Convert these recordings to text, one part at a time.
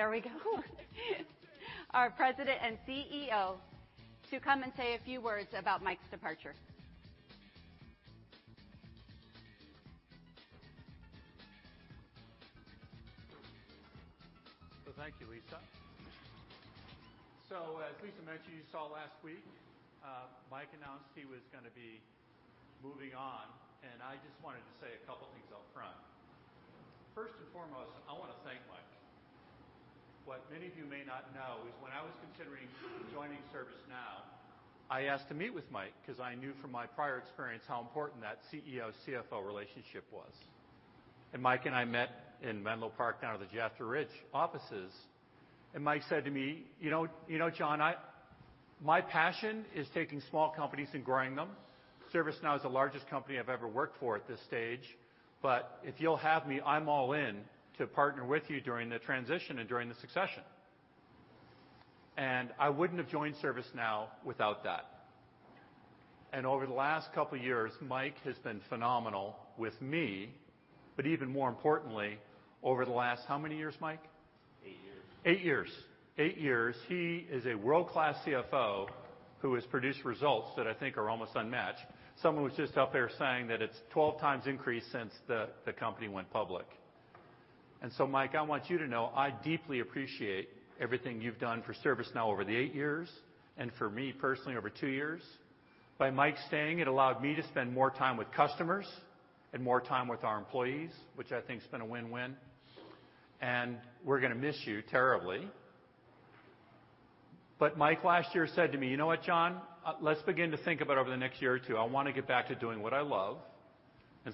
There we go. Our President and CEO to come and say a few words about Mike's departure. Well, thank you, Lisa. As Lisa mentioned, you saw last week, Mike announced he was going to be moving on, and I just wanted to say a couple things up front. First and foremost, I want to thank Mike. What many of you may not know is when I was considering joining ServiceNow, I asked to meet with Mike because I knew from my prior experience how important that CEO-CFO relationship was. Mike and I met in Menlo Park, down at the J. Jasper Ridge offices, and Mike said to me, "You know, John, my passion is taking small companies and growing them. ServiceNow is the largest company I've ever worked for at this stage, but if you'll have me, I'm all in to partner with you during the transition and during the succession." I wouldn't have joined ServiceNow without that. Over the last couple of years, Mike has been phenomenal with me, but even more importantly, over the last, how many years, Mike? Eight years. Eight years. Eight years, he is a world-class CFO who has produced results that I think are almost unmatched. Someone was just out there saying that it's 12 times increase since the company went public. Mike, I want you to know, I deeply appreciate everything you've done for ServiceNow over the eight years, and for me personally, over two years. By Mike staying, it allowed me to spend more time with customers and more time with our employees, which I think has been a win-win. We're going to miss you terribly. Mike last year said to me, "You know what, John? Let's begin to think about over the next year or two, I want to get back to doing what I love."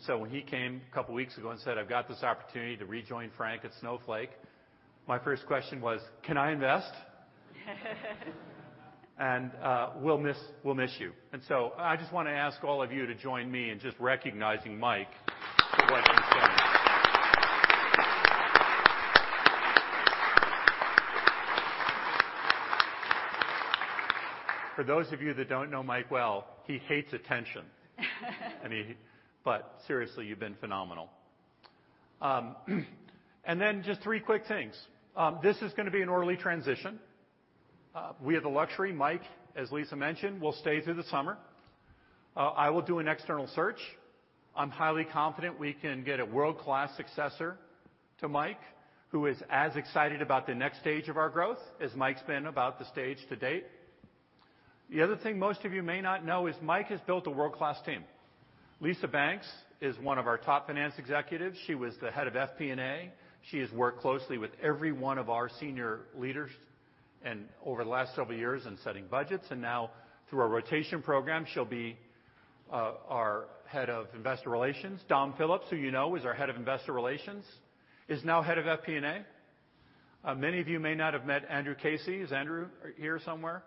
When he came a couple of weeks ago and said, "I've got this opportunity to rejoin Frank at Snowflake," my first question was, "Can I invest?" We'll miss you. I just want to ask all of you to join me in just recognizing Mike for what he's done. For those of you that don't know Mike well, he hates attention. Seriously, you've been phenomenal. Just three quick things. This is going to be an orderly transition. We have the luxury, Mike, as Lisa mentioned, will stay through the summer. I will do an external search. I'm highly confident we can get a world-class successor to Mike, who is as excited about the next stage of our growth as Mike's been about the stage to date. The other thing most of you may not know is Mike has built a world-class team. Lisa Banks is one of our top finance executives. She was the head of FP&A. She has worked closely with every one of our senior leaders over the last several years in setting budgets. Now through our rotation program, she'll be our head of investor relations. Don Phillips, who you know is our head of investor relations, is now head of FP&A. Many of you may not have met Andrew Casey. Is Andrew here somewhere?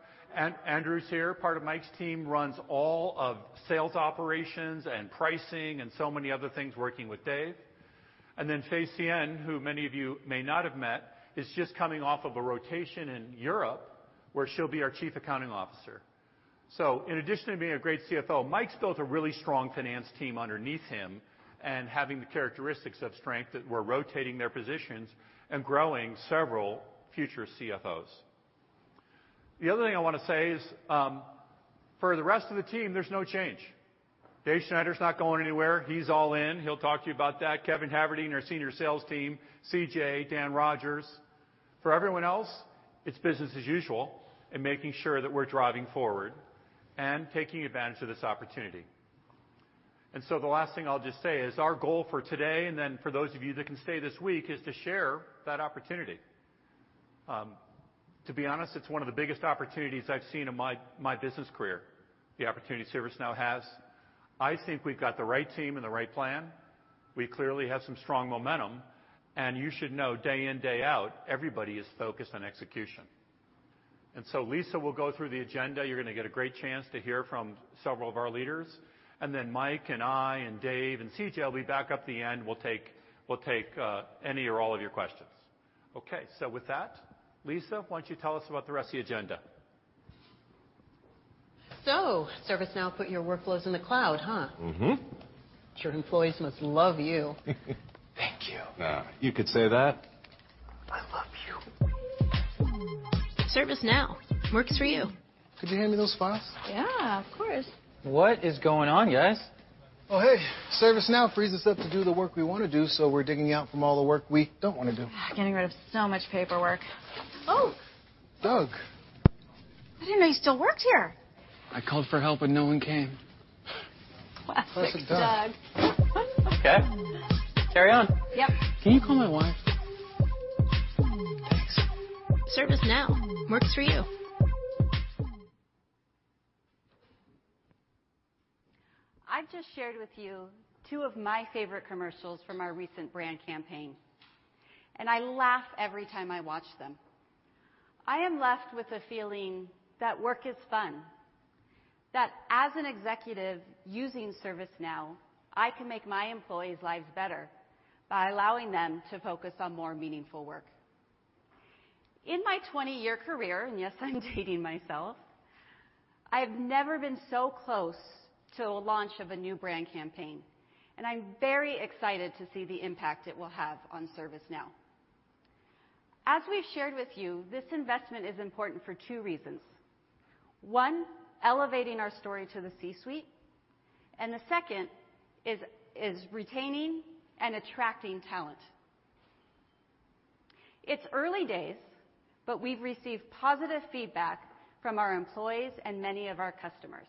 Andrew's here, part of Mike's team, runs all of sales operations and pricing and so many other things working with Dave. Fay Sien, who many of you may not have met, is just coming off of a rotation in Europe, where she'll be our chief accounting officer. In addition to being a great CFO, Mike's built a really strong finance team underneath him and having the characteristics of strength that we're rotating their positions and growing several future CFOs. The other thing I want to say is, for the rest of the team, there's no change. Dave Schneider's not going anywhere. He's all in. He'll talk to you about that. Kevin Haverty, and our senior sales team, CJ, Dan Rogers. For everyone else, it's business as usual and making sure that we're driving forward and taking advantage of this opportunity. The last thing I'll just say is our goal for today, then for those of you that can stay this week, is to share that opportunity. To be honest, it's one of the biggest opportunities I've seen in my business career, the opportunity ServiceNow has. I think we've got the right team and the right plan. We clearly have some strong momentum. You should know day in, day out, everybody is focused on execution. Lisa will go through the agenda. You're going to get a great chance to hear from several of our leaders. Then Mike and I and Dave and CJ will be back up the end. We'll take any or all of your questions. With that, Lisa, why don't you tell us about the rest of the agenda? ServiceNow put your workflows in the cloud, huh? Your employees must love you. Thank you. You could say that. I love you. ServiceNow works for you. Could you hand me those files? Yeah, of course. What is going on, guys? Oh, hey. ServiceNow frees us up to do the work we want to do, so we're digging out from all the work we don't want to do. Getting rid of so much paperwork. Oh. Doug. I didn't know you still worked here. I called for help, and no one came. Classic Doug. Classic Doug. Okay. Carry on. Yep. Can you call my wife? Thanks. ServiceNow works for you. I've just shared with you two of my favorite commercials from our recent brand campaign. I laugh every time I watch them. I am left with a feeling that work is fun, that as an executive using ServiceNow, I can make my employees' lives better by allowing them to focus on more meaningful work. In my 20-year career, and yes, I'm dating myself, I have never been so close to a launch of a new brand campaign. I'm very excited to see the impact it will have on ServiceNow. As we've shared with you, this investment is important for two reasons. One, elevating our story to the C-suite. The second is retaining and attracting talent. It's early days, but we've received positive feedback from our employees and many of our customers.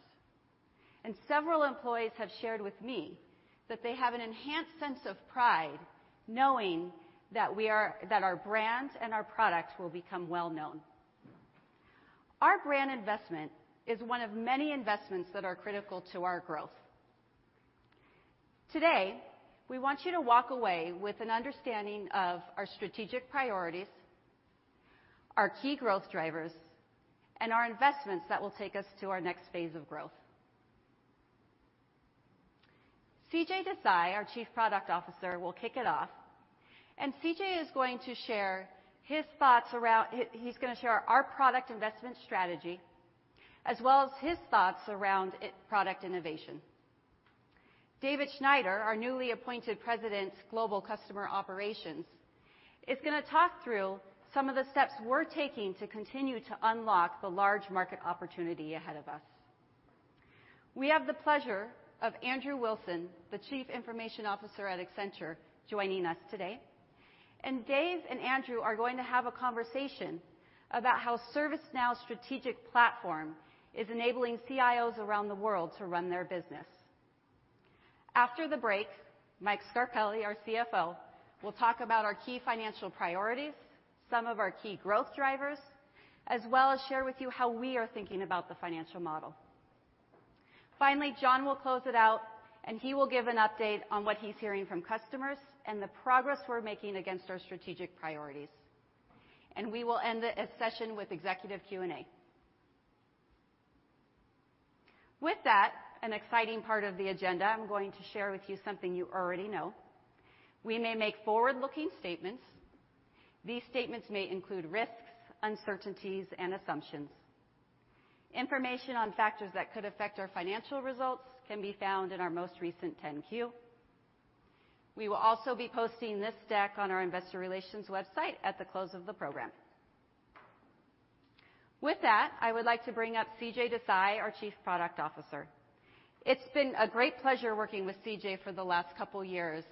Several employees have shared with me that they have an enhanced sense of pride knowing that our brand and our product will become well-known. Our brand investment is one of many investments that are critical to our growth. Today, we want you to walk away with an understanding of our strategic priorities, our key growth drivers, and our investments that will take us to our next phase of growth. CJ Desai, our Chief Product Officer, will kick it off. CJ is going to share our product investment strategy, as well as his thoughts around product innovation. David Schneider, our newly appointed President, Global Customer Operations, is going to talk through some of the steps we're taking to continue to unlock the large market opportunity ahead of us. We have the pleasure of Andrew Wilson, the Chief Information Officer at Accenture, joining us today. Dave and Andrew are going to have a conversation about how ServiceNow's strategic platform is enabling CIOs around the world to run their business. After the break, Mike Scarpelli, our CFO, will talk about our key financial priorities, some of our key growth drivers, as well as share with you how we are thinking about the financial model. Finally, John will close it out. He will give an update on what he's hearing from customers and the progress we're making against our strategic priorities. We will end the session with executive Q&A. With that, an exciting part of the agenda, I'm going to share with you something you already know. We may make forward-looking statements. These statements may include risks, uncertainties, and assumptions. Information on factors that could affect our financial results can be found in our most recent 10-Q. We will also be posting this deck on our investor relations website at the close of the program. With that, I would like to bring up CJ Desai, our Chief Product Officer. It's been a great pleasure working with CJ for the last couple of years.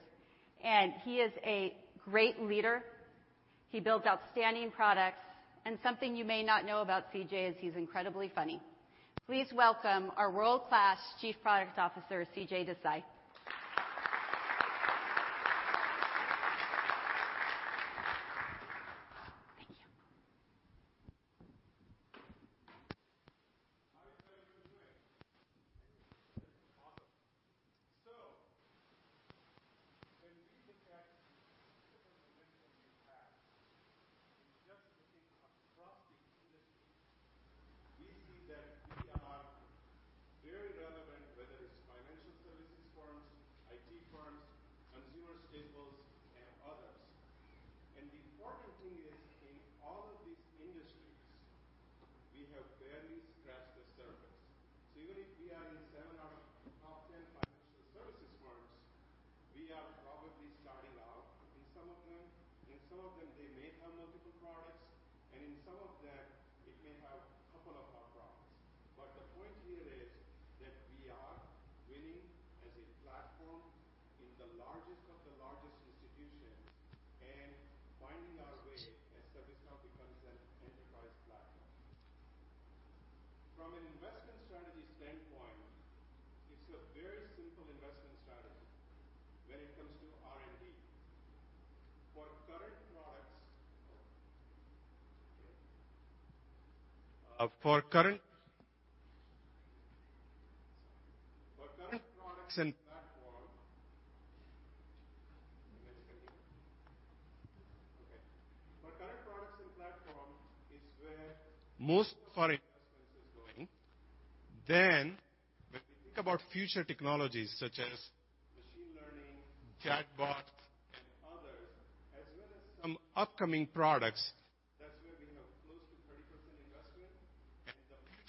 He is a great leader. He builds outstanding products. Something you may not know about CJ is he's incredibly funny. Please welcome our world-class Chief Product Officer, CJ Desai.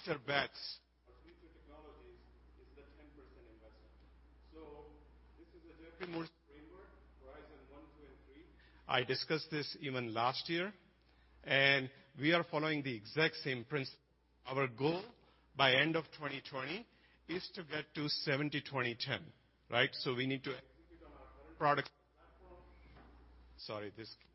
that's where we have close to 30% investment. The future bets or future technologies is the 10% investment. This is a Geoffrey Moore framework, Horizon one, two, and three. I discussed this even last year, and we are following the exact same principle. Our goal by end of 2020 is to get to 70/20/10, right? We need to execute on our current product platform. Can you hear in the back? Yes? No? Give him a mic. All right. That's our investment philosophy. From priority standpoint, it's very simple. Our Chief Strategy Officer, Lara, she comes up with our strategic framework. Is the mic working? Sometimes others don't, but we know they actually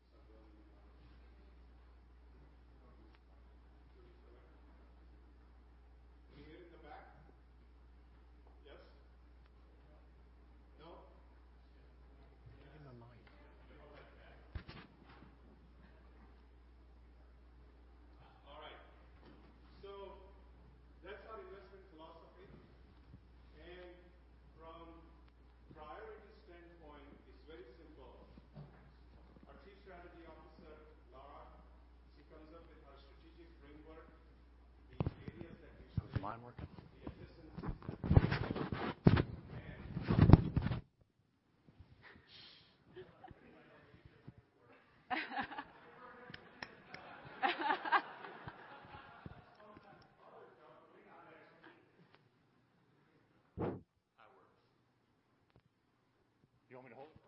do. That works.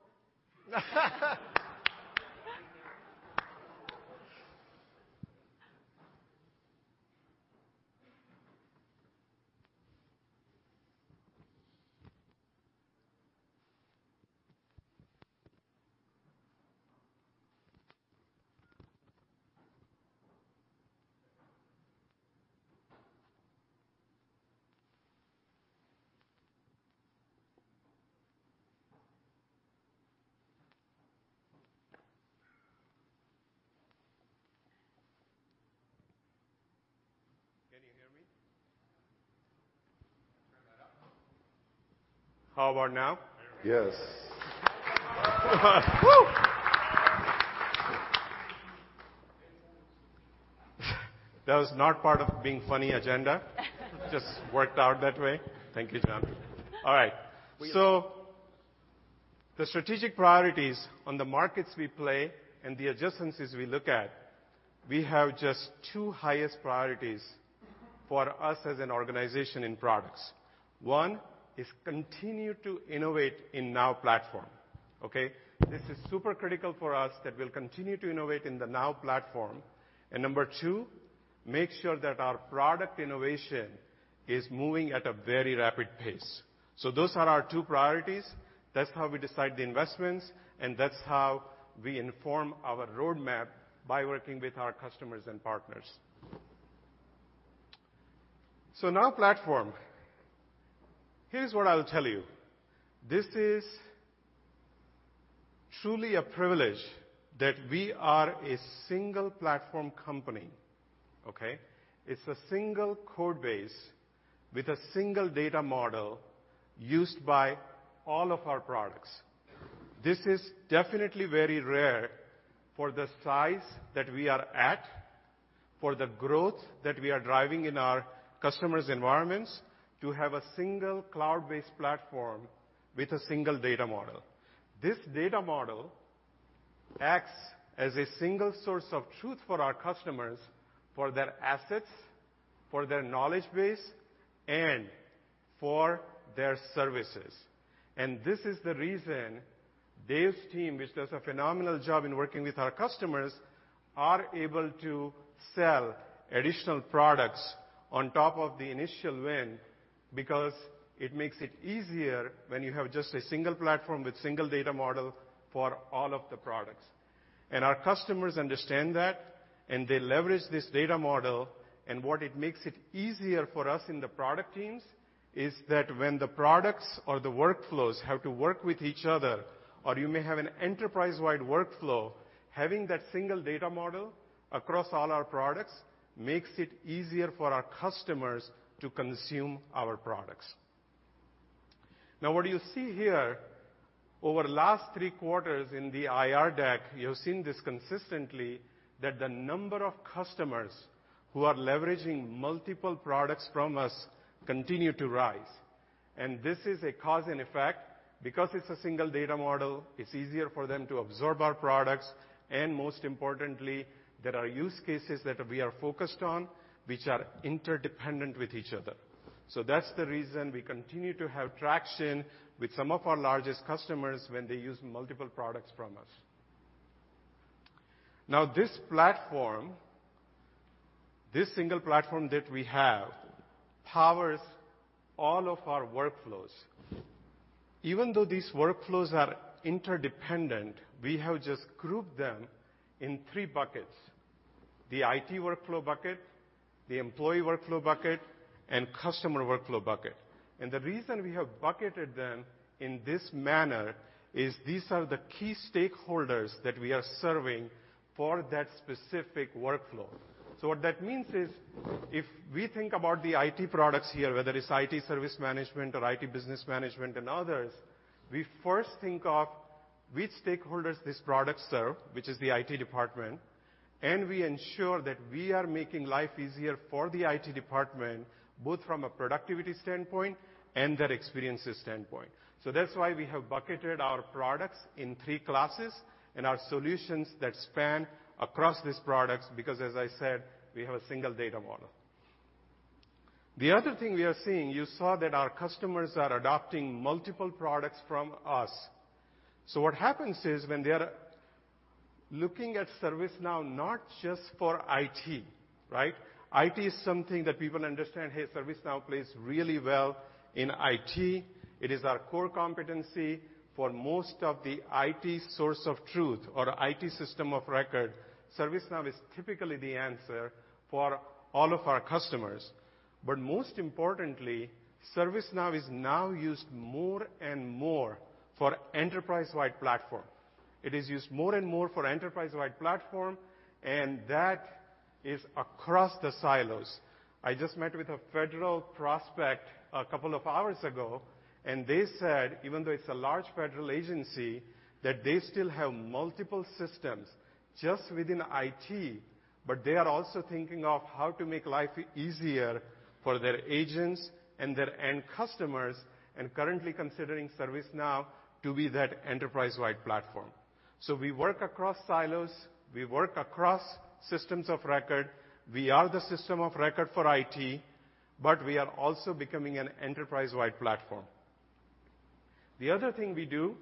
You want me to hold it? Can you hear me? Turn that up. How about now? There we go. Yes. Woo. That was not part of being funny agenda. Just worked out that way. Thank you, John. All right. The strategic priorities on the markets we play and the adjacencies we look at, we have just two highest priorities for us as an organization in products. One is continue to innovate in Now Platform. Okay? This is super critical for us that we'll continue to innovate in the Now Platform. Number 2, make sure that our product innovation is moving at a very rapid pace. Those are our two priorities. That's how we decide the investments, and that's how we inform our roadmap by working with our customers and partners. Now Platform. Here's what I'll tell you. This is truly a privilege that we are a single platform company. Okay? It's a single code base with a single data model used by all of our products. This is definitely very rare for the size that we are at, for the growth that we are driving in our customers' environments, to have a single cloud-based platform with a single data model. This data model acts as a single source of truth for our customers, for their assets, for their knowledge base, and for their services. This is the reason Dave's team, which does a phenomenal job in working with our customers, are able to sell additional products on top of the initial win, because it makes it easier when you have just a single platform with single data model for all of the products. Our customers understand that, they leverage this data model, what it makes it easier for us in the product teams is that when the products or the workflows have to work with each other, or you may have an enterprise-wide workflow, having that single data model across all our products makes it easier for our customers to consume our products. What you see here over the last three quarters in the IR deck, you've seen this consistently, that the number of customers who are leveraging multiple products from us continue to rise. This is a cause and effect. Because it's a single data model, it's easier for them to absorb our products. Most importantly, there are use cases that we are focused on which are interdependent with each other. That's the reason we continue to have traction with some of our largest customers when they use multiple products from us. This platform, this single platform that we have powers all of our workflows. Even though these workflows are interdependent, we have just grouped them in three buckets: the IT workflow bucket, the employee workflow bucket, and customer workflow bucket. The reason we have bucketed them in this manner is these are the key stakeholders that we are serving for that specific workflow. What that means is, if we think about the IT products here, whether it's IT Service Management or IT Business Management and others, we first think of which stakeholders this product serve, which is the IT department, and we ensure that we are making life easier for the IT department, both from a productivity standpoint and their experiences standpoint. That's why we have bucketed our products in three classes and our solutions that span across these products, because, as I said, we have a single data model. The other thing we are seeing, you saw that our customers are adopting multiple products from us. What happens is when they are looking at ServiceNow, not just for IT, right? IT is something that people understand, hey, ServiceNow plays really well in IT. It is our core competency for most of the IT source of truth or IT system of record. ServiceNow is typically the answer for all of our customers. Most importantly, ServiceNow is now used more and more for enterprise-wide platform. It is used more and more for enterprise-wide platform, that is across the silos. I just met with a federal prospect a couple of hours ago, they said, even though it's a large federal agency, that they still have multiple systems just within IT. But they are also thinking of how to make life easier for their agents and their end customers, currently considering ServiceNow to be that enterprise-wide platform. We work across silos, we work across systems of record. We are the system of record for IT, but we are also becoming an enterprise-wide platform. The other thing we do,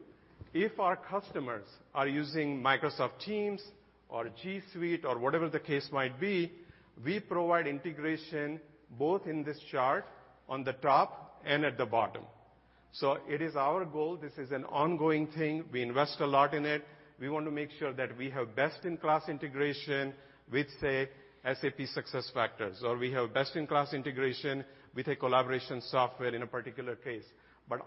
if our customers are using Microsoft Teams or G Suite or whatever the case might be, we provide integration both in this chart on the top at the bottom. It is our goal. This is an ongoing thing. We invest a lot in it. We want to make sure that we have best-in-class integration with, say, SAP SuccessFactors, or we have best-in-class integration with a collaboration software in a particular case.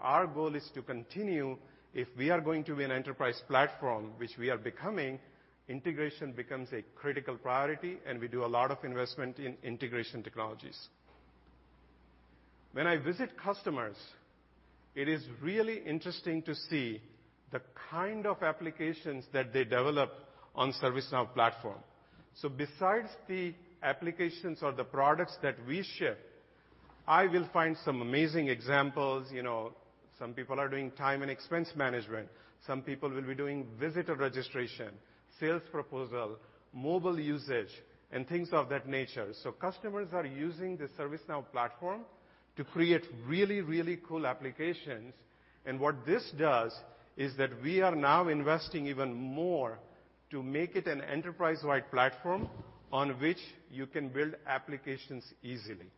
Our goal is to continue. If we are going to be an enterprise platform, which we are becoming, integration becomes a critical priority, and we do a lot of investment in integration technologies. When I visit customers, it is really interesting to see the kind of applications that they develop on ServiceNow platform. Besides the applications or the products that we ship, I will find some amazing examples. Some people are doing time and expense management. Some people will be doing visitor registration, sales proposal, mobile usage, and things of that nature. Customers are using the ServiceNow platform to create really, really cool applications. What this does is that we are now investing even more to make it an enterprise-wide platform on which you can build applications easily.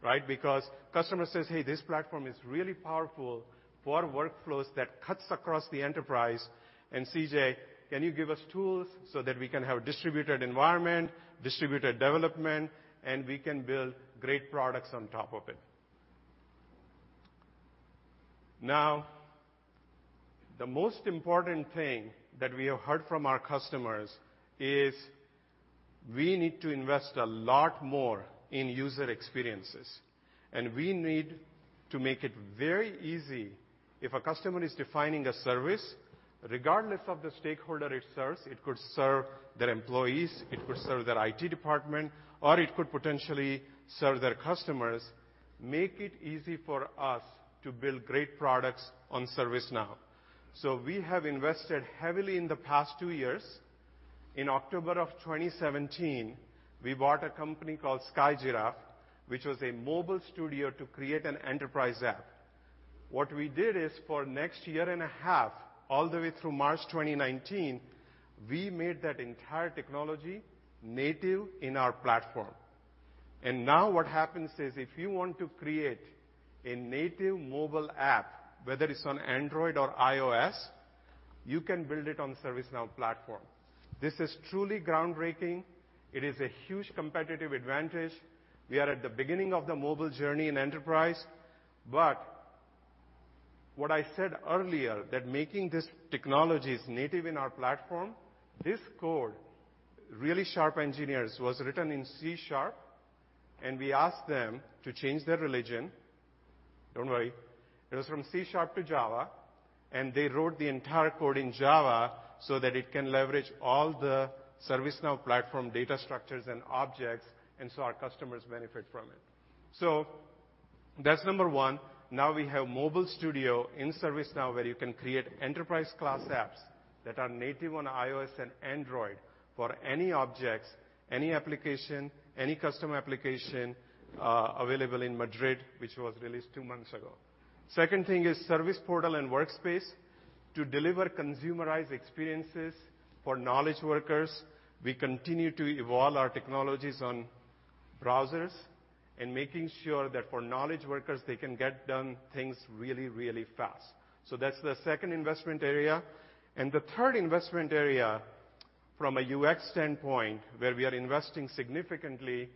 Right? Because customer says, "Hey, this platform is really powerful for workflows that cuts across the enterprise. CJ, can you give us tools so that we can have distributed environment, distributed development, and we can build great products on top of it?" The most important thing that we have heard from our customers is we need to invest a lot more in user experiences. We need to make it very easy if a customer is defining a service, regardless of the stakeholder it serves, it could serve their employees, it could serve their IT department, or it could potentially serve their customers, make it easy for us to build great products on ServiceNow. We have invested heavily in the past two years. In October of 2017, we bought a company called SkyGiraffe, which was a mobile studio to create an enterprise app. What we did is for next year and a half, all the way through March 2019, we made that entire technology native in our platform. Now what happens is if you want to create a native mobile app, whether it's on Android or iOS, you can build it on ServiceNow platform. This is truly groundbreaking. It is a huge competitive advantage. We are at the beginning of the mobile journey in enterprise. What I said earlier, that making these technologies native in our platform, this code, really sharp engineers, was written in C#, and we asked them to change their religion. Don't worry. It was from C# to Java, and they wrote the entire code in Java so that it can leverage all the ServiceNow platform data structures and objects. Our customers benefit from it. That's number one. We have mobile studio in ServiceNow where you can create enterprise class apps that are native on iOS and Android for any objects, any application, any custom application, available in Madrid, which was released two months ago. Second thing is service portal and workspace to deliver consumerized experiences for knowledge workers. We continue to evolve our technologies on browsers and making sure that for knowledge workers, they can get done things really, really fast. That's the second investment area. The third investment area from a UX standpoint, where we are investing significantly,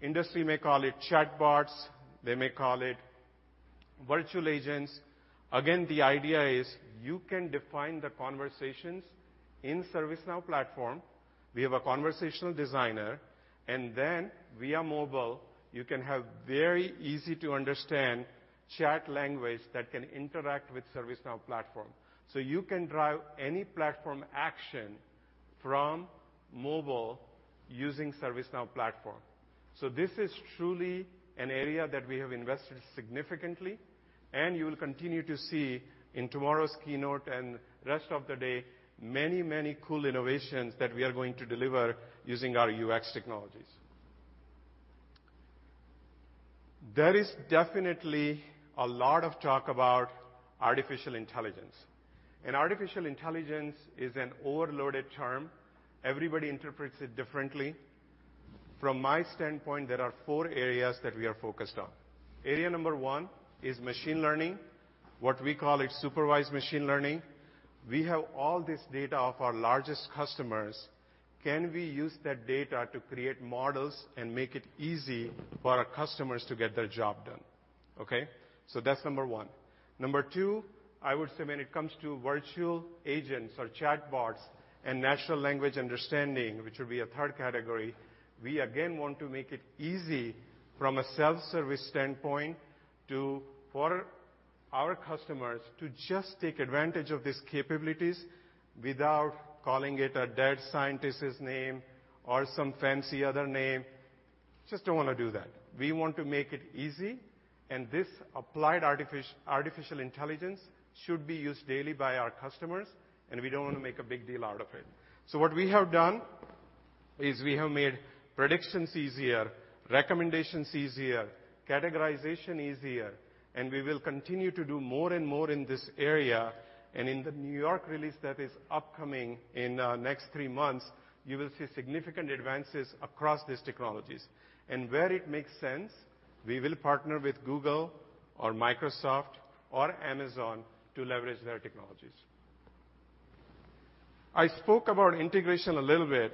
industry may call it chatbots, they may call it virtual agents. The idea is you can define the conversations in ServiceNow platform. We have a conversational designer, then via mobile, you can have very easy-to-understand chat language that can interact with ServiceNow platform. You can drive any platform action from mobile using ServiceNow platform. This is truly an area that we have invested significantly, and you will continue to see in tomorrow's keynote and rest of the day, many, many cool innovations that we are going to deliver using our UX technologies. There is definitely a lot of talk about artificial intelligence. Artificial intelligence is an overloaded term. Everybody interprets it differently. From my standpoint, there are four areas that we are focused on. Area number 1 is machine learning, what we call it supervised machine learning. We have all this data of our largest customers. Can we use that data to create models and make it easy for our customers to get their job done? Okay. That's number 1. Number 2, I would say when it comes to virtual agents or chatbots and natural language understanding, which will be a third category, we again want to make it easy from a self-service standpoint for our customers to just take advantage of these capabilities without calling it a dead scientist's name or some fancy other name, just don't want to do that. We want to make it easy, and this applied artificial intelligence should be used daily by our customers, and we don't want to make a big deal out of it. What we have done is we have made predictions easier, recommendations easier, categorization easier, and we will continue to do more and more in this area. In the New York release that is upcoming in the next three months, you will see significant advances across these technologies. Where it makes sense, we will partner with Google or Microsoft or Amazon to leverage their technologies. I spoke about integration a little bit.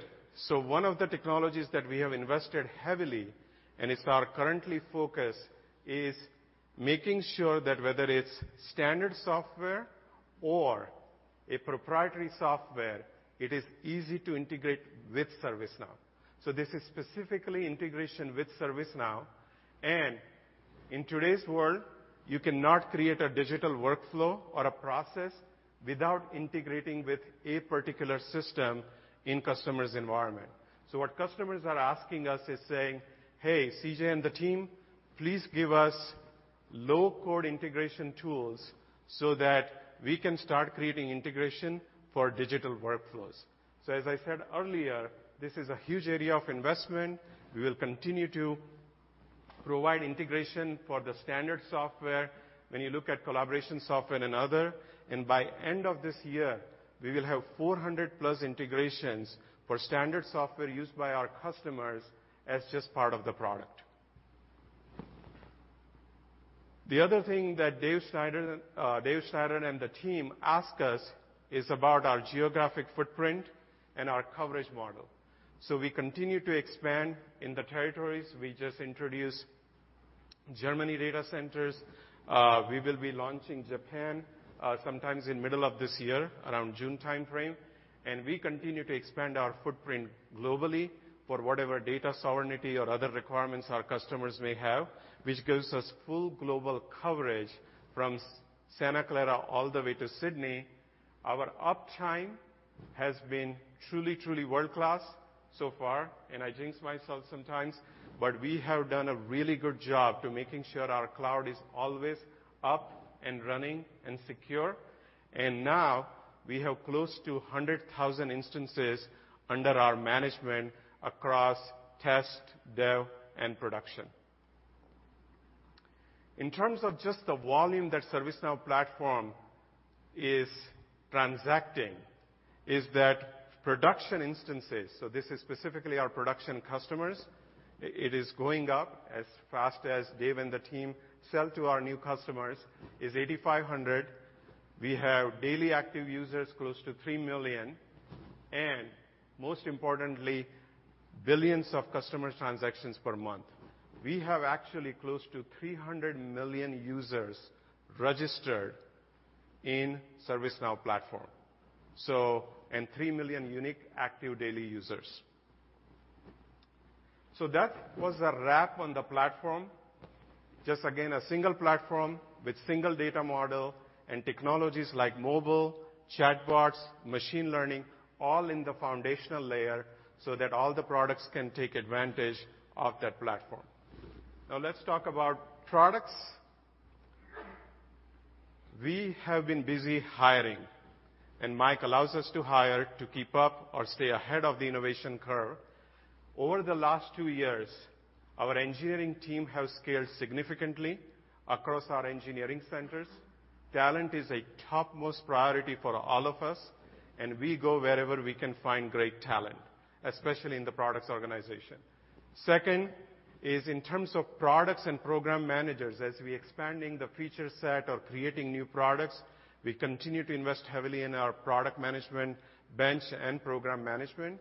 One of the technologies that we have invested heavily, and it's our currently focus, is making sure that whether it's standard software or a proprietary software, it is easy to integrate with ServiceNow. This is specifically integration with ServiceNow. In today's world, you cannot create a digital workflow or a process without integrating with a particular system in customer's environment. What customers are asking us is saying, "Hey, CJ and the team, please give us low-code integration tools so that we can start creating integration for digital workflows." As I said earlier, this is a huge area of investment. We will continue to provide integration for the standard software when you look at collaboration software and other. By end of this year, we will have 400+ integrations for standard software used by our customers as just part of the product. The other thing that Dave Schneider and the team ask us is about our geographic footprint and our coverage model. We continue to expand in the territories. We just introduced Germany data centers. We will be launching Japan, sometimes in middle of this year, around June timeframe. We continue to expand our footprint globally for whatever data sovereignty or other requirements our customers may have, which gives us full global coverage from Santa Clara all the way to Sydney. Our uptime has been truly world-class so far, I jinx myself sometimes, but we have done a really good job to making sure our cloud is always up and running and secure. Now we have close to 100,000 instances under our management across test, dev, and production. In terms of just the volume that ServiceNow Platform is transacting is that production instances, so this is specifically our production customers, it is going up as fast as Dave and the team sell to our new customers, is 8,500. We have daily active users close to 3 million, and most importantly, billions of customer transactions per month. We have actually close to 300 million users registered in ServiceNow Platform, and 3 million unique active daily users. That was a wrap on the platform. Just again, a single platform with single data model and technologies like mobile, chatbots, machine learning, all in the foundational layer so that all the products can take advantage of that platform. Let's talk about products. We have been busy hiring, Mike allows us to hire to keep up or stay ahead of the innovation curve. Over the last two years, our engineering team have scaled significantly across our engineering centers. Talent is a topmost priority for all of us, we go wherever we can find great talent, especially in the products organization. Second is in terms of products and program managers. As we expanding the feature set or creating new products, we continue to invest heavily in our product management bench and program management.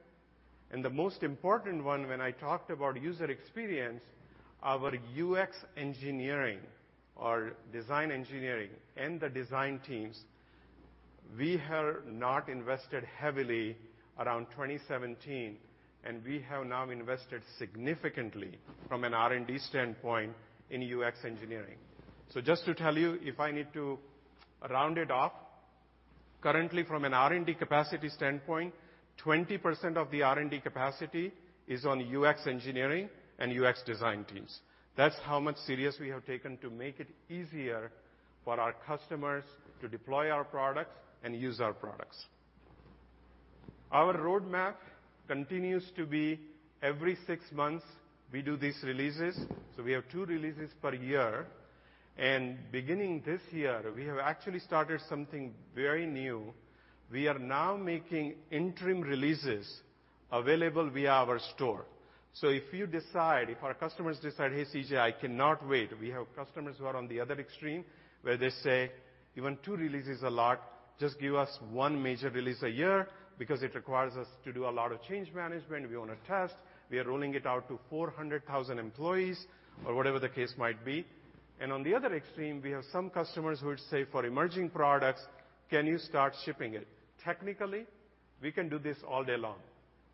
The most important one, when I talked about user experience, our UX engineering or design engineering and the design teams, we had not invested heavily around 2017, we have now invested significantly from an R&D standpoint in UX engineering. Just to tell you, if I need to round it off, currently from an R&D capacity standpoint, 20% of the R&D capacity is on UX engineering and UX design teams. That's how much serious we have taken to make it easier for our customers to deploy our products and use our products. Our roadmap continues to be every six months we do these releases. We have two releases per year. Beginning this year, we have actually started something very new. We are now making interim releases available via our store. If you decide, if our customers decide, "Hey, CJ, I cannot wait." We have customers who are on the other extreme, where they say, "Even two releases a lot, just give us one major release a year because it requires us to do a lot of change management. We want to test. We are rolling it out to 400,000 employees," or whatever the case might be. On the other extreme, we have some customers who would say, for emerging products, "Can you start shipping it?" Technically, we can do this all day long.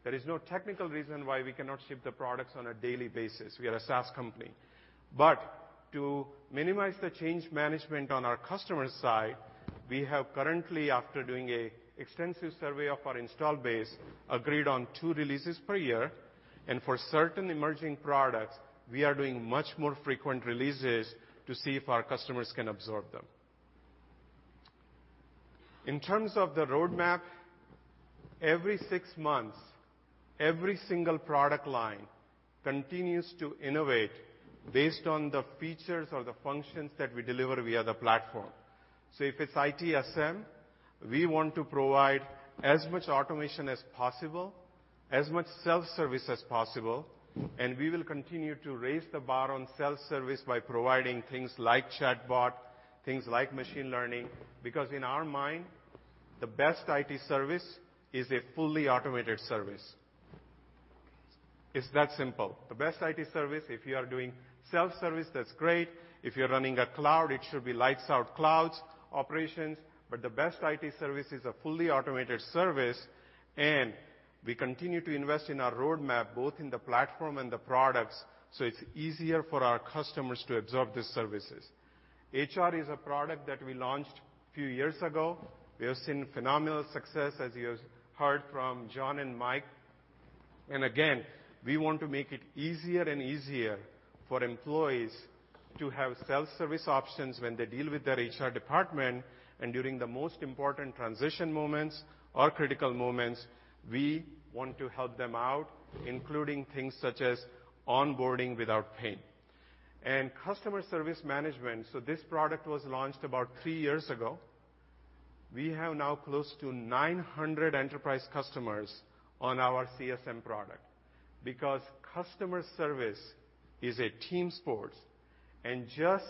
There is no technical reason why we cannot ship the products on a daily basis. We are a SaaS company. To minimize the change management on our customer side, we have currently, after doing an extensive survey of our install base, agreed on two releases per year, and for certain emerging products, we are doing much more frequent releases to see if our customers can absorb them. In terms of the roadmap, every six months, every single product line continues to innovate based on the features or the functions that we deliver via the platform. If it's ITSM, we want to provide as much automation as possible, as much self-service as possible, and we will continue to raise the bar on self-service by providing things like chatbot, things like machine learning. Because in our mind, the best IT service is a fully automated service. It's that simple. The best IT service, if you are doing self-service, that's great. If you're running a cloud, it should be lights out clouds operations. The best IT service is a fully automated service, and we continue to invest in our roadmap, both in the platform and the products, so it's easier for our customers to absorb the services. HR is a product that we launched a few years ago. We have seen phenomenal success, as you have heard from John and Mike. Again, we want to make it easier and easier for employees to have self-service options when they deal with their HR department. During the most important transition moments or critical moments, we want to help them out, including things such as onboarding without pain. Customer Service Management. This product was launched about three years ago. We have now close to 900 enterprise customers on our CSM product, because customer service is a team sport, and just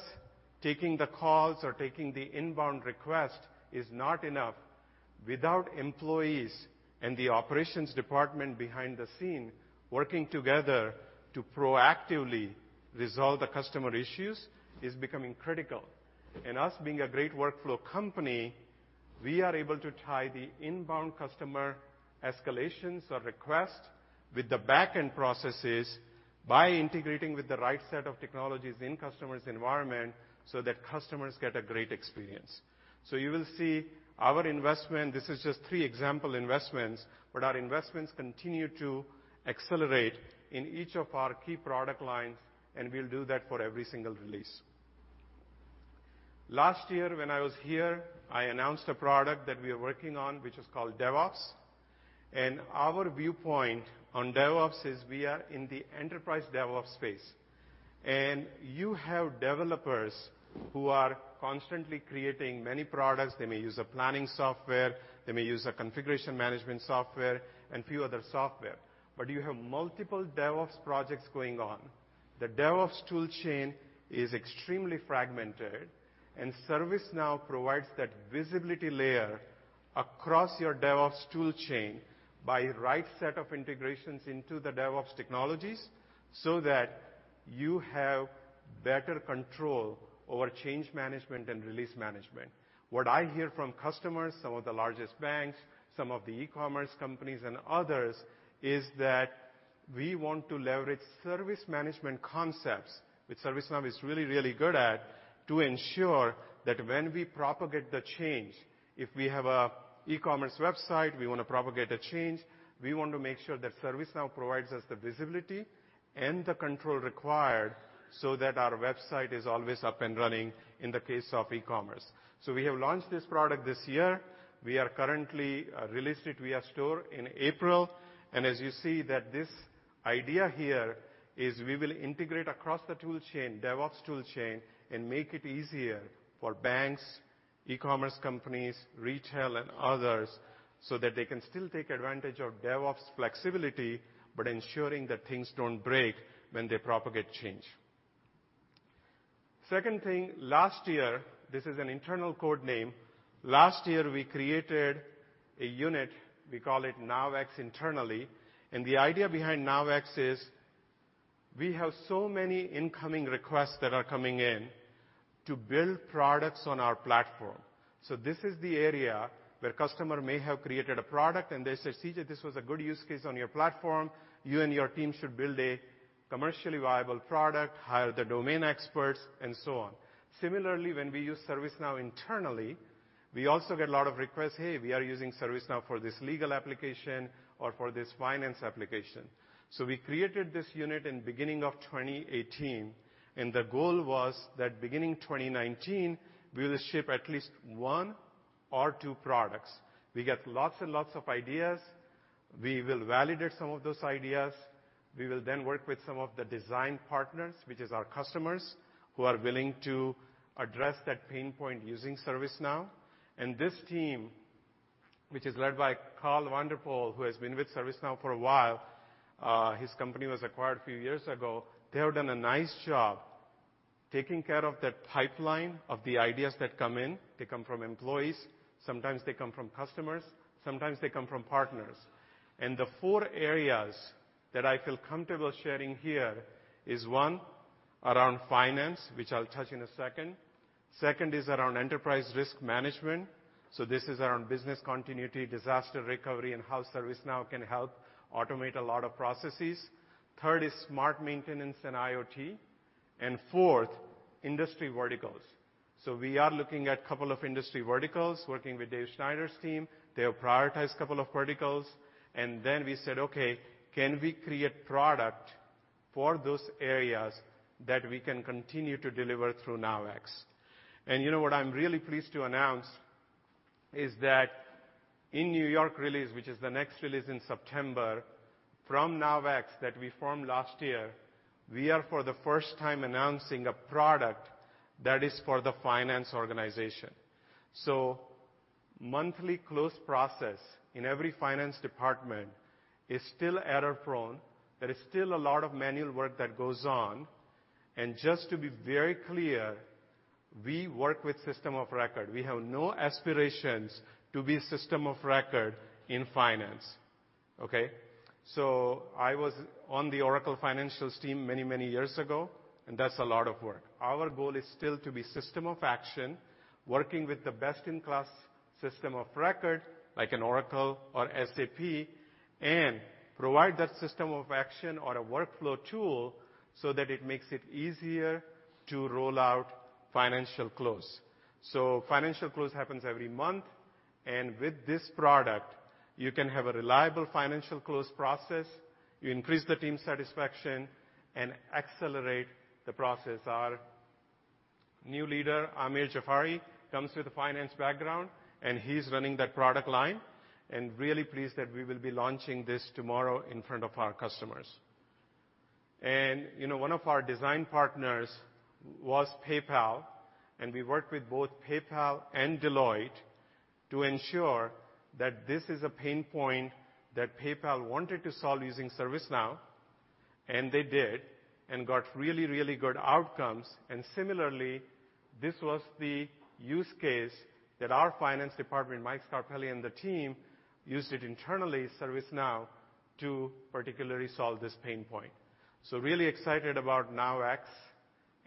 taking the calls or taking the inbound request is not enough. Without employees and the operations department behind the scene working together to proactively resolve the customer issues is becoming critical. Us being a great workflow company, we are able to tie the inbound customer escalations or request with the back-end processes by integrating with the right set of technologies in customers' environment so that customers get a great experience. You will see our investment. This is just three example investments. Our investments continue to accelerate in each of our key product lines, and we'll do that for every single release. Last year, when I was here, I announced a product that we are working on, which is called DevOps. Our viewpoint on DevOps is we are in the enterprise DevOps space. You have developers who are constantly creating many products. They may use a planning software, they may use a configuration management software, and few other software. You have multiple DevOps projects going on. The DevOps tool chain is extremely fragmented, and ServiceNow provides that visibility layer across your DevOps tool chain by right set of integrations into the DevOps technologies, so that you have better control over change management and release management. What I hear from customers, some of the largest banks, some of the e-commerce companies and others, is that we want to leverage service management concepts, which ServiceNow is really, really good at, to ensure that when we propagate the change, if we have a e-commerce website, we want to propagate the change. We want to make sure that ServiceNow provides us the visibility and the control required, so that our website is always up and running in the case of e-commerce. We have launched this product this year. We are currently released it via store in April. As you see that this idea here is we will integrate across the tool chain, DevOps tool chain, and make it easier for banks, e-commerce companies, retail and others, so that they can still take advantage of DevOps flexibility, but ensuring that things don't break when they propagate change. Second thing, last year, this is an internal code name. Last year, we created a unit, we call it NowX internally. The idea behind NowX is we have so many incoming requests that are coming in to build products on our platform. This is the area where customer may have created a product, and they say, "CJ, this was a good use case on your platform. You and your team should build a commercially viable product, hire the domain experts," and so on. Similarly, when we use ServiceNow internally, we also get a lot of requests, "Hey, we are using ServiceNow for this legal application or for this finance application." We created this unit in beginning of 2018, and the goal was that beginning 2019, we will ship at least one or two products. We get lots and lots of ideas. We will validate some of those ideas. We will then work with some of the design partners, which is our customers, who are willing to address that pain point using ServiceNow. This team, which is led by Karel van der Poel, who has been with ServiceNow for a while, his company was acquired a few years ago. They have done a nice job taking care of that pipeline of the ideas that come in. They come from employees, sometimes they come from customers, sometimes they come from partners. The four areas that I feel comfortable sharing here is one, around finance, which I'll touch in a second. Second is around enterprise risk management. This is around business continuity, disaster recovery, and how ServiceNow can help automate a lot of processes. Third is smart maintenance and IoT. Fourth, industry verticals. We are looking at couple of industry verticals, working with Dave Schneider's team. They have prioritized couple of verticals, then we said, "Okay, can we create product for those areas that we can continue to deliver through NowX?" You know what I'm really pleased to announce is that in New York release, which is the next release in September, from NowX, that we formed last year, we are for the first time announcing a product that is for the finance organization. Monthly close process in every finance department is still error-prone. There is still a lot of manual work that goes on. Just to be very clear, we work with system of record. We have no aspirations to be system of record in finance. Okay? I was on the Oracle financials team many, many years ago, that's a lot of work. Our goal is still to be system of action, working with the best-in-class system of record, like an Oracle or SAP, and provide that system of action or a workflow tool so that it makes it easier to roll out financial close. Financial close happens every month. With this product, you can have a reliable financial close process, you increase the team satisfaction, and accelerate the process. Our new leader, Amir Jafari, comes with a finance background, and he's running that product line. Really pleased that we will be launching this tomorrow in front of our customers. One of our design partners was PayPal, and we worked with both PayPal and Deloitte to ensure that this is a pain point that PayPal wanted to solve using ServiceNow, and they did and got really, really good outcomes. Similarly, this was the use case that our finance department, Mike Scarpelli and the team, used it internally, ServiceNow, to particularly solve this pain point. Really excited about NowX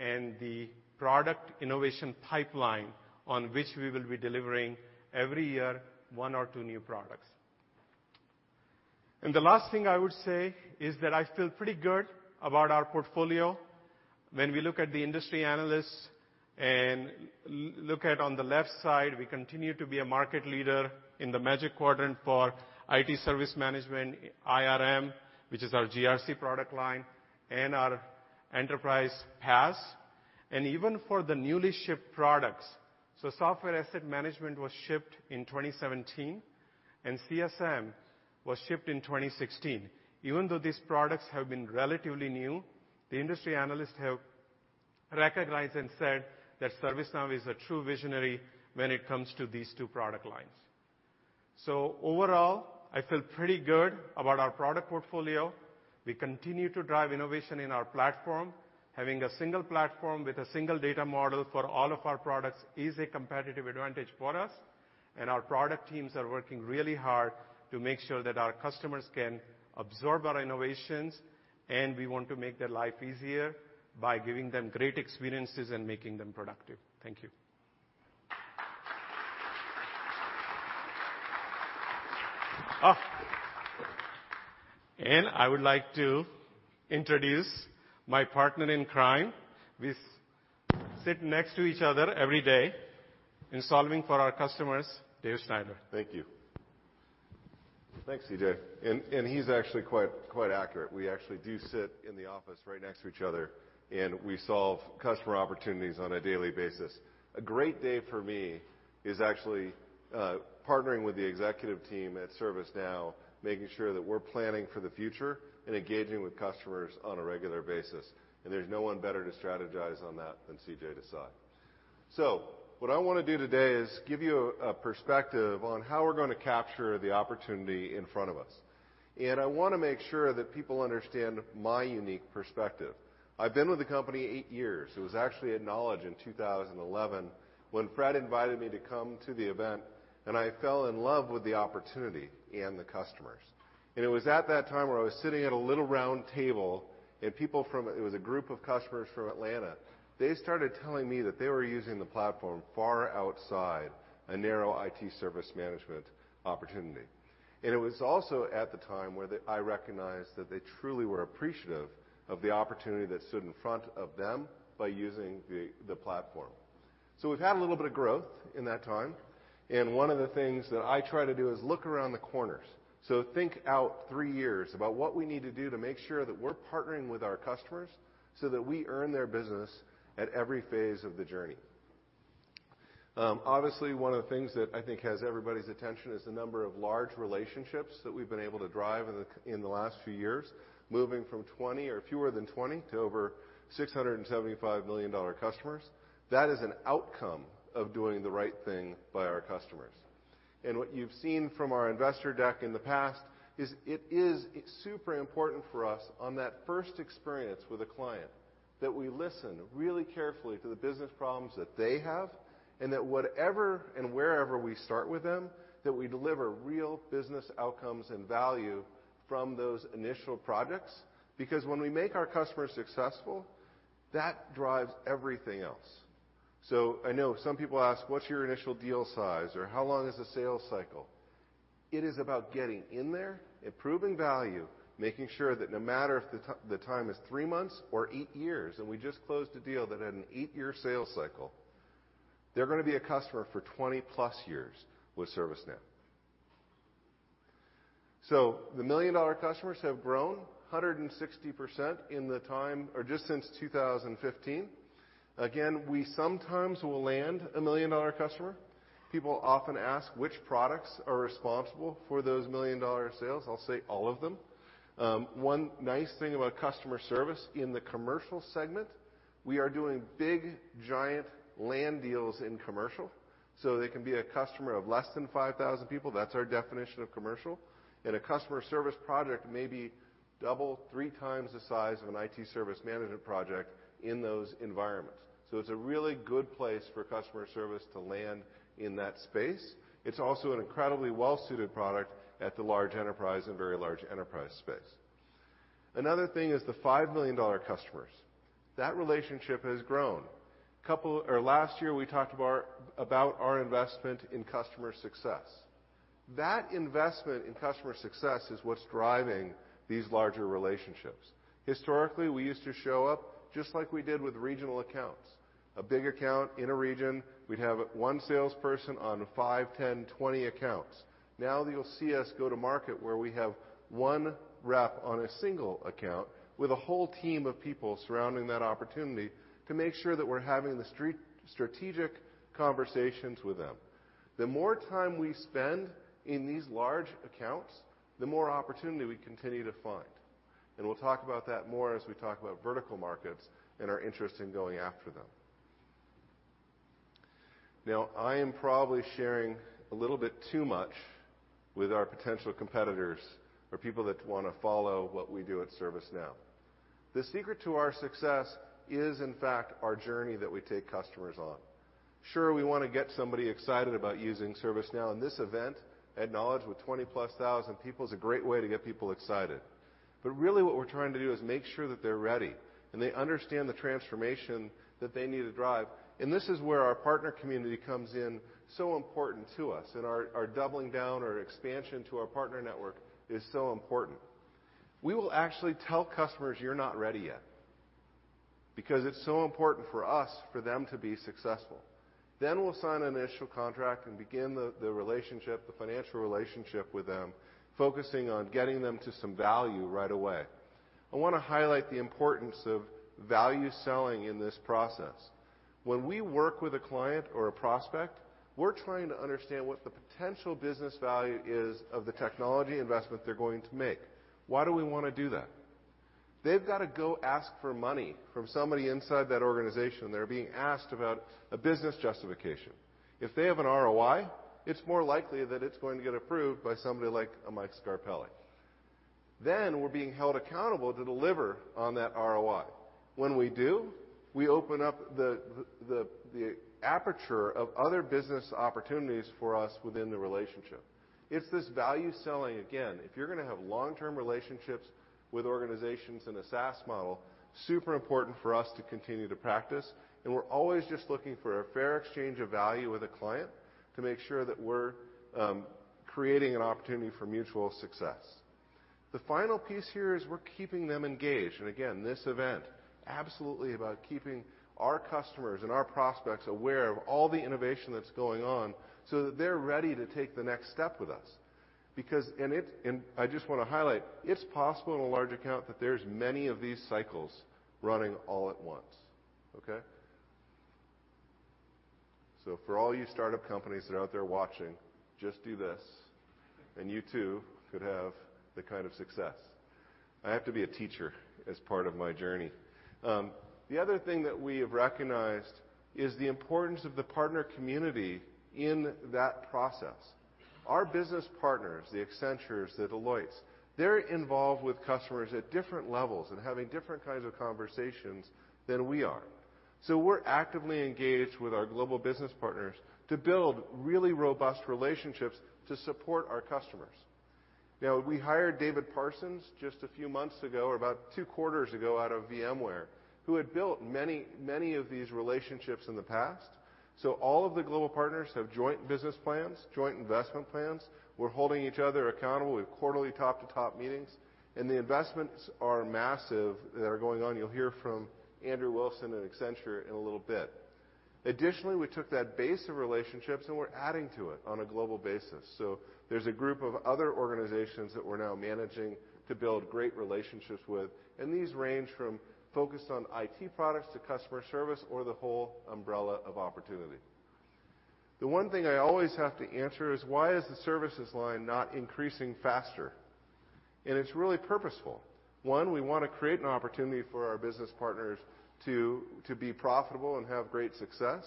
and the product innovation pipeline on which we will be delivering every year, one or two new products. The last thing I would say is that I feel pretty good about our portfolio. When we look at the industry analysts and look at on the left side, we continue to be a market leader in the Magic Quadrant for IT service management, IRM, which is our GRC product line, and our enterprise PaaS. Even for the newly shipped products, so Software Asset Management was shipped in 2017, and CSM was shipped in 2016. Even though these products have been relatively new, the industry analysts have recognized and said that ServiceNow is a true visionary when it comes to these two product lines. Overall, I feel pretty good about our product portfolio. We continue to drive innovation in our platform. Having a single platform with a single data model for all of our products is a competitive advantage for us, and our product teams are working really hard to make sure that our customers can absorb our innovations. We want to make their life easier by giving them great experiences and making them productive. Thank you. I would like to introduce my partner in crime. We sit next to each other every day in solving for our customers, Dave Schneider. Thank you. Thanks, CJ. He's actually quite accurate. We actually do sit in the office right next to each other, and we solve customer opportunities on a daily basis. A great day for me is actually partnering with the executive team at ServiceNow, making sure that we're planning for the future, and engaging with customers on a regular basis. There's no one better to strategize on that than CJ Desai. What I want to do today is give you a perspective on how we're going to capture the opportunity in front of us. I want to make sure that people understand my unique perspective. I've been with the company eight years. It was actually at Knowledge in 2011 when Fred invited me to come to the event, and I fell in love with the opportunity and the customers. It was at that time where I was sitting at a little round table, and it was a group of customers from Atlanta. They started telling me that they were using the platform far outside a narrow IT service management opportunity. It was also at the time where I recognized that they truly were appreciative of the opportunity that stood in front of them by using the platform. We've had a little bit of growth in that time, and one of the things that I try to do is look around the corners. Think out three years about what we need to do to make sure that we're partnering with our customers so that we earn their business at every phase of the journey. Obviously one of the things that I think has everybody's attention is the number of large relationships that we've been able to drive in the last few years, moving from 20 or fewer than 20 to over $675 million customers. That is an outcome of doing the right thing by our customers. What you've seen from our investor deck in the past is it is super important for us on that first experience with a client, that we listen really carefully to the business problems that they have. Whatever and wherever we start with them, that we deliver real business outcomes and value from those initial projects. When we make our customers successful, that drives everything else. I know some people ask, "What's your initial deal size?" "How long is the sales cycle?" It is about getting in there and proving value, making sure that no matter if the time is three months or eight years, and we just closed a deal that had an eight-year sales cycle, they're going to be a customer for 20-plus years with ServiceNow. The million-dollar customers have grown 160% just since 2015. Again, we sometimes will land a million-dollar customer. People often ask which products are responsible for those million-dollar sales. I'll say all of them. One nice thing about customer service in the commercial segment, we are doing big, giant land deals in commercial. They can be a customer of less than 5,000 people. That's our definition of commercial. A customer service project may be double, three times the size of an IT service management project in those environments. It's a really good place for customer service to land in that space. It's also an incredibly well-suited product at the large enterprise and very large enterprise space. Another thing is the $5 million customers. That relationship has grown. Last year, we talked about our investment in customer success. That investment in customer success is what's driving these larger relationships. Historically, we used to show up just like we did with regional accounts. A big account in a region, we'd have one salesperson on five, 10, 20 accounts. Now you'll see us go to market where we have one rep on a single account with a whole team of people surrounding that opportunity to make sure that we're having the strategic conversations with them. The more time we spend in these large accounts, the more opportunity we continue to find. We'll talk about that more as we talk about vertical markets and our interest in going after them. I am probably sharing a little bit too much with our potential competitors or people that want to follow what we do at ServiceNow. The secret to our success is, in fact, our journey that we take customers on. Sure, we want to get somebody excited about using ServiceNow, and this event at Knowledge with 20-plus thousand people is a great way to get people excited. Really what we're trying to do is make sure that they're ready, and they understand the transformation that they need to drive. This is where our partner community comes in so important to us, and our doubling down or expansion to our partner network is so important. We will actually tell customers, "You're not ready yet." Because it's so important for us for them to be successful. We'll sign an initial contract and begin the financial relationship with them, focusing on getting them to some value right away. I want to highlight the importance of value selling in this process. When we work with a client or a prospect, we're trying to understand what the potential business value is of the technology investment they're going to make. Why do we want to do that? They've got to go ask for money from somebody inside that organization. They're being asked about a business justification. If they have an ROI, it's more likely that it's going to get approved by somebody like a Mike Scarpelli. We're being held accountable to deliver on that ROI. When we do, we open up the aperture of other business opportunities for us within the relationship. It's this value selling. Again, if you're going to have long-term relationships with organizations in a SaaS model, super important for us to continue to practice, and we're always just looking for a fair exchange of value with a client to make sure that we're creating an opportunity for mutual success. The final piece here is we're keeping them engaged. Again, this event, absolutely about keeping our customers and our prospects aware of all the innovation that's going on so that they're ready to take the next step with us. I just want to highlight, it's possible in a large account that there's many of these cycles running all at once. Okay? For all you startup companies that are out there watching, just do this, and you too could have that kind of success. I have to be a teacher as part of my journey. The other thing that we have recognized is the importance of the partner community in that process. Our business partners, the Accentures, the Deloittes, they're involved with customers at different levels and having different kinds of conversations than we are. We're actively engaged with our global business partners to build really robust relationships to support our customers. We hired David Parsons just a few months ago, or about two quarters ago, out of VMware, who had built many of these relationships in the past. All of the global partners have joint business plans, joint investment plans. We are holding each other accountable. We have quarterly top-to-top meetings, and the investments are massive that are going on. You will hear from Andrew Wilson at Accenture in a little bit. Additionally, we took that base of relationships, and we are adding to it on a global basis. There is a group of other organizations that we are now managing to build great relationships with, and these range from focused on IT products to customer service or the whole umbrella of opportunity. The 1 thing I always have to answer is, why is the services line not increasing faster? It is really purposeful. 1, we want to create an opportunity for our business partners to be profitable and have great success.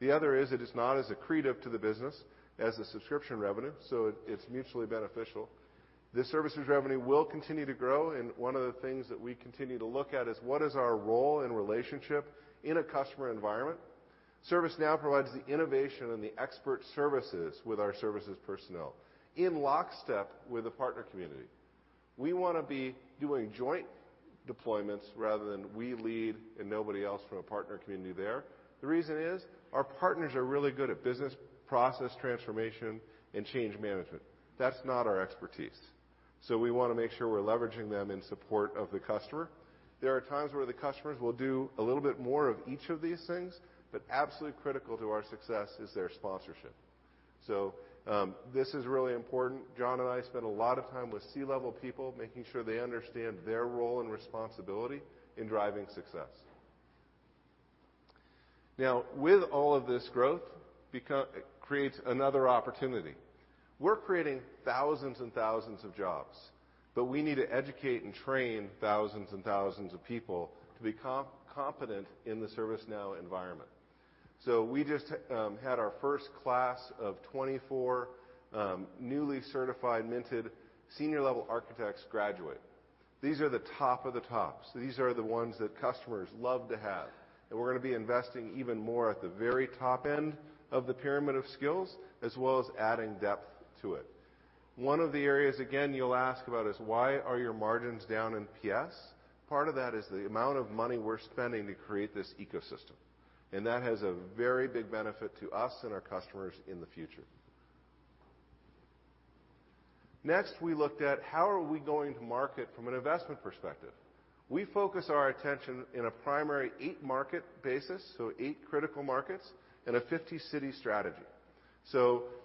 It is not as accretive to the business as the subscription revenue, so it is mutually beneficial. The services revenue will continue to grow, and 1 of the things that we continue to look at is: what is our role and relationship in a customer environment? ServiceNow provides the innovation and the expert services with our services personnel in lockstep with the partner community. We want to be doing joint deployments rather than we lead and nobody else from a partner community there. The reason is our partners are really good at business process transformation and change management. That is not our expertise. We want to make sure we are leveraging them in support of the customer. There are times where the customers will do a little bit more of each of these things, but absolutely critical to our success is their sponsorship. This is really important. John and I spent a lot of time with C-level people, making sure they understand their role and responsibility in driving success. With all of this growth, it creates another opportunity. We are creating thousands and thousands of jobs, but we need to educate and train thousands and thousands of people to be competent in the ServiceNow environment. We just had our first class of 24 newly certified minted senior-level architects graduate. These are the top of the tops. These are the ones that customers love to have. We are going to be investing even more at the very top end of the pyramid of skills, as well as adding depth to it. 1 of the areas, again, you will ask about is why are your margins down in PS? Part of that is the amount of money we are spending to create this ecosystem, and that has a very big benefit to us and our customers in the future. We looked at how are we going to market from an investment perspective. We focus our attention in a primary 8-market basis, so 8 critical markets and a 50-city strategy.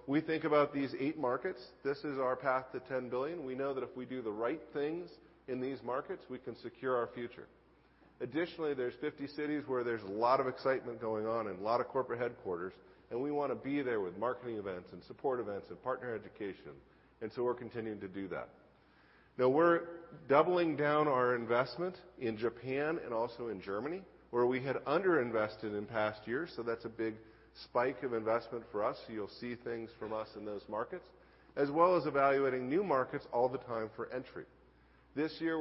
We think about these 8 markets. This is our path to $10 billion. We know that if we do the right things in these markets, we can secure our future. Additionally, there are 50 cities where there is a lot of excitement going on and a lot of corporate headquarters, and we want to be there with marketing events and support events and partner education. We are continuing to do that. We are doubling down our investment in Japan and also in Germany, where we had underinvested in past years. That's a big spike of investment for us. You'll see things from us in those markets, as well as evaluating new markets all the time for entry. This year,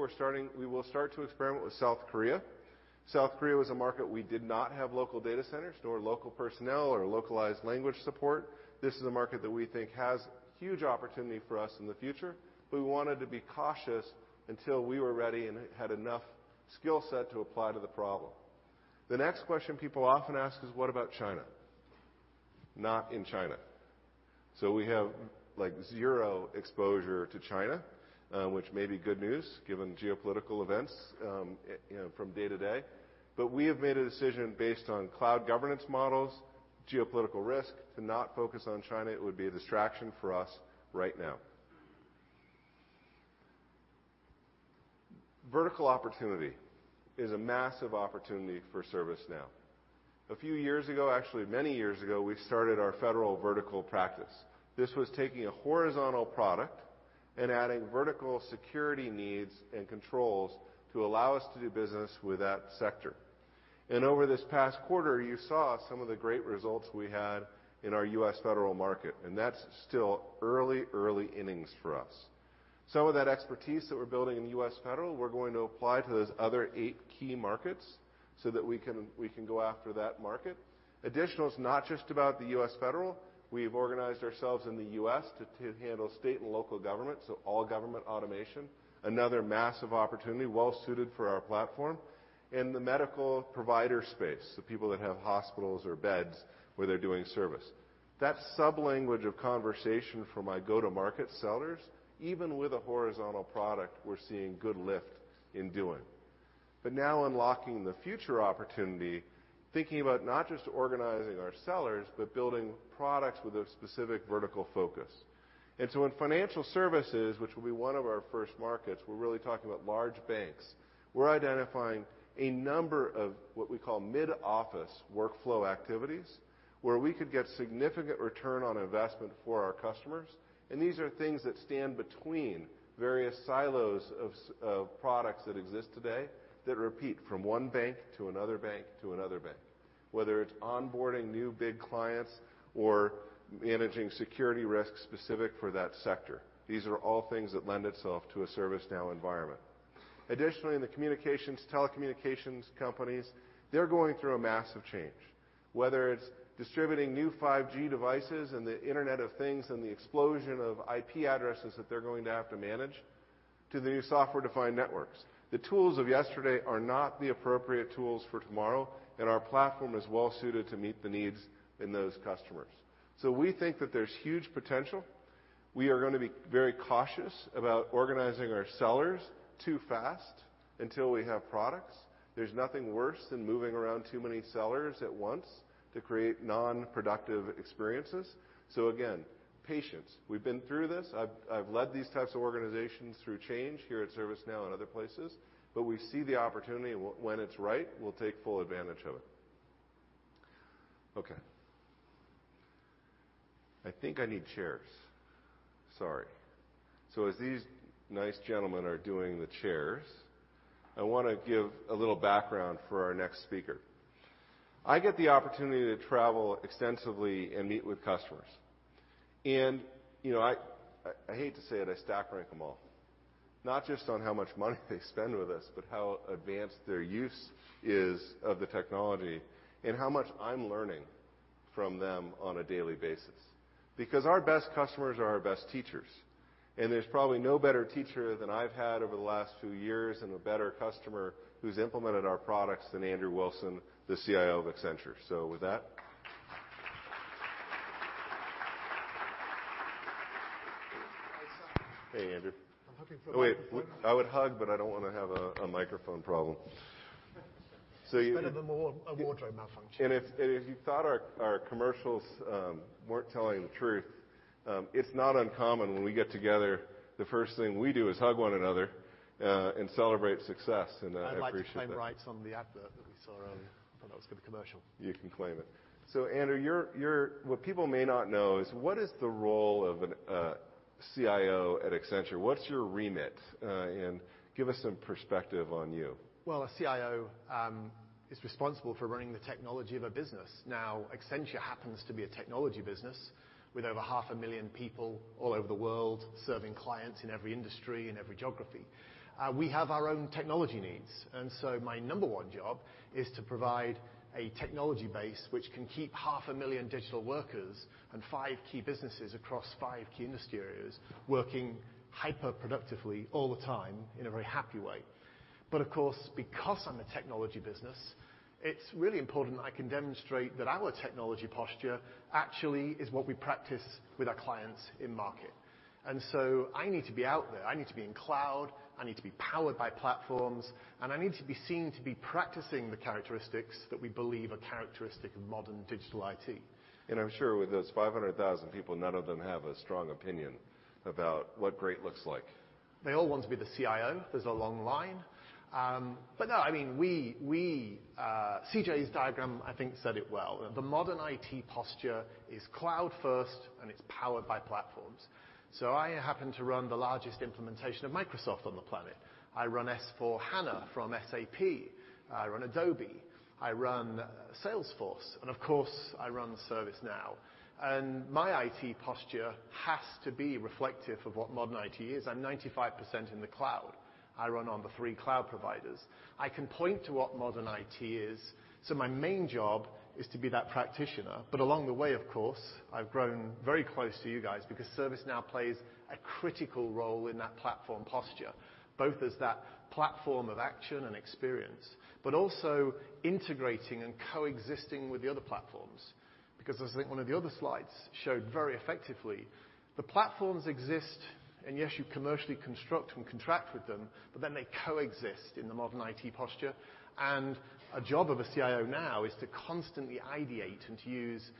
we will start to experiment with South Korea. South Korea was a market we did not have local data centers nor local personnel or localized language support. This is a market that we think has huge opportunity for us in the future, but we wanted to be cautious until we were ready and had enough skill set to apply to the problem. The next question people often ask is, what about China? Not in China. We have zero exposure to China, which may be good news given geopolitical events from day to day. We have made a decision based on cloud governance models, geopolitical risk, to not focus on China. It would be a distraction for us right now. Vertical opportunity is a massive opportunity for ServiceNow. A few years ago, actually many years ago, we started our federal vertical practice. This was taking a horizontal product and adding vertical security needs and controls to allow us to do business with that sector. Over this past quarter, you saw some of the great results we had in our U.S. federal market, and that's still early innings for us. Some of that expertise that we're building in U.S. federal, we're going to apply to those other eight key markets so that we can go after that market. Additional is not just about the U.S. federal. We've organized ourselves in the U.S. to handle state and local government, so all government automation. Another massive opportunity well-suited for our platform. The medical provider space, the people that have hospitals or beds where they're doing service. That sublanguage of conversation for my go-to-market sellers, even with a horizontal product, we're seeing good lift in doing. Now unlocking the future opportunity, thinking about not just organizing our sellers, but building products with a specific vertical focus. In financial services, which will be one of our first markets, we're really talking about large banks. We're identifying a number of what we call mid-office workflow activities, where we could get significant ROI for our customers. These are things that stand between various silos of products that exist today that repeat from one bank to another bank to another bank. Whether it's onboarding new big clients or managing security risks specific for that sector. These are all things that lend itself to a ServiceNow environment. Additionally, in the communications, telecommunications companies, they're going through a massive change. Whether it's distributing new 5G devices and the Internet of Things and the explosion of IP addresses that they're going to have to manage, to the new software-defined networks. The tools of yesterday are not the appropriate tools for tomorrow. Our platform is well-suited to meet the needs in those customers. We think that there's huge potential. We are going to be very cautious about organizing our sellers too fast until we have products. There's nothing worse than moving around too many sellers at once to create non-productive experiences. Again, patience. We've been through this. I've led these types of organizations through change here at ServiceNow and other places. We see the opportunity, and when it's right, we'll take full advantage of it. Okay. I think I need chairs. Sorry. As these nice gentlemen are doing the chairs, I want to give a little background for our next speaker. I get the opportunity to travel extensively and meet with customers. I hate to say it, I stack rank them all, not just on how much money they spend with us, but how advanced their use is of the technology, and how much I'm learning from them on a daily basis. Our best customers are our best teachers, and there's probably no better teacher than I've had over the last few years, and a better customer who's implemented our products than Andrew Wilson, the CIO of Accenture. With that Hi, sir. Hey, Andrew. I'm hoping for a hug. Oh, wait. I would hug, but I don't want to have a microphone problem. It's a bit of a wardrobe malfunction. If you thought our commercials weren't telling the truth, it's not uncommon when we get together, the first thing we do is hug one another, and celebrate success. I appreciate that. I'd like to claim rights on the advert that we saw earlier. I thought that was a good commercial. You can claim it. Andrew, what people may not know is what is the role of a CIO at Accenture? What's your remit? Give us some perspective on you. Well, a CIO is responsible for running the technology of a business. Accenture happens to be a technology business with over 500,000 people all over the world, serving clients in every industry, in every geography. We have our own technology needs, my number one job is to provide a technology base which can keep 500,000 digital workers and five key businesses across five key industry areas working hyper productively all the time in a very happy way. Of course, because I'm a technology business, it's really important that I can demonstrate that our technology posture actually is what we practice with our clients in market. I need to be out there. I need to be in cloud, I need to be powered by platforms, I need to be seen to be practicing the characteristics that we believe are characteristic of modern digital IT. I'm sure with those 500,000 people, none of them have a strong opinion about what great looks like. They all want to be the CIO. There's a long line. No, I mean, CJ's diagram I think said it well. The modern IT posture is cloud first, and it's powered by platforms. I happen to run the largest implementation of Microsoft on the planet. I run S/4HANA from SAP. I run Adobe. I run Salesforce. Of course, I run ServiceNow. My IT posture has to be reflective of what modern IT is. I'm 95% in the cloud. I run on the three cloud providers. I can point to what modern IT is, so my main job is to be that practitioner. Along the way, of course, I've grown very close to you guys because ServiceNow plays a critical role in that platform posture, both as that platform of action and experience, but also integrating and coexisting with the other platforms. As I think one of the other slides showed very effectively, the platforms exist, and yes, you commercially construct and contract with them, but then they coexist in the modern IT posture. A job of a CIO now is to constantly ideate and to use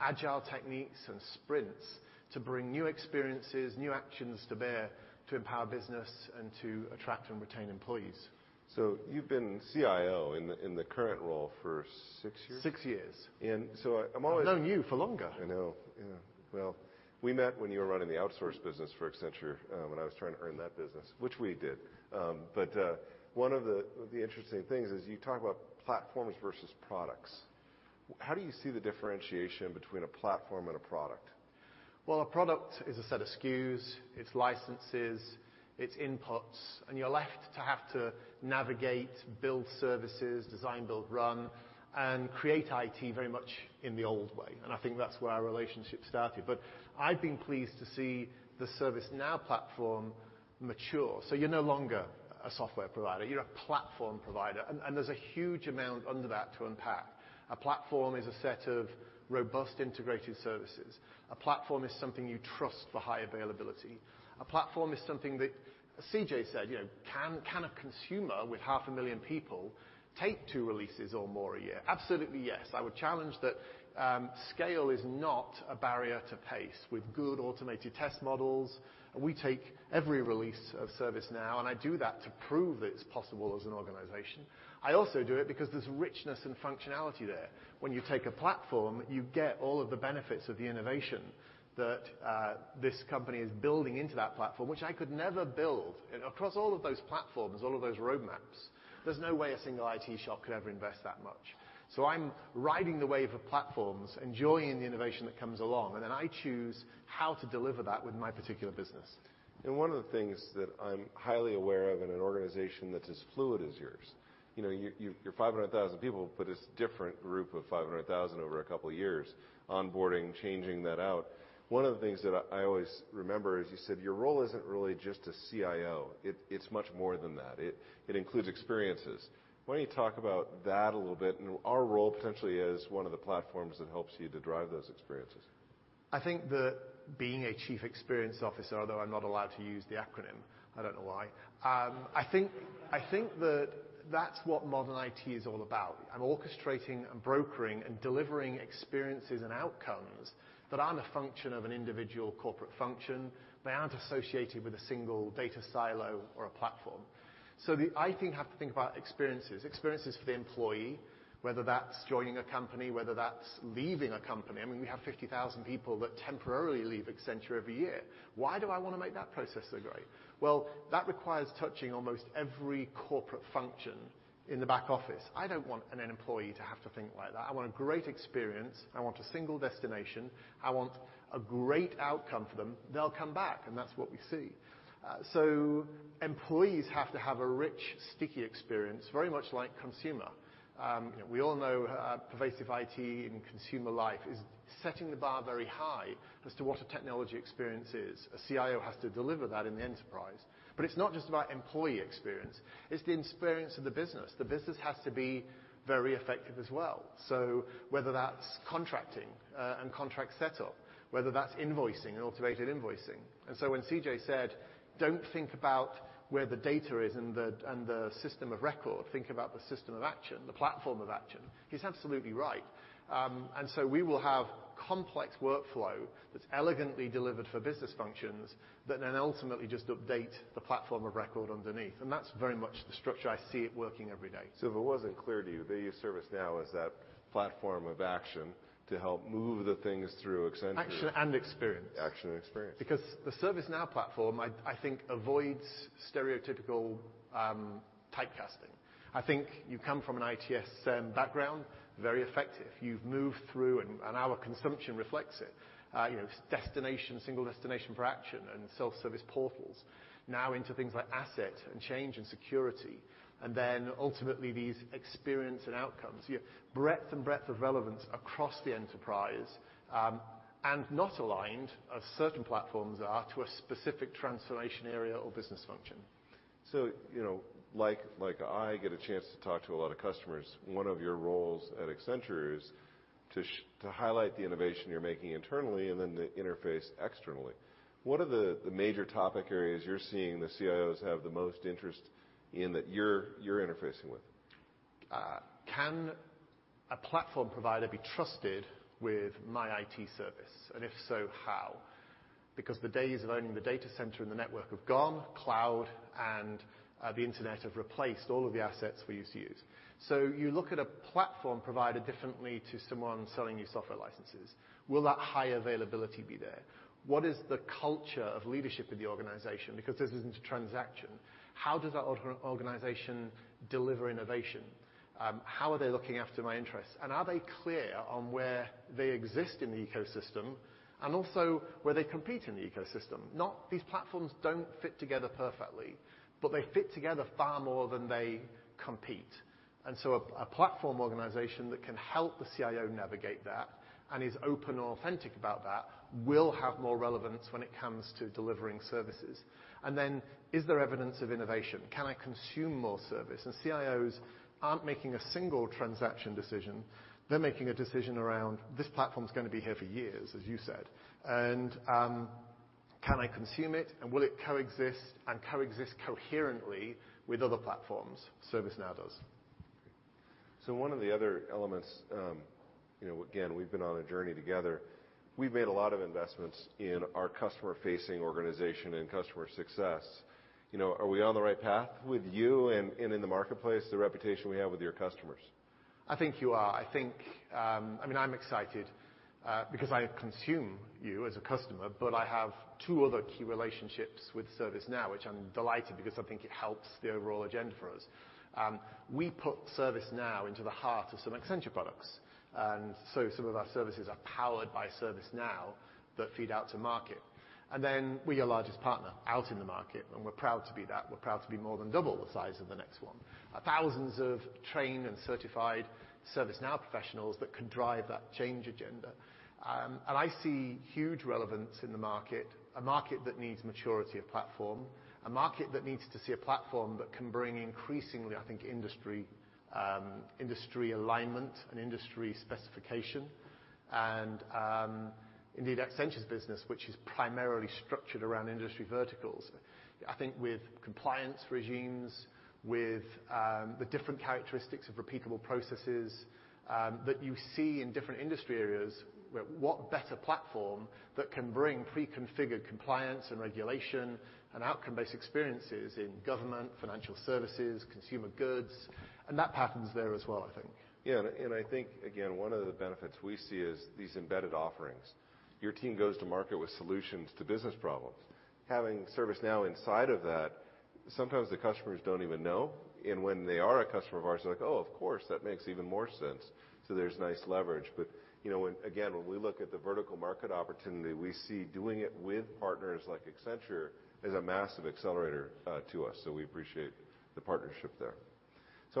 agile techniques and sprints to bring new experiences, new actions to bear, to empower business, and to attract and retain employees. You've been CIO in the current role for six years? Six years. I'm always- I've known you for longer. I know. Yeah. Well, we met when you were running the outsource business for Accenture, when I was trying to earn that business, which we did. One of the interesting things is you talk about platforms versus products. How do you see the differentiation between a platform and a product? Well, a product is a set of SKUs, it's licenses, it's inputs, and you're left to have to navigate, build services, design build run, and create IT very much in the old way. I think that's where our relationship started. I've been pleased to see the ServiceNow platform mature. You're no longer a software provider, you're a platform provider. There's a huge amount under that to unpack. A platform is a set of robust integrated services. A platform is something you trust for high availability. A platform is something that, as CJ said, can a consumer with half a million people take two releases or more a year? Absolutely, yes. I would challenge that scale is not a barrier to pace with good automated test models. We take every release of ServiceNow, and I do that to prove that it's possible as an organization. I also do it because there's richness and functionality there. When you take a platform, you get all of the benefits of the innovation that this company is building into that platform, which I could never build. Across all of those platforms, all of those roadmaps, there's no way a single IT shop could ever invest that much. I'm riding the wave of platforms, enjoying the innovation that comes along, and then I choose how to deliver that with my particular business. One of the things that I'm highly aware of in an organization that's as fluid as yours, you're 500,000 people, but it's different group of 500,000 over a couple of years, onboarding, changing that out. One of the things that I always remember is you said your role isn't really just a CIO, it's much more than that. It includes experiences. Why don't you talk about that a little bit, and our role potentially as one of the platforms that helps you to drive those experiences? I think that being a chief experience officer, although I'm not allowed to use the acronym, I don't know why. I think that's what modern IT is all about. I'm orchestrating and brokering and delivering experiences and outcomes that aren't a function of an individual corporate function. They aren't associated with a single data silo or a platform. I think have to think about experiences for the employee, whether that's joining a company, whether that's leaving a company. We have 50,000 people that temporarily leave Accenture every year. Why do I want to make that process so great? Well, that requires touching almost every corporate function in the back office. I don't want an employee to have to think like that. I want a great experience. I want a single destination. I want a great outcome for them. They'll come back, and that's what we see. Employees have to have a rich, sticky experience, very much like consumer. We all know pervasive IT in consumer life is setting the bar very high as to what a technology experience is. A CIO has to deliver that in the enterprise. It's not just about employee experience, it's the experience of the business. The business has to be very effective as well. Whether that's contracting and contract set up, whether that's invoicing and automated invoicing. When CJ said, "Don't think about where the data is and the system of record. Think about the system of action, the platform of action," he's absolutely right. We will have complex workflow that's elegantly delivered for business functions that then ultimately just update the platform of record underneath. That's very much the structure I see it working every day. If it wasn't clear to you, they use ServiceNow as that platform of action to help move the things through Accenture. Action and experience. Action and experience. The ServiceNow platform, I think, avoids stereotypical typecasting. I think you come from an ITSM background, very effective. You've moved through, and our consumption reflects it. Destination, single destination for action and self-service portals. Now into things like asset and change and security, and then ultimately these experience and outcomes. Breadth of relevance across the enterprise, and not aligned as certain platforms are to a specific transformation area or business function. Like I get a chance to talk to a lot of customers. One of your roles at Accenture is to highlight the innovation you're making internally and then the interface externally. What are the major topic areas you're seeing the CIOs have the most interest in that you're interfacing with? Can a platform provider be trusted with my IT service? If so, how? The days of owning the data center and the network have gone. Cloud and the internet have replaced all of the assets we used to use. You look at a platform provider differently to someone selling you software licenses. Will that high availability be there? What is the culture of leadership in the organization? This isn't a transaction. How does that organization deliver innovation? How are they looking after my interests, and are they clear on where they exist in the ecosystem, and also where they compete in the ecosystem? These platforms don't fit together perfectly, but they fit together far more than they compete. A platform organization that can help the CIO navigate that and is open and authentic about that will have more relevance when it comes to delivering services. Is there evidence of innovation? Can I consume more service? CIOs aren't making a single transaction decision. They're making a decision around this platform is going to be here for years, as you said. Can I consume it, and will it coexist and coexist coherently with other platforms? ServiceNow does. One of the other elements, again, we've been on a journey together. We've made a lot of investments in our customer-facing organization and customer success. Are we on the right path with you and in the marketplace, the reputation we have with your customers? I think you are. I'm excited because I consume you as a customer, but I have two other key relationships with ServiceNow, which I'm delighted because I think it helps the overall agenda for us. We put ServiceNow into the heart of some Accenture products. Some of our services are powered by ServiceNow that feed out to market. We're your largest partner out in the market, and we're proud to be that. We're proud to be more than double the size of the next one. Thousands of trained and certified ServiceNow professionals that can drive that change agenda. I see huge relevance in the market, a market that needs maturity of platform, a market that needs to see a platform that can bring increasingly, I think, industry alignment and industry specification. Accenture's business, which is primarily structured around industry verticals. I think with compliance regimes, with the different characteristics of repeatable processes that you see in different industry areas, what better platform that can bring pre-configured compliance and regulation and outcome-based experiences in government, financial services, consumer goods, and that pattern's there as well, I think. Yeah, I think, again, one of the benefits we see is these embedded offerings. Your team goes to market with solutions to business problems. Having ServiceNow inside of that, sometimes the customers don't even know. When they are a customer of ours, they're like, "Oh, of course. That makes even more sense." There's nice leverage. Again, when we look at the vertical market opportunity, we see doing it with partners like Accenture is a massive accelerator to us. We appreciate the partnership there.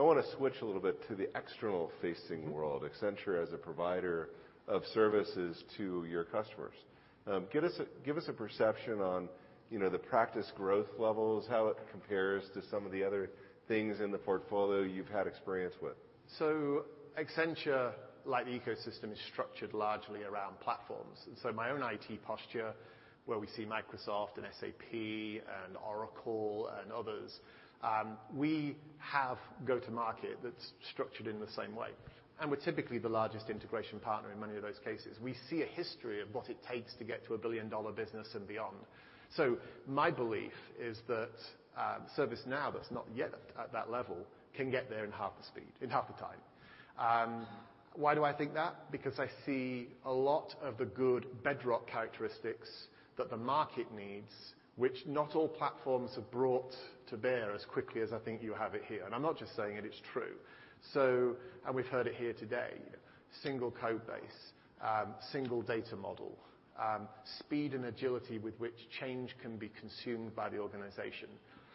I want to switch a little bit to the external-facing world. Accenture as a provider of services to your customers. Give us a perception on the practice growth levels, how it compares to some of the other things in the portfolio you've had experience with. Accenture, like the ecosystem, is structured largely around platforms. My own IT posture, where we see Microsoft and SAP and Oracle and others, we have go-to-market that's structured in the same way, and we're typically the largest integration partner in many of those cases. We see a history of what it takes to get to a billion-dollar business and beyond. My belief is that ServiceNow, that's not yet at that level, can get there in half the speed, in half the time. Why do I think that? Because I see a lot of the good bedrock characteristics that the market needs, which not all platforms have brought to bear as quickly as I think you have it here. I'm not just saying it's true. We've heard it here today. Single code base, single data model, speed and agility with which change can be consumed by the organization,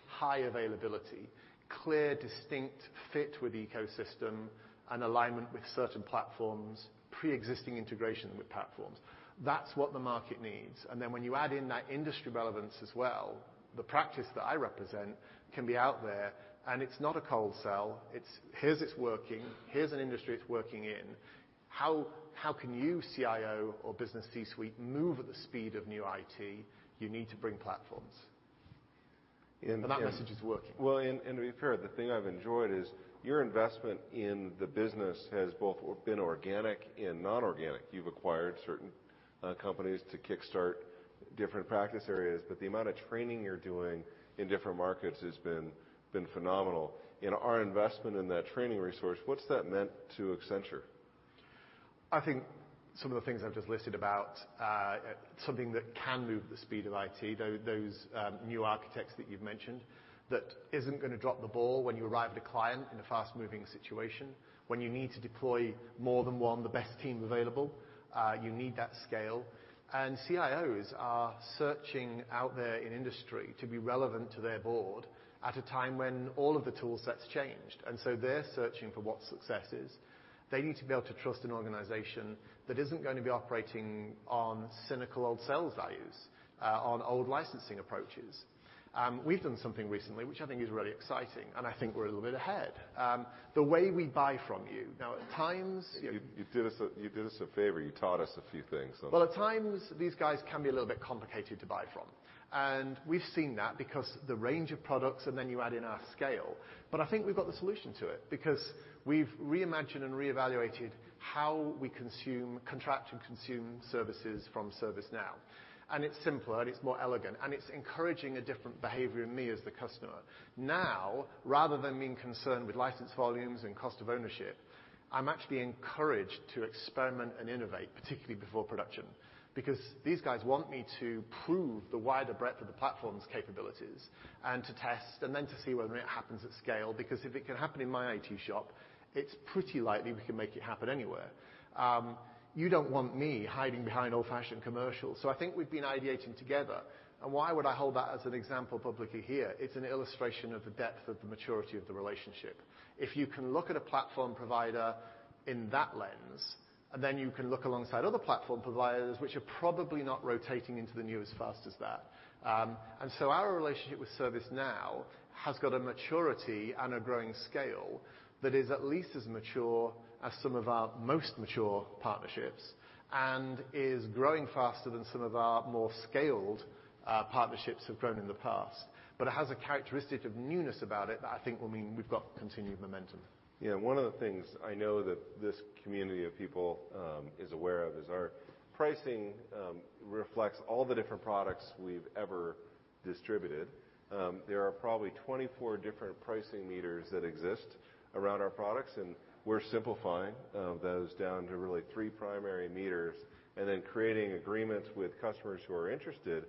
high availability, clear distinct fit with ecosystem and alignment with certain platforms, preexisting integration with platforms. That's what the market needs. When you add in that industry relevance as well, the practice that I represent can be out there, and it's not a cold sell. It's, here's it's working, here's an industry it's working in. How can you, CIO or business C-suite, move at the speed of new IT? You need to bring platforms. And- That message is working. Well, to be fair, the thing I've enjoyed is your investment in the business has both been organic and non-organic. You've acquired certain companies to kickstart different practice areas, but the amount of training you're doing in different markets has been phenomenal. In our investment in that training resource, what's that meant to Accenture? I think some of the things I've just listed about something that can move at the speed of IT, those new architects that you've mentioned, that isn't going to drop the ball when you arrive at a client in a fast-moving situation, when you need to deploy more than one, the best team available. You need that scale. CIOs are searching out there in industry to be relevant to their board at a time when all of the tool sets changed. So they're searching for what success is. They need to be able to trust an organization that isn't going to be operating on cynical old sales values, on old licensing approaches. We've done something recently, which I think is really exciting, and I think we're a little bit ahead. The way we buy from you. You did us a favor. You taught us a few things. Well, at times these guys can be a little bit complicated to buy from, and we've seen that because the range of products, and then you add in our scale. I think we've got the solution to it because we've reimagined and reevaluated how we contract and consume services from ServiceNow. It's simpler, and it's more elegant, and it's encouraging a different behavior in me as the customer. Now, rather than being concerned with license volumes and cost of ownership, I'm actually encouraged to experiment and innovate, particularly before production, because these guys want me to prove the wider breadth of the platform's capabilities and to test and then to see whether it happens at scale. Because if it can happen in my IT shop, it's pretty likely we can make it happen anywhere. You don't want me hiding behind old-fashioned commercials. I think we've been ideating together, and why would I hold that as an example publicly here? It's an illustration of the depth of the maturity of the relationship. If you can look at a platform provider in that lens, then you can look alongside other platform providers which are probably not rotating into the new as fast as that. Our relationship with ServiceNow has got a maturity and a growing scale that is at least as mature as some of our most mature partnerships and is growing faster than some of our more scaled partnerships have grown in the past. It has a characteristic of newness about it that I think will mean we've got continued momentum. Yeah. One of the things I know that this community of people is aware of is our pricing reflects all the different products we've ever distributed. There are probably 24 different pricing meters that exist around our products, and we're simplifying those down to really three primary meters and then creating agreements with customers who are interested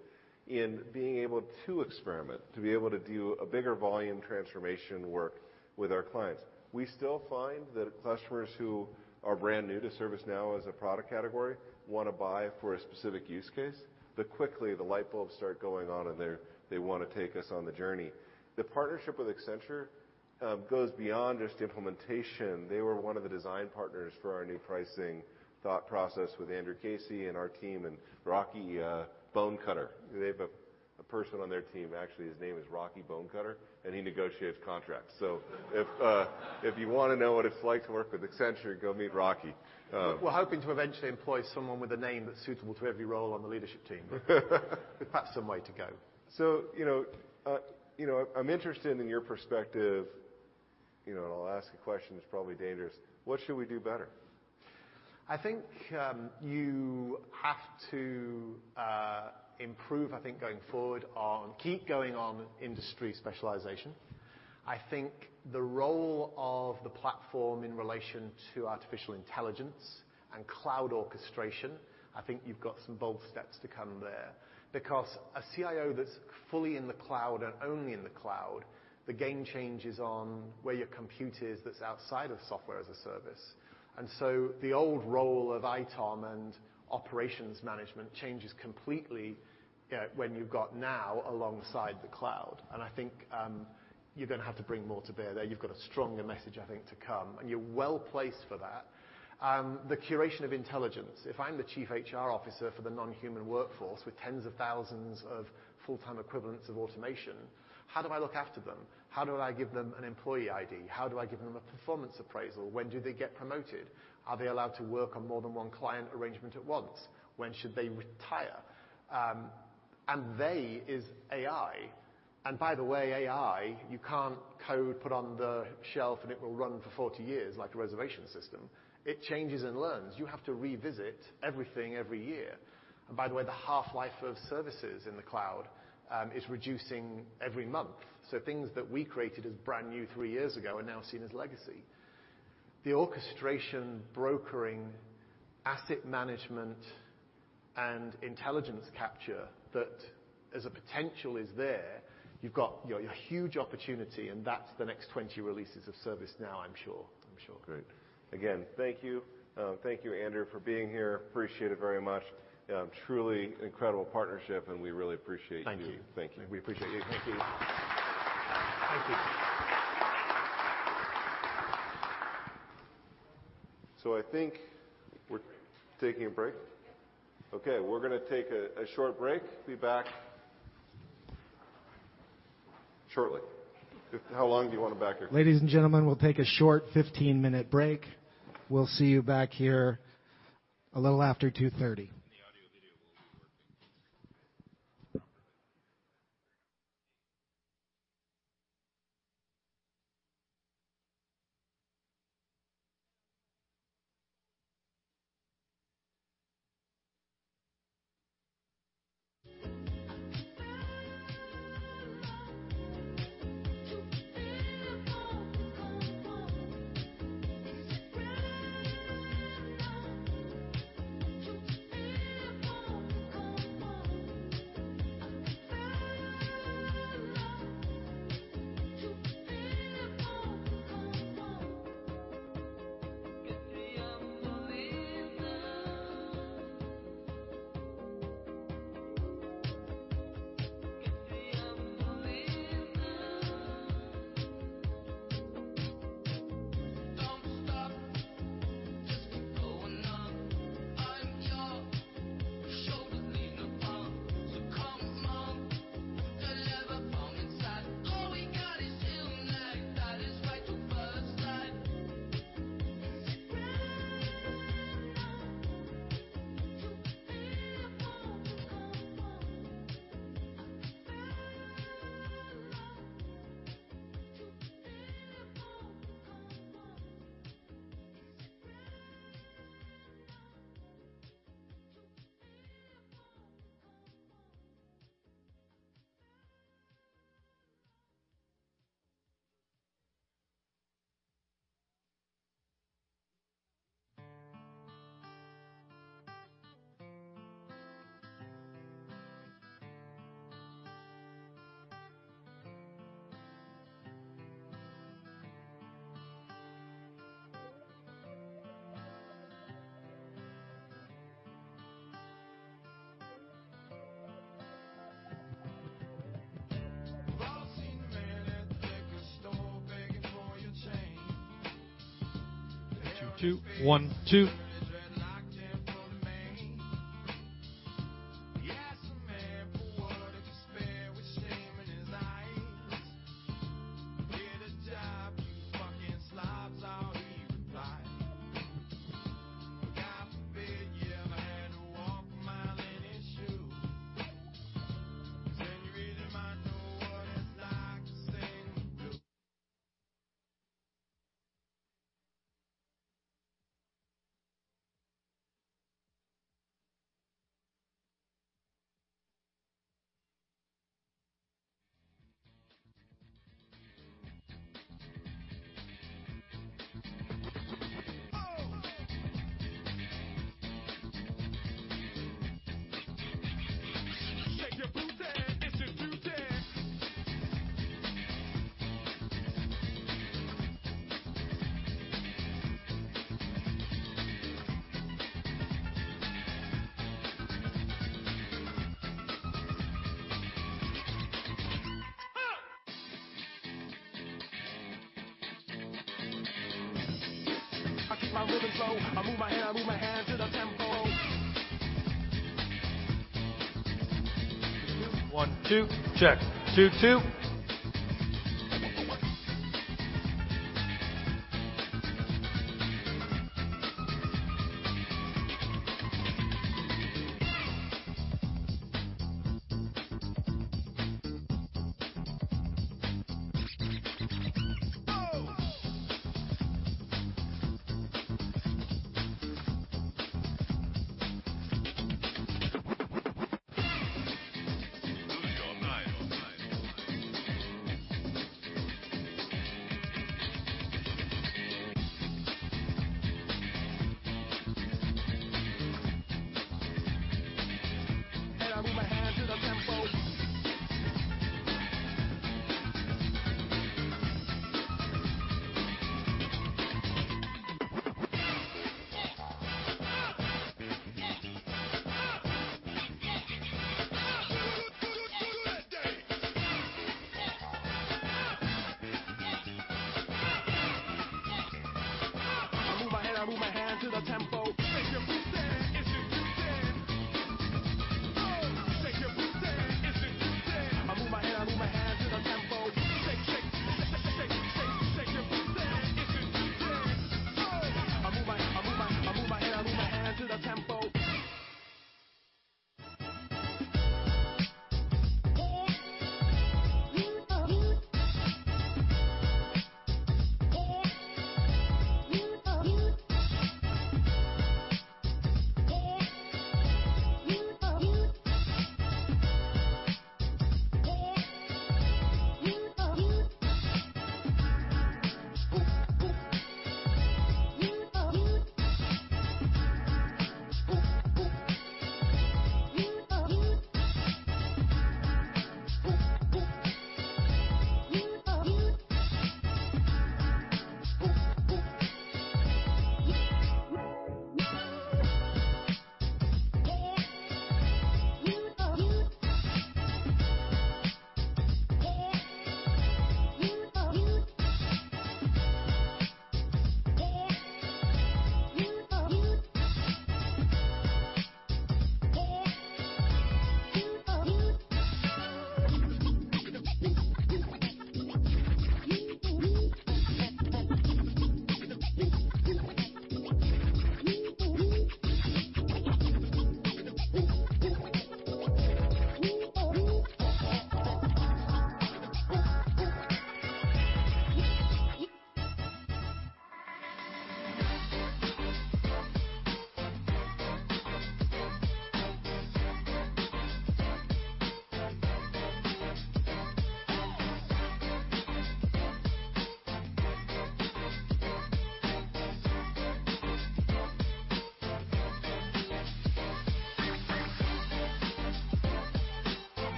in being able to experiment, to be able to do a bigger volume transformation work with our clients. We still find that customers who are brand new to ServiceNow as a product category want to buy for a specific use case, but quickly the light bulbs start going on, and they want to take us on the journey. The partnership with Accenture goes beyond just implementation. They were one of the design partners for our new pricing thought process with Andrew Casey and our team and Rocky Bonecutter. They have a person on their team, actually, his name is Rocky Bonecutter, and he negotiates contracts. If you want to know what it's like to work with Accenture, go meet Rocky. We're hoping to eventually employ someone with a name that's suitable to every role on the leadership team. Perhaps some way to go. I'm interested in your perspective, and I'll ask a question that's probably dangerous. What should we do better? I think you have to improve, I think, keep going on industry specialization. I think the role of the platform in relation to artificial intelligence and cloud orchestration, I think you've got some bold steps to come there. Because a CIO that's fully in the cloud and only in the cloud, the game changes on where your compute is that's outside of software as a service. The old role of ITOM and operations management changes completely when you've got Now alongside the cloud. I think you're going to have to bring more to bear there. You've got a stronger message, I think, to come, and you're well-placed for that. The curation of intelligence. If I'm the chief HR officer for the non-human workforce with tens of thousands of full-time equivalents of automation, how do I look after them? How do I give them an employee ID? How do I give them a performance appraisal? When do they get promoted? Are they allowed to work on more than one client arrangement at once? When should they retire? They are AI. By the way, AI, you can't code, put on the shelf, and it will run for 40 years like a reservation system. It changes and learns. You have to revisit everything every year. By the way, the half-life of services in the cloud is reducing every month. Things that we created as brand new three years ago are now seen as legacy. The orchestration, brokering, asset management, and intelligence capture that as a potential is there, you've got your huge opportunity, and that's the next 20 releases of ServiceNow, I'm sure. Great. Again, thank you. Thank you, Andrew, for being here. Appreciate it very much. Truly incredible partnership, we really appreciate you. Thank you. Thank you. We appreciate you. Thank you. Thank you. I think we're taking a break? Yeah. Okay, we're going to take a short break. Be back shortly. How long do you want them back here? Ladies and gentlemen, we'll take a short 15-minute break. We'll see you back here a little after 2:30. The audio video will be working. Two, two. One, two. One, two.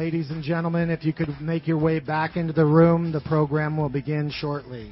Ladies and gentlemen, if you could make your way back into the room, the program will begin shortly.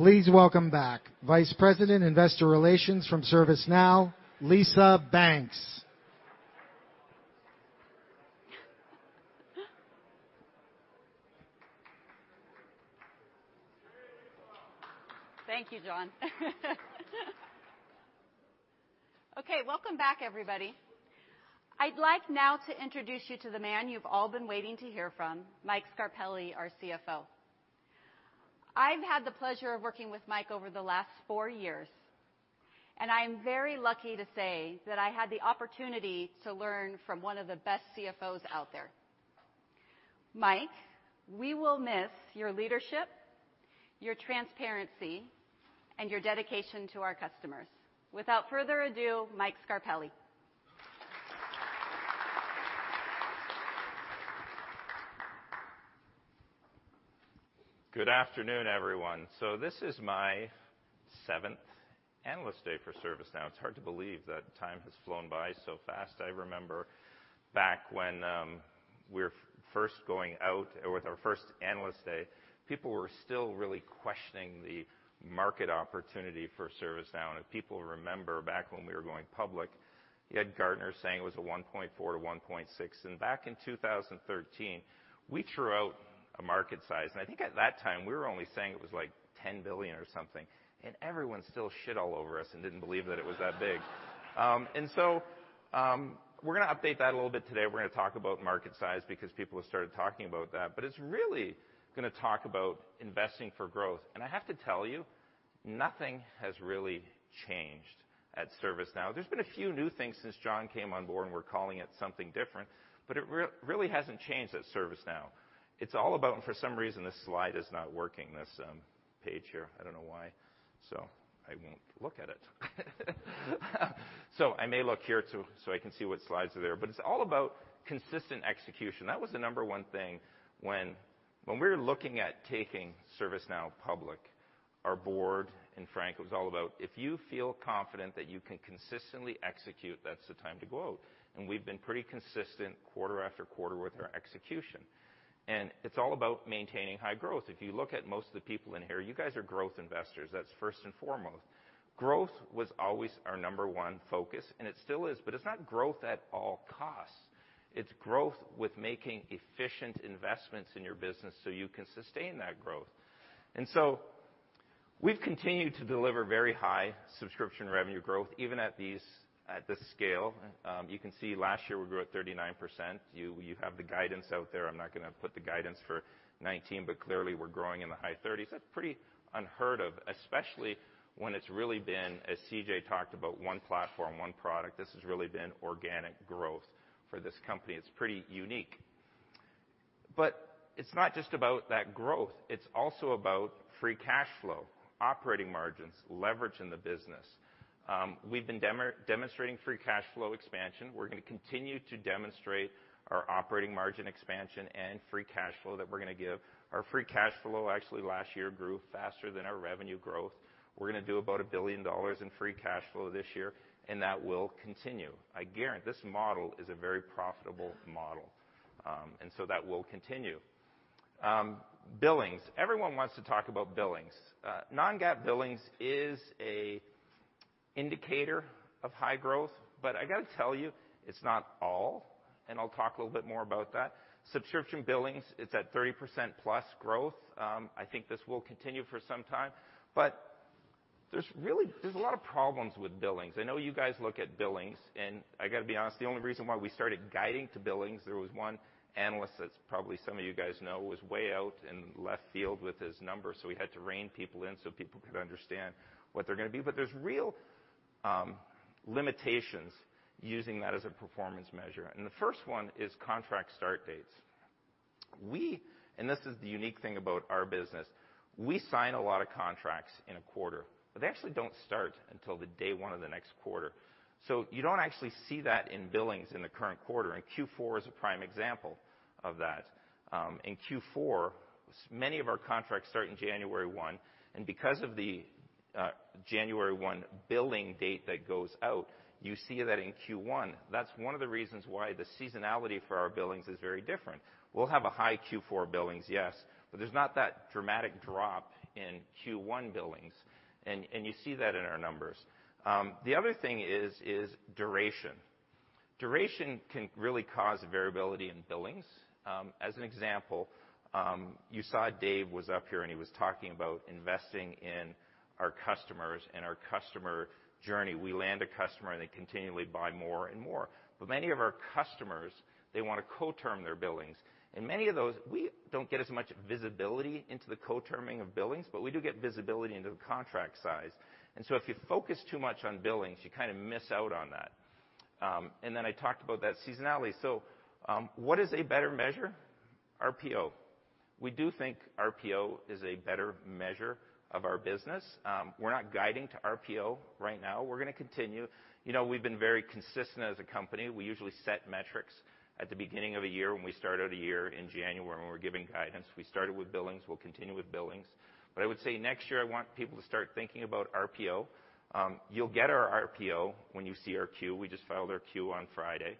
Here we go again. Gotta get on point. Oh, yeah. Oh. Please welcome back Vice President Investor Relations from ServiceNow, Lisa Banks. Thank you, John. Okay, welcome back, everybody. I'd like now to introduce you to the man you've all been waiting to hear from, Mike Scarpelli, our CFO. I've had the pleasure of working with Mike over the last four years, and I'm very lucky to say that I had the opportunity to learn from one of the best CFOs out there. Mike, we will miss your leadership, your transparency, and your dedication to our customers. Without further ado, Mike Scarpelli. Good afternoon, everyone. This is my seventh Analyst Day for ServiceNow. It's hard to believe that time has flown by so fast. I remember back when we were first going out with our first Analyst Day, people were still really questioning the market opportunity for ServiceNow. If people remember back when we were going public, you had Gartner saying it was a $1.4-$1.6. Back in 2013, we threw out a market size, I think at that time we were only saying it was like $10 billion or something, and everyone still shit all over us and didn't believe that it was that big. We're going to update that a little bit today. We're going to talk about market size because people have started talking about that. It's really going to talk about investing for growth. I have to tell you, nothing has really changed at ServiceNow. There's been a few new things since John came on board, we're calling it something different, but it really hasn't changed at ServiceNow. It's all about for some reason, this slide is not working, this page here. I don't know why. I won't look at it. I may look here, I can see what slides are there. It's all about consistent execution. That was the number one thing when we were looking at taking ServiceNow public, our board, and Frank, it was all about if you feel confident that you can consistently execute, that's the time to go out. We've been pretty consistent quarter after quarter with our execution. It's all about maintaining high growth. If you look at most of the people in here, you guys are growth investors. That's first and foremost. Growth was always our number one focus, it still is. It's not growth at all costs. It's growth with making efficient investments in your business so you can sustain that growth. We've continued to deliver very high subscription revenue growth, even at this scale. You can see last year we grew at 39%. You have the guidance out there. I'm not going to put the guidance for 2019, but clearly, we're growing in the high 30s. That's pretty unheard of, especially when it's really been, as CJ talked about, one platform, one product. This has really been organic growth for this company. It's pretty unique. It's not just about that growth. It's also about free cash flow, operating margins, leverage in the business. We've been demonstrating free cash flow expansion. We're going to continue to demonstrate our operating margin expansion and free cash flow that we're going to give. Our free cash flow, actually, last year grew faster than our revenue growth. We're going to do about $1 billion in free cash flow this year, and that will continue. I guarantee this model is a very profitable model. That will continue. Billings. Everyone wants to talk about billings. non-GAAP billings is an indicator of high growth. I got to tell you, it's not all, and I'll talk a little bit more about that. Subscription billings, it's at 30% plus growth. I think this will continue for some time. There's a lot of problems with billings. I know you guys look at billings, and I got to be honest, the only reason why we started guiding to billings, there was one analyst that probably some of you guys know was way out in left field with his numbers. We had to rein people in so people could understand what they're going to be. There's real limitations using that as a performance measure. The first one is contract start dates. This is the unique thing about our business. We sign a lot of contracts in a quarter, but they actually don't start until the day one of the next quarter. You don't actually see that in billings in the current quarter. Q4 is a prime example of that. In Q4, many of our contracts start in January 1, and because of the January 1 billing date that goes out, you see that in Q1. That's one of the reasons why the seasonality for our billings is very different. We'll have a high Q4 billings, yes, but there's not that dramatic drop in Q1 billings. You see that in our numbers. The other thing is duration. Duration can really cause variability in billings. As an example, you saw Dave was up here, and he was talking about investing in our customers and our customer journey. We land a customer, and they continually buy more and more. Many of our customers, they want to co-term their billings. Many of those, we don't get as much visibility into the co-terming of billings, but we do get visibility into the contract size. If you focus too much on billings, you kind of miss out on that. Then I talked about that seasonality. What is a better measure? RPO. We do think RPO is a better measure of our business. We're not guiding to RPO right now. We're going to continue. We've been very consistent as a company. We usually set metrics at the beginning of a year when we start out a year in January when we're giving guidance. We started with billings. We'll continue with billings. I would say next year, I want people to start thinking about RPO. You'll get our RPO when you see our Q. We just filed our Q on Friday.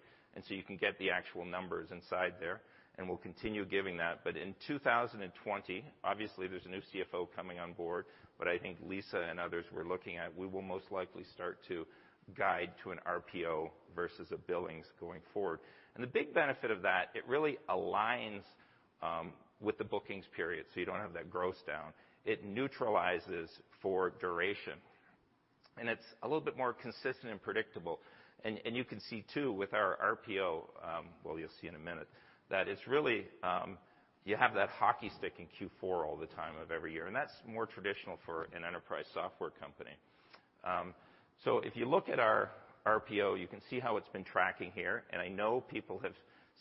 You can get the actual numbers inside there, and we'll continue giving that. In 2020, obviously, there's a new CFO coming on board. I think Lisa and others were looking at we will most likely start to guide to an RPO versus a billings going forward. The big benefit of that, it really aligns with the bookings period, so you don't have that gross down. It neutralizes for duration. It's a little bit more consistent and predictable. You can see, too, with our RPO, well, you'll see in a minute, that you have that hockey stick in Q4 all the time of every year. That's more traditional for an enterprise software company. If you look at our RPO, you can see how it's been tracking here. I know people have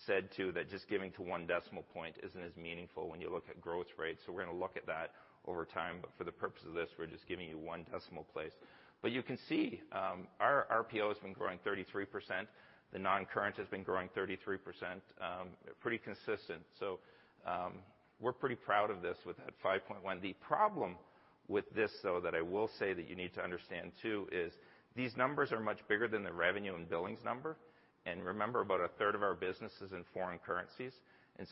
said, too, that just giving to 1 decimal point isn't as meaningful when you look at growth rates. We're going to look at that over time. For the purpose of this, we're just giving you 1 decimal place. You can see our RPO has been growing 33%. The non-current has been growing 33%, pretty consistent. We're pretty proud of this with that 5.1. The problem with this, though, that I will say that you need to understand, too, is these numbers are much bigger than the revenue and billings number. Remember, about a third of our business is in foreign currencies.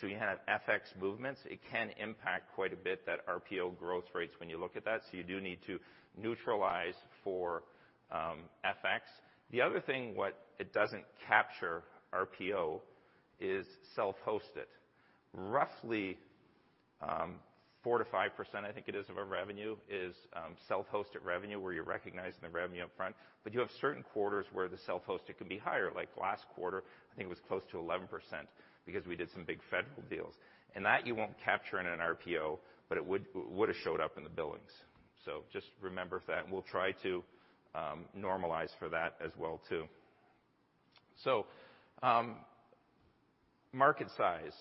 You have FX movements. It can impact quite a bit that RPO growth rates when you look at that. You do need to neutralize for FX. The other thing, what it doesn't capture, RPO, is self-hosted. Roughly 4%-5%, I think it is, of our revenue is self-hosted revenue, where you're recognizing the revenue up front. You have certain quarters where the self-hosted can be higher. Like last quarter, I think it was close to 11%, because we did some big federal deals. That you won't capture in an RPO, but it would've showed up in the billings. Just remember that. We'll try to normalize for that as well, too. Market size.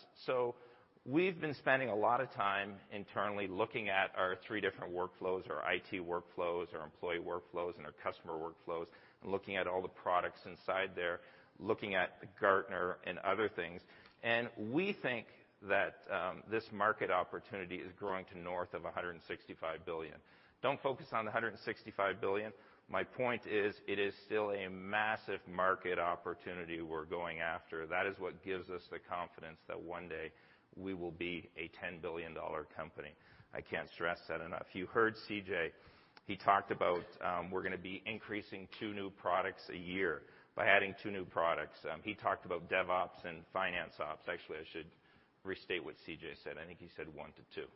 We've been spending a lot of time internally looking at our 3 different workflows, our IT workflows, our employee workflows, and our customer workflows, and looking at all the products inside there, looking at Gartner and other things. We think that this market opportunity is growing to north of $165 billion. Don't focus on the $165 billion. My point is, it is still a massive market opportunity we're going after. That is what gives us the confidence that 1 day we will be a $10 billion company. I can't stress that enough. You heard CJ. He talked about we're going to be increasing two new products a year by adding two new products. He talked about DevOps and Finance Ops. Actually, I should restate what CJ said. I think he said one to two.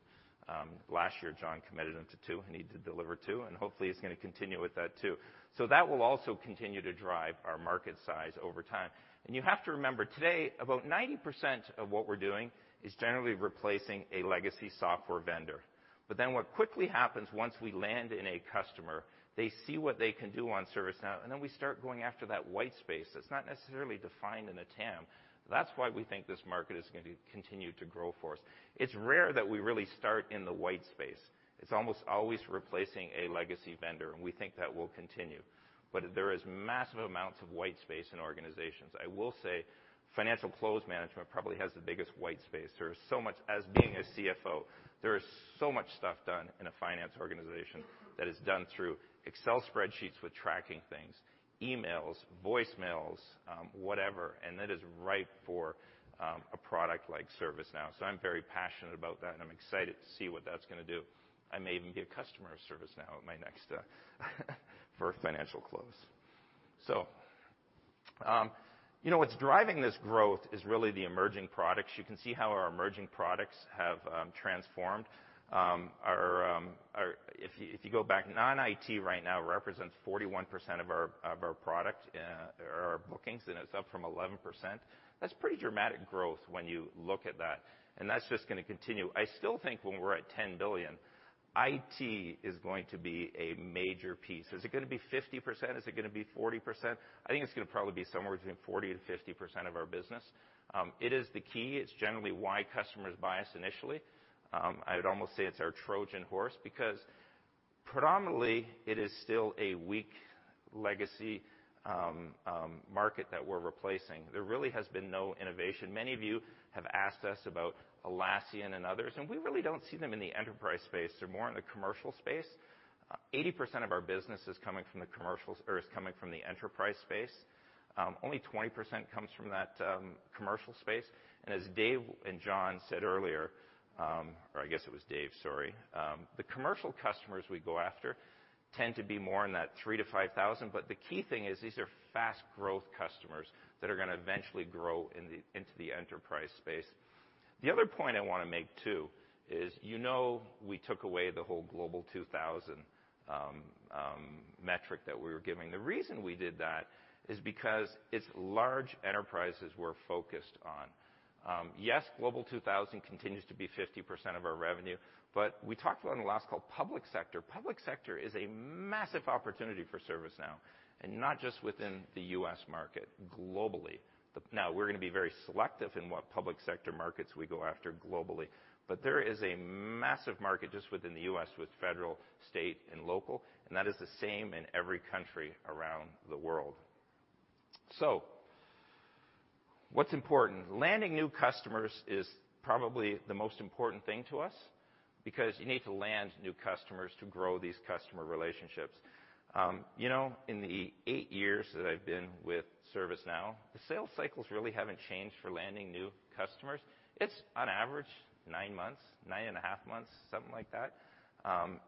Last year, John committed them to two. He needs to deliver two, and hopefully he's going to continue with that, too. That will also continue to drive our market size over time. You have to remember, today, about 90% of what we're doing is generally replacing a legacy software vendor. What quickly happens once we land in a customer, they see what they can do on ServiceNow, and then we start going after that white space that's not necessarily defined in a TAM. That's why we think this market is going to continue to grow for us. It's rare that we really start in the white space. It's almost always replacing a legacy vendor, and we think that will continue. There is massive amounts of white space in organizations. I will say financial close management probably has the biggest white space. As being a CFO, there is so much stuff done in a finance organization that is done through Excel spreadsheets with tracking things, emails, voicemails, whatever, and that is ripe for a product like ServiceNow. I'm very passionate about that, and I'm excited to see what that's going to do. I may even be a customer of ServiceNow at my next financial close. What's driving this growth is really the emerging products. You can see how our emerging products have transformed. If you go back, non-IT right now represents 41% of our bookings, and it's up from 11%. That's pretty dramatic growth when you look at that, and that's just going to continue. I still think when we're at $10 billion, IT is going to be a major piece. Is it going to be 50%? Is it going to be 40%? I think it's going to probably be somewhere between 40%-50% of our business. It is the key. It's generally why customers buy us initially. I would almost say it's our Trojan horse because predominantly it is still a weak legacy market that we're replacing. There really has been no innovation. Many of you have asked us about Atlassian and others, we really don't see them in the enterprise space. They're more in the commercial space. 80% of our business is coming from the enterprise space. Only 20% comes from that commercial space. As Dave and John said earlier, or I guess it was Dave, sorry, the commercial customers we go after tend to be more in that 3,000-5,000. The key thing is these are fast growth customers that are going to eventually grow into the enterprise space. The other point I want to make, too, is you know we took away the whole Global 2000 metric that we were giving. The reason we did that is because it's large enterprises we're focused on. Yes, Global 2000 continues to be 50% of our revenue, we talked about in the last call, public sector. Public sector is a massive opportunity for ServiceNow, and not just within the U.S. market, globally. We're going to be very selective in what public sector markets we go after globally. There is a massive market just within the U.S. with federal, state, and local, and that is the same in every country around the world. What's important? Landing new customers is probably the most important thing to us, because you need to land new customers to grow these customer relationships. In the eight years that I've been with ServiceNow, the sales cycles really haven't changed for landing new customers. It's on average nine months, nine and a half months, something like that.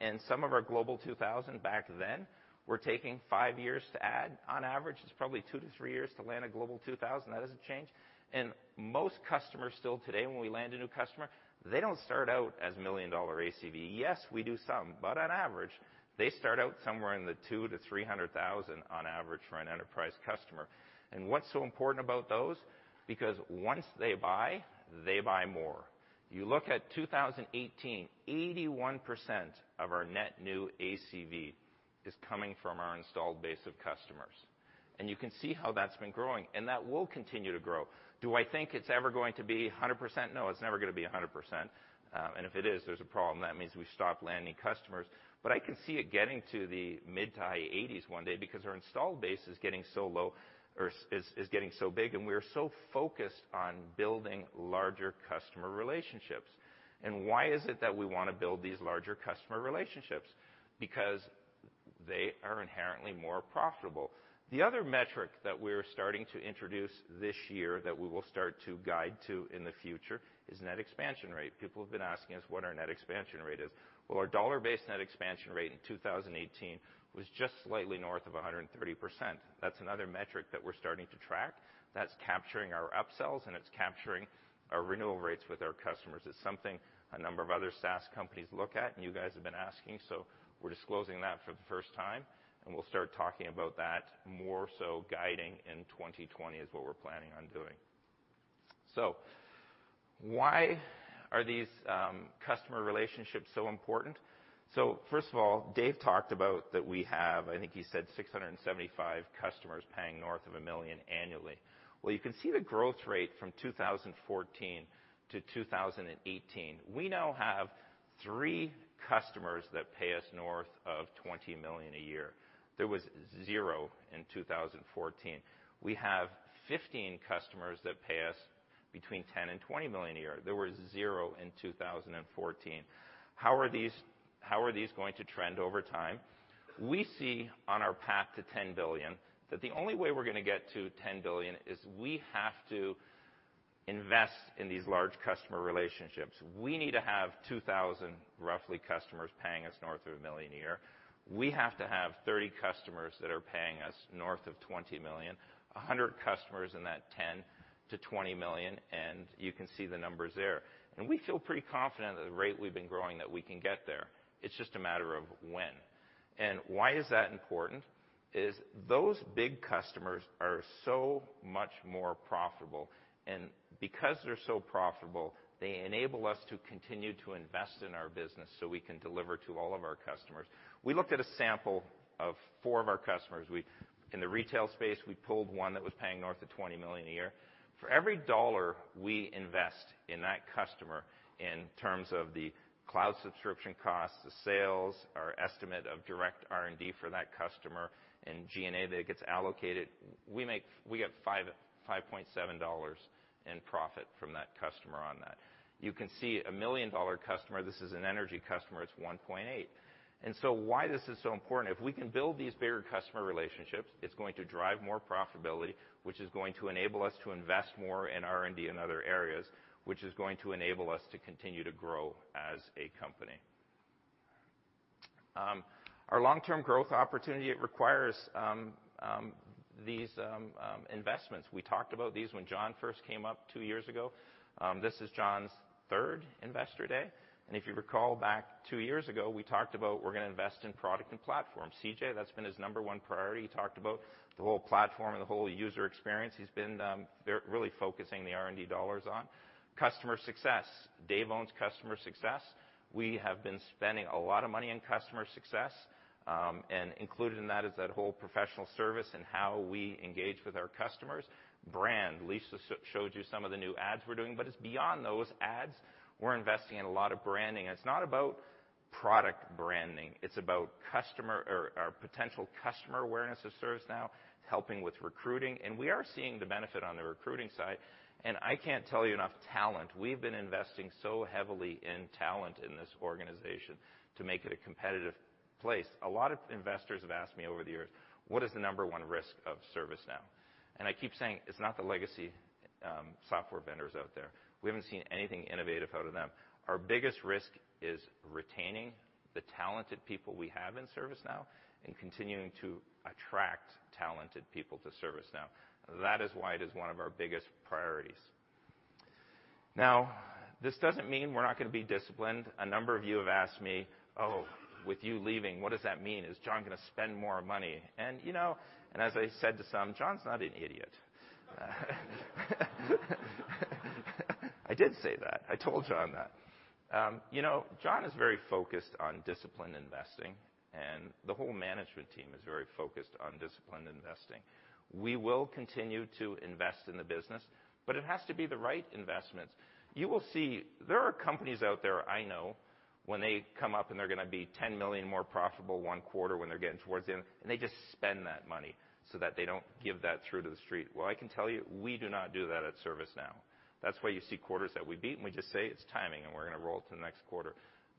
And some of our Global 2000 back then were taking five years to add. On average, it's probably two to three years to land a Global 2000. That hasn't changed. And most customers still today, when we land a new customer, they don't start out as million-dollar ACV. Yes, we do some. On average, they start out somewhere in the $2,000-$300,000 on average for an enterprise customer. What's so important about those? Once they buy, they buy more. You look at 2018, 81% of our net new ACV is coming from our installed base of customers. You can see how that's been growing, and that will continue to grow. Do I think it's ever going to be 100%? No, it's never going to be 100%, and if it is, there's a problem. That means we've stopped landing customers. I can see it getting to the mid to high 80s one day because our installed base is getting so big, and we are so focused on building larger customer relationships. Why is it that we want to build these larger customer relationships? They are inherently more profitable. The other metric that we're starting to introduce this year that we will start to guide to in the future is net expansion rate. People have been asking us what our net expansion rate is. Well, our dollar-based net expansion rate in 2018 was just slightly north of 130%. That's another metric that we're starting to track. That's capturing our upsells and it's capturing our renewal rates with our customers. It's something a number of other SaaS companies look at, and you guys have been asking, we're disclosing that for the first time, and we'll start talking about that more so guiding in 2020 is what we're planning on doing. Why are these customer relationships so important? First of all, Dave talked about that we have, I think he said 675 customers paying north of $1 million annually. You can see the growth rate from 2014 to 2018. We now have three customers that pay us north of $20 million a year. There was zero in 2014. We have 15 customers that pay us between $10 million and $20 million a year. There was zero in 2014. How are these going to trend over time? We see on our path to $10 billion that the only way we're going to get to $10 billion is we have to invest in these large customer relationships. We need to have 2,000, roughly, customers paying us north of $1 million a year. We have to have 30 customers that are paying us north of $20 million, 100 customers in that $10 million to $20 million, and you can see the numbers there. We feel pretty confident at the rate we've been growing that we can get there. It's just a matter of when. Why is that important? Is those big customers are so much more profitable, and because they're so profitable, they enable us to continue to invest in our business so we can deliver to all of our customers. We looked at a sample of four of our customers. In the retail space, we pulled one that was paying north of $20 million a year. For every dollar we invest in that customer in terms of the cloud subscription costs, the sales, our estimate of direct R&D for that customer, and G&A that gets allocated, we get $5.7 in profit from that customer on that. You can see a $1 million customer, this is an energy customer, it's $1.8. Why this is so important, if we can build these bigger customer relationships, it's going to drive more profitability, which is going to enable us to invest more in R&D and other areas, which is going to enable us to continue to grow as a company. Our long-term growth opportunity, it requires these investments. We talked about these when John first came up two years ago. This is John's third investor day. If you recall back two years ago, we talked about we're going to invest in product and platform. CJ, that's been his number 1 priority. He talked about the whole platform and the whole user experience he's been really focusing the R&D dollars on. Customer success. Dave owns customer success. We have been spending a lot of money on customer success, and included in that is that whole professional service and how we engage with our customers. Brand. Lisa showed you some of the new ads we're doing, but it's beyond those ads. We're investing in a lot of branding, and it's not about product branding. It's about potential customer awareness of ServiceNow, helping with recruiting. We are seeing the benefit on the recruiting side. I can't tell you enough, talent. We've been investing so heavily in talent in this organization to make it a competitive place. A lot of investors have asked me over the years, "What is the number 1 risk of ServiceNow?" I keep saying it's not the legacy software vendors out there. We haven't seen anything innovative out of them. Our biggest risk is retaining the talented people we have in ServiceNow and continuing to attract talented people to ServiceNow. That is why it is one of our biggest priorities. This doesn't mean we're not going to be disciplined. A number of you have asked me, "Oh, with you leaving, what does that mean? Is John going to spend more money?" As I said to some, John's not an idiot. I did say that. I told John that. John is very focused on disciplined investing, and the whole management team is very focused on disciplined investing. We will continue to invest in the business, but it has to be the right investments. You will see there are companies out there I know when they come up and they're going to be $10 million more profitable one quarter when they're getting towards the end, and they just spend that money so that they don't give that through to the street. I can tell you, we do not do that at ServiceNow. That's why you see quarters that we beat, and we just say it's timing, and we're going to roll it to the next quarter.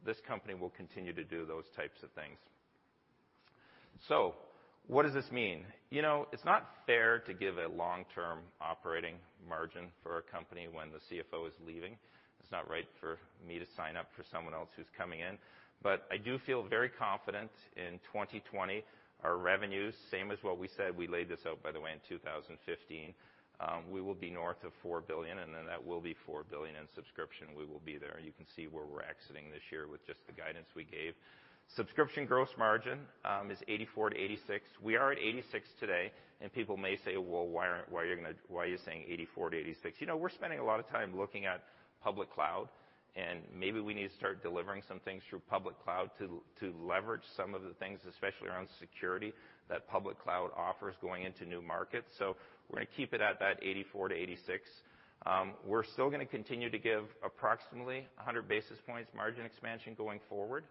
This company will continue to do those types of things. What does this mean? It's not fair to give a long-term operating margin for a company when the CFO is leaving. It's not right for me to sign up for someone else who's coming in. I do feel very confident in 2020, our revenues, same as what we said, we laid this out, by the way, in 2015. We will be north of $4 billion, and that will be $4 billion in subscription. We will be there. You can see where we're exiting this year with just the guidance we gave. Subscription gross margin is 84%-86%. We are at 86% today, and people may say, "Well, why are you saying 84%-86%?" We're spending a lot of time looking at public cloud, and maybe we need to start delivering some things through public cloud to leverage some of the things, especially around security, that public cloud offers going into new markets. We're going to keep it at that 84%-86%. We're still going to continue to give approximately 100 basis points margin expansion going forward.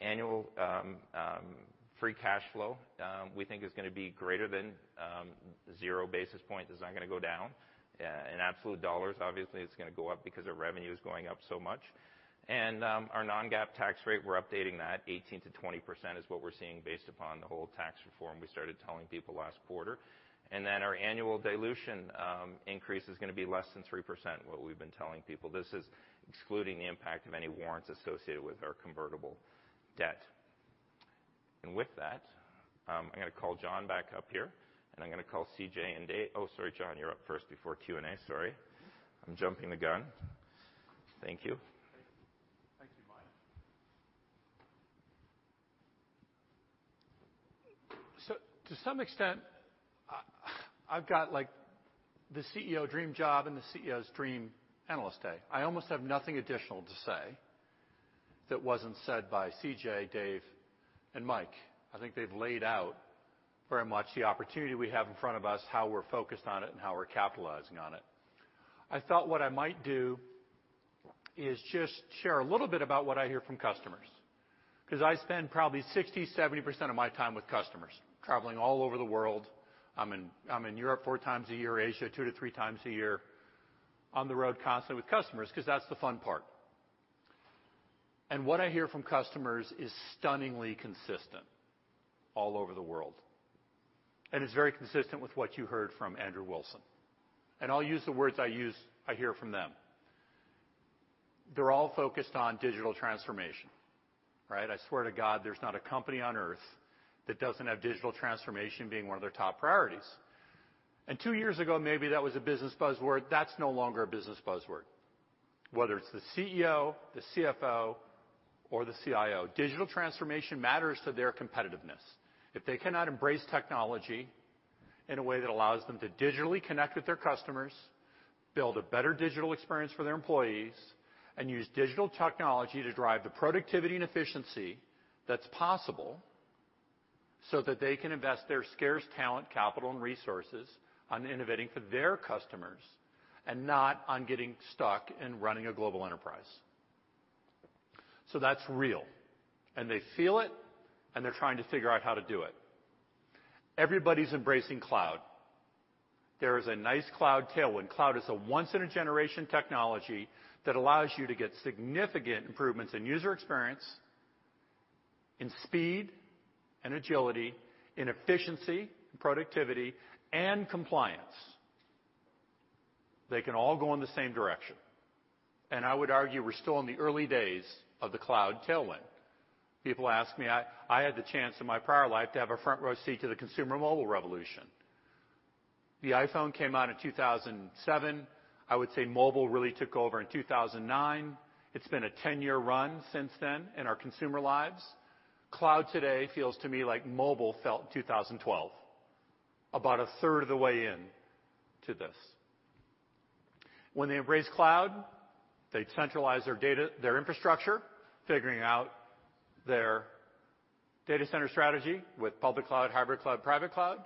Annual free cash flow we think is going to be greater than zero basis points. It's not going to go down. In absolute dollars, obviously, it's going to go up because our revenue is going up so much. Our non-GAAP tax rate, we're updating that. 18%-20% is what we're seeing based upon the whole tax reform we started telling people last quarter. Our annual dilution increase is going to be less than 3%, what we've been telling people. This is excluding the impact of any warrants associated with our convertible debt. I'm going to call John back up here, and I'm going to call CJ and Dave. Oh, sorry, John, you're up first before Q&A. Sorry. I'm jumping the gun. Thank you. To some extent, I've got the CEO dream job and the CEO's dream analyst day. I almost have nothing additional to say that wasn't said by CJ, Dave, and Mike. I think they've laid out very much the opportunity we have in front of us, how we're focused on it, and how we're capitalizing on it. I thought what I might do is just share a little bit about what I hear from customers, because I spend probably 60%-70% of my time with customers, traveling all over the world. I'm in Europe four times a year, Asia two to three times a year, on the road constantly with customers, because that's the fun part. What I hear from customers is stunningly consistent all over the world. It's very consistent with what you heard from Andrew Wilson. I'll use the words I hear from them. They're all focused on digital transformation, right? I swear to God, there's not a company on Earth that doesn't have digital transformation being one of their top priorities. Two years ago, maybe that was a business buzzword. That's no longer a business buzzword. Whether it's the CEO, the CFO, or the CIO, digital transformation matters to their competitiveness. If they cannot embrace technology in a way that allows them to digitally connect with their customers, build a better digital experience for their employees, and use digital technology to drive the productivity and efficiency that's possible, so that they can invest their scarce talent, capital, and resources on innovating for their customers, and not on getting stuck in running a global enterprise. That's real, and they feel it, and they're trying to figure out how to do it. Everybody's embracing cloud. There is a nice cloud tailwind. Cloud is a once-in-a-generation technology that allows you to get significant improvements in user experience, in speed and agility, in efficiency, productivity, and compliance. They can all go in the same direction. I would argue we're still in the early days of the cloud tailwind. People ask me. I had the chance in my prior life to have a front row seat to the consumer mobile revolution. The iPhone came out in 2007. I would say mobile really took over in 2009. It's been a 10-year run since then in our consumer lives. Cloud today feels to me like mobile felt in 2012, about a third of the way in to this. When they embrace cloud, they centralize their data, their infrastructure, figuring out their data center strategy with public cloud, hybrid cloud, private cloud,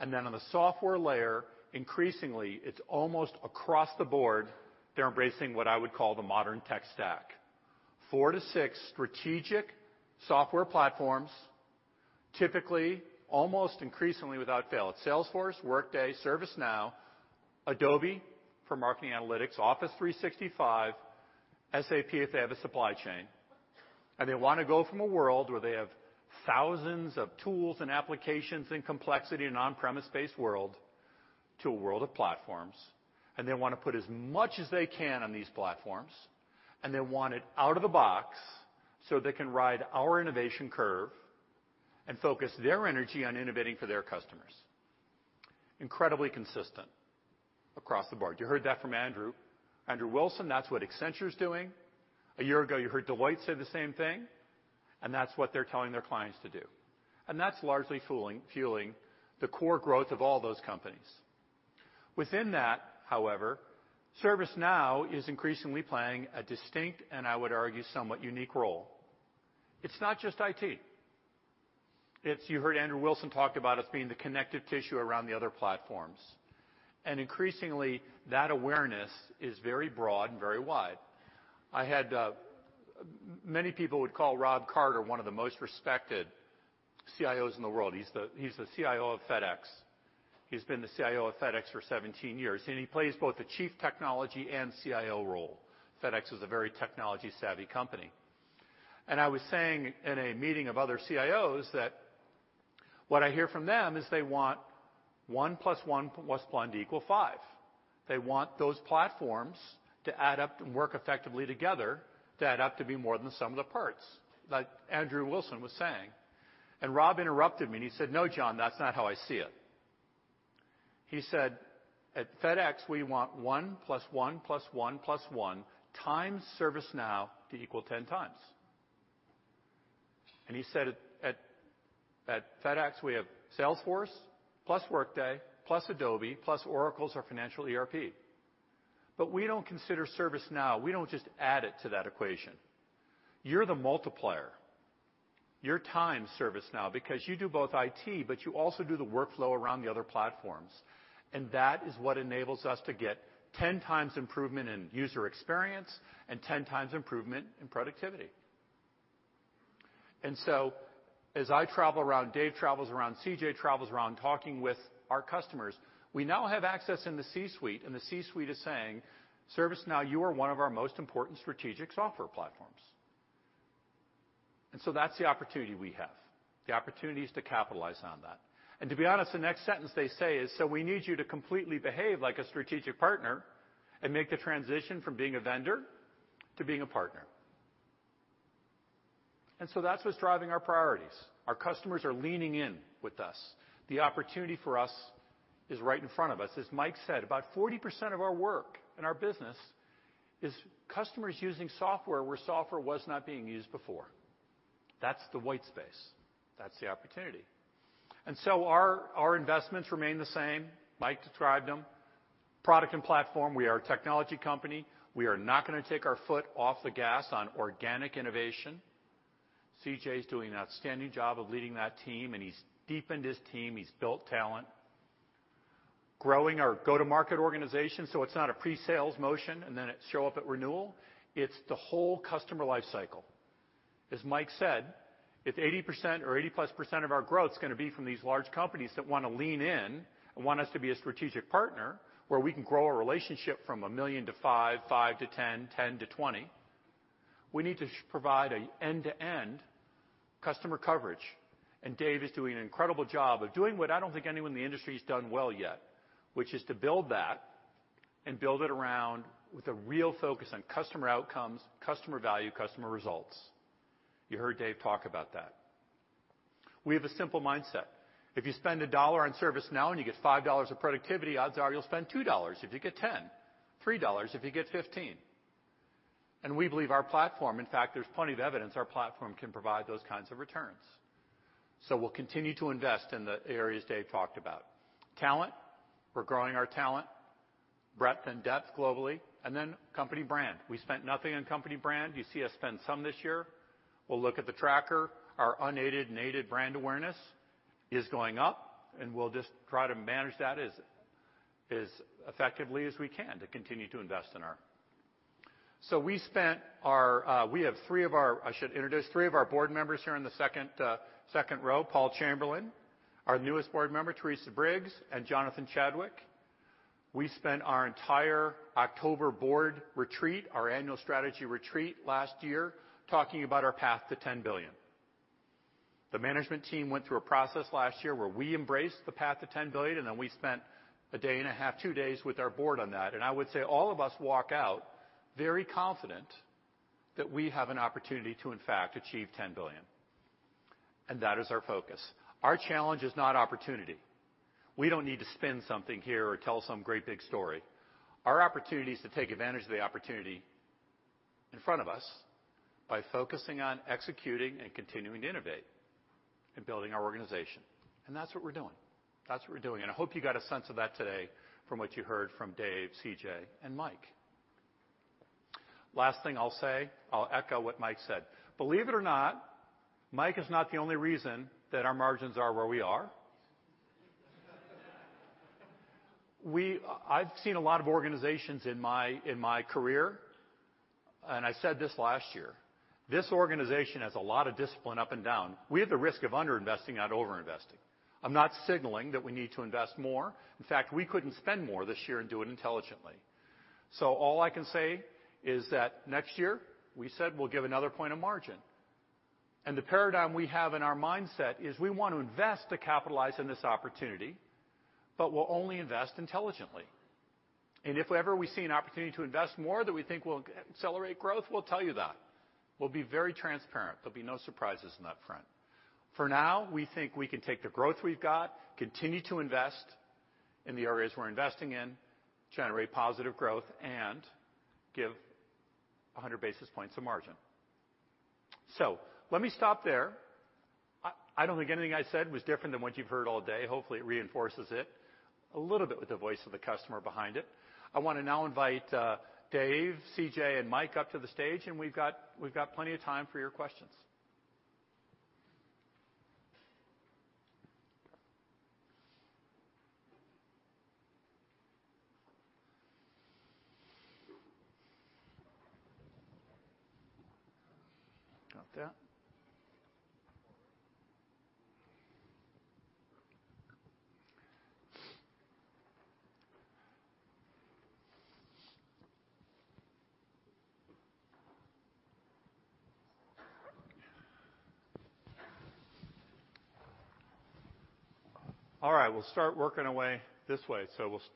then on the software layer, increasingly, it's almost across the board, they're embracing what I would call the modern tech stack. 4 to 6 strategic software platforms, typically almost increasingly without fail. It's Salesforce, Workday, ServiceNow, Adobe for marketing analytics, Office 365, SAP if they have a supply chain. They want to go from a world where they have thousands of tools and applications and complexity and on-premise-based world, to a world of platforms, and they want to put as much as they can on these platforms, and they want it out of the box so they can ride our innovation curve and focus their energy on innovating for their customers. Incredibly consistent across the board. You heard that from Andrew. Andrew Wilson, that's what Accenture's doing. A year ago, you heard Deloitte say the same thing, that's what they're telling their clients to do. That's largely fueling the core growth of all those companies. Within that, however, ServiceNow is increasingly playing a distinct, and I would argue, somewhat unique role. It's not just IT. You heard Andrew Wilson talk about us being the connective tissue around the other platforms. Increasingly, that awareness is very broad and very wide. Many people would call Rob Carter one of the most respected CIOs in the world. He's the CIO of FedEx. He's been the CIO of FedEx for 17 years, and he plays both the chief technology and CIO role. FedEx is a very technology-savvy company. I was saying in a meeting of other CIOs that what I hear from them is they want one plus one plus one to equal five. They want those platforms to add up and work effectively together to add up to be more than the sum of the parts, like Andrew Wilson was saying. Rob interrupted me and he said, "No, John, that's not how I see it." He said, "At FedEx, we want one plus one plus one plus one times ServiceNow to equal 10 times." He said, "At FedEx, we have Salesforce plus Workday, plus Adobe, plus Oracle's our financial ERP. We don't consider ServiceNow, we don't just add it to that equation. You're the multiplier. You're times ServiceNow because you do both IT, but you also do the workflow around the other platforms, and that is what enables us to get 10 times improvement in user experience and 10 times improvement in productivity." As I travel around, Dave travels around, CJ travels around talking with our customers, we now have access in the C-suite, and the C-suite is saying, "ServiceNow, you are one of our most important strategic software platforms." That's the opportunity we have, the opportunities to capitalize on that. To be honest, the next sentence they say is, "We need you to completely behave like a strategic partner and make the transition from being a vendor to being a partner." That's what's driving our priorities. Our customers are leaning in with us. The opportunity for us is right in front of us. As Mike said, about 40% of our work and our business is customers using software where software was not being used before. That's the white space. That's the opportunity. Our investments remain the same. Mike described them. Product and platform, we are a technology company. We are not going to take our foot off the gas on organic innovation. CJ is doing an outstanding job of leading that team, and he's deepened his team. He's built talent. Growing our go-to-market organization so it's not a pre-sales motion and then it show up at renewal. It's the whole customer life cycle. As Mike said, if 80% or 80-plus% of our growth is going to be from these large companies that want to lean in and want us to be a strategic partner where we can grow a relationship from $1 million to $5 million, $5 million to $10 million, $10 million to $20 million, we need to provide an end-to-end customer coverage. Dave is doing an incredible job of doing what I don't think anyone in the industry has done well yet, which is to build that and build it around with a real focus on customer outcomes, customer value, customer results. You heard Dave talk about that. We have a simple mindset. If you spend $1 on ServiceNow and you get $5 of productivity, odds are you'll spend $2 if you get $10, $3 if you get $15. We believe our platform, in fact, there's plenty of evidence our platform can provide those kinds of returns. We'll continue to invest in the areas Dave talked about. Talent, we're growing our talent, breadth and depth globally. Company brand. We spent nothing on company brand. You see us spend some this year. We'll look at the tracker. Our unaided and aided brand awareness is going up. We'll just try to manage that as effectively as we can. We have three of our, I should introduce three of our board members here in the second row, Paul Chamberlain, our newest board member, Teresa Briggs, and Jonathan Chadwick. We spent our entire October board retreat, our annual strategy retreat last year, talking about our path to $10 billion. The management team went through a process last year where we embraced the path to $10 billion. We spent a day and a half, 2 days, with our board on that. I would say all of us walk out very confident that we have an opportunity to in fact achieve $10 billion, and that is our focus. Our challenge is not opportunity. We don't need to spin something here or tell some great big story. Our opportunity is to take advantage of the opportunity in front of us by focusing on executing and continuing to innovate and building our organization. That's what we're doing. That's what we're doing. I hope you got a sense of that today from what you heard from Dave, CJ, and Mike. Last thing I'll say, I'll echo what Mike said. Believe it or not, Mike is not the only reason that our margins are where we are. I've seen a lot of organizations in my career, and I said this last year. This organization has a lot of discipline up and down. We have the risk of under-investing, not over-investing. I'm not signaling that we need to invest more. In fact, we couldn't spend more this year and do it intelligently. All I can say is that next year, we said we'll give another point of margin. The paradigm we have in our mindset is we want to invest to capitalize on this opportunity. We'll only invest intelligently. If ever we see an opportunity to invest more that we think will accelerate growth, we'll tell you that. We'll be very transparent. There'll be no surprises on that front. For now, we think we can take the growth we've got, continue to invest in the areas we're investing in, generate positive growth, and give 100 basis points of margin. Let me stop there. I don't think anything I said was different than what you've heard all day. Hopefully, it reinforces it a little bit with the voice of the customer behind it. I want to now invite Dave, CJ, and Mike up to the stage. We've got plenty of time for your questions. Okay. All right, we'll start working away this way.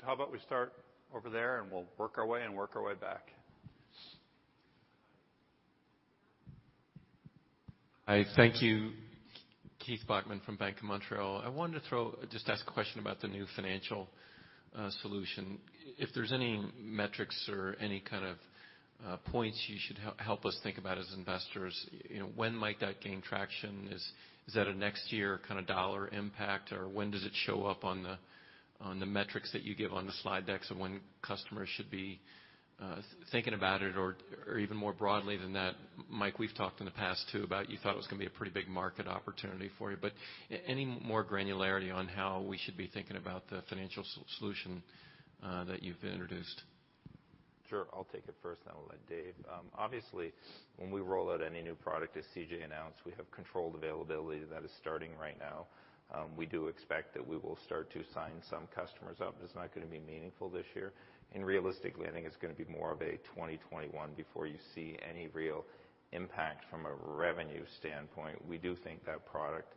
How about we start over there, and we'll work our way and work our way back. Hi. Thank you. Keith Bachman from Bank of Montreal. I wanted to just ask a question about the new financial solution. If there's any metrics or any kind of points you should help us think about as investors, when might that gain traction? Is that a next year kind of dollar impact, or when does it show up on the metrics that you give on the slide decks of when customers should be thinking about it? Even more broadly than that, Mike, we've talked in the past too about you thought it was going to be a pretty big market opportunity for you. Any more granularity on how we should be thinking about the financial solution that you've introduced? Sure. I'll take it first, and I'll let Dave. Obviously, when we roll out any new product, as CJ announced, we have controlled availability that is starting right now. We do expect that we will start to sign some customers up, but it's not going to be meaningful this year. Realistically, I think it's going to be more of a 2021 before you see any real impact from a revenue standpoint. We do think that product,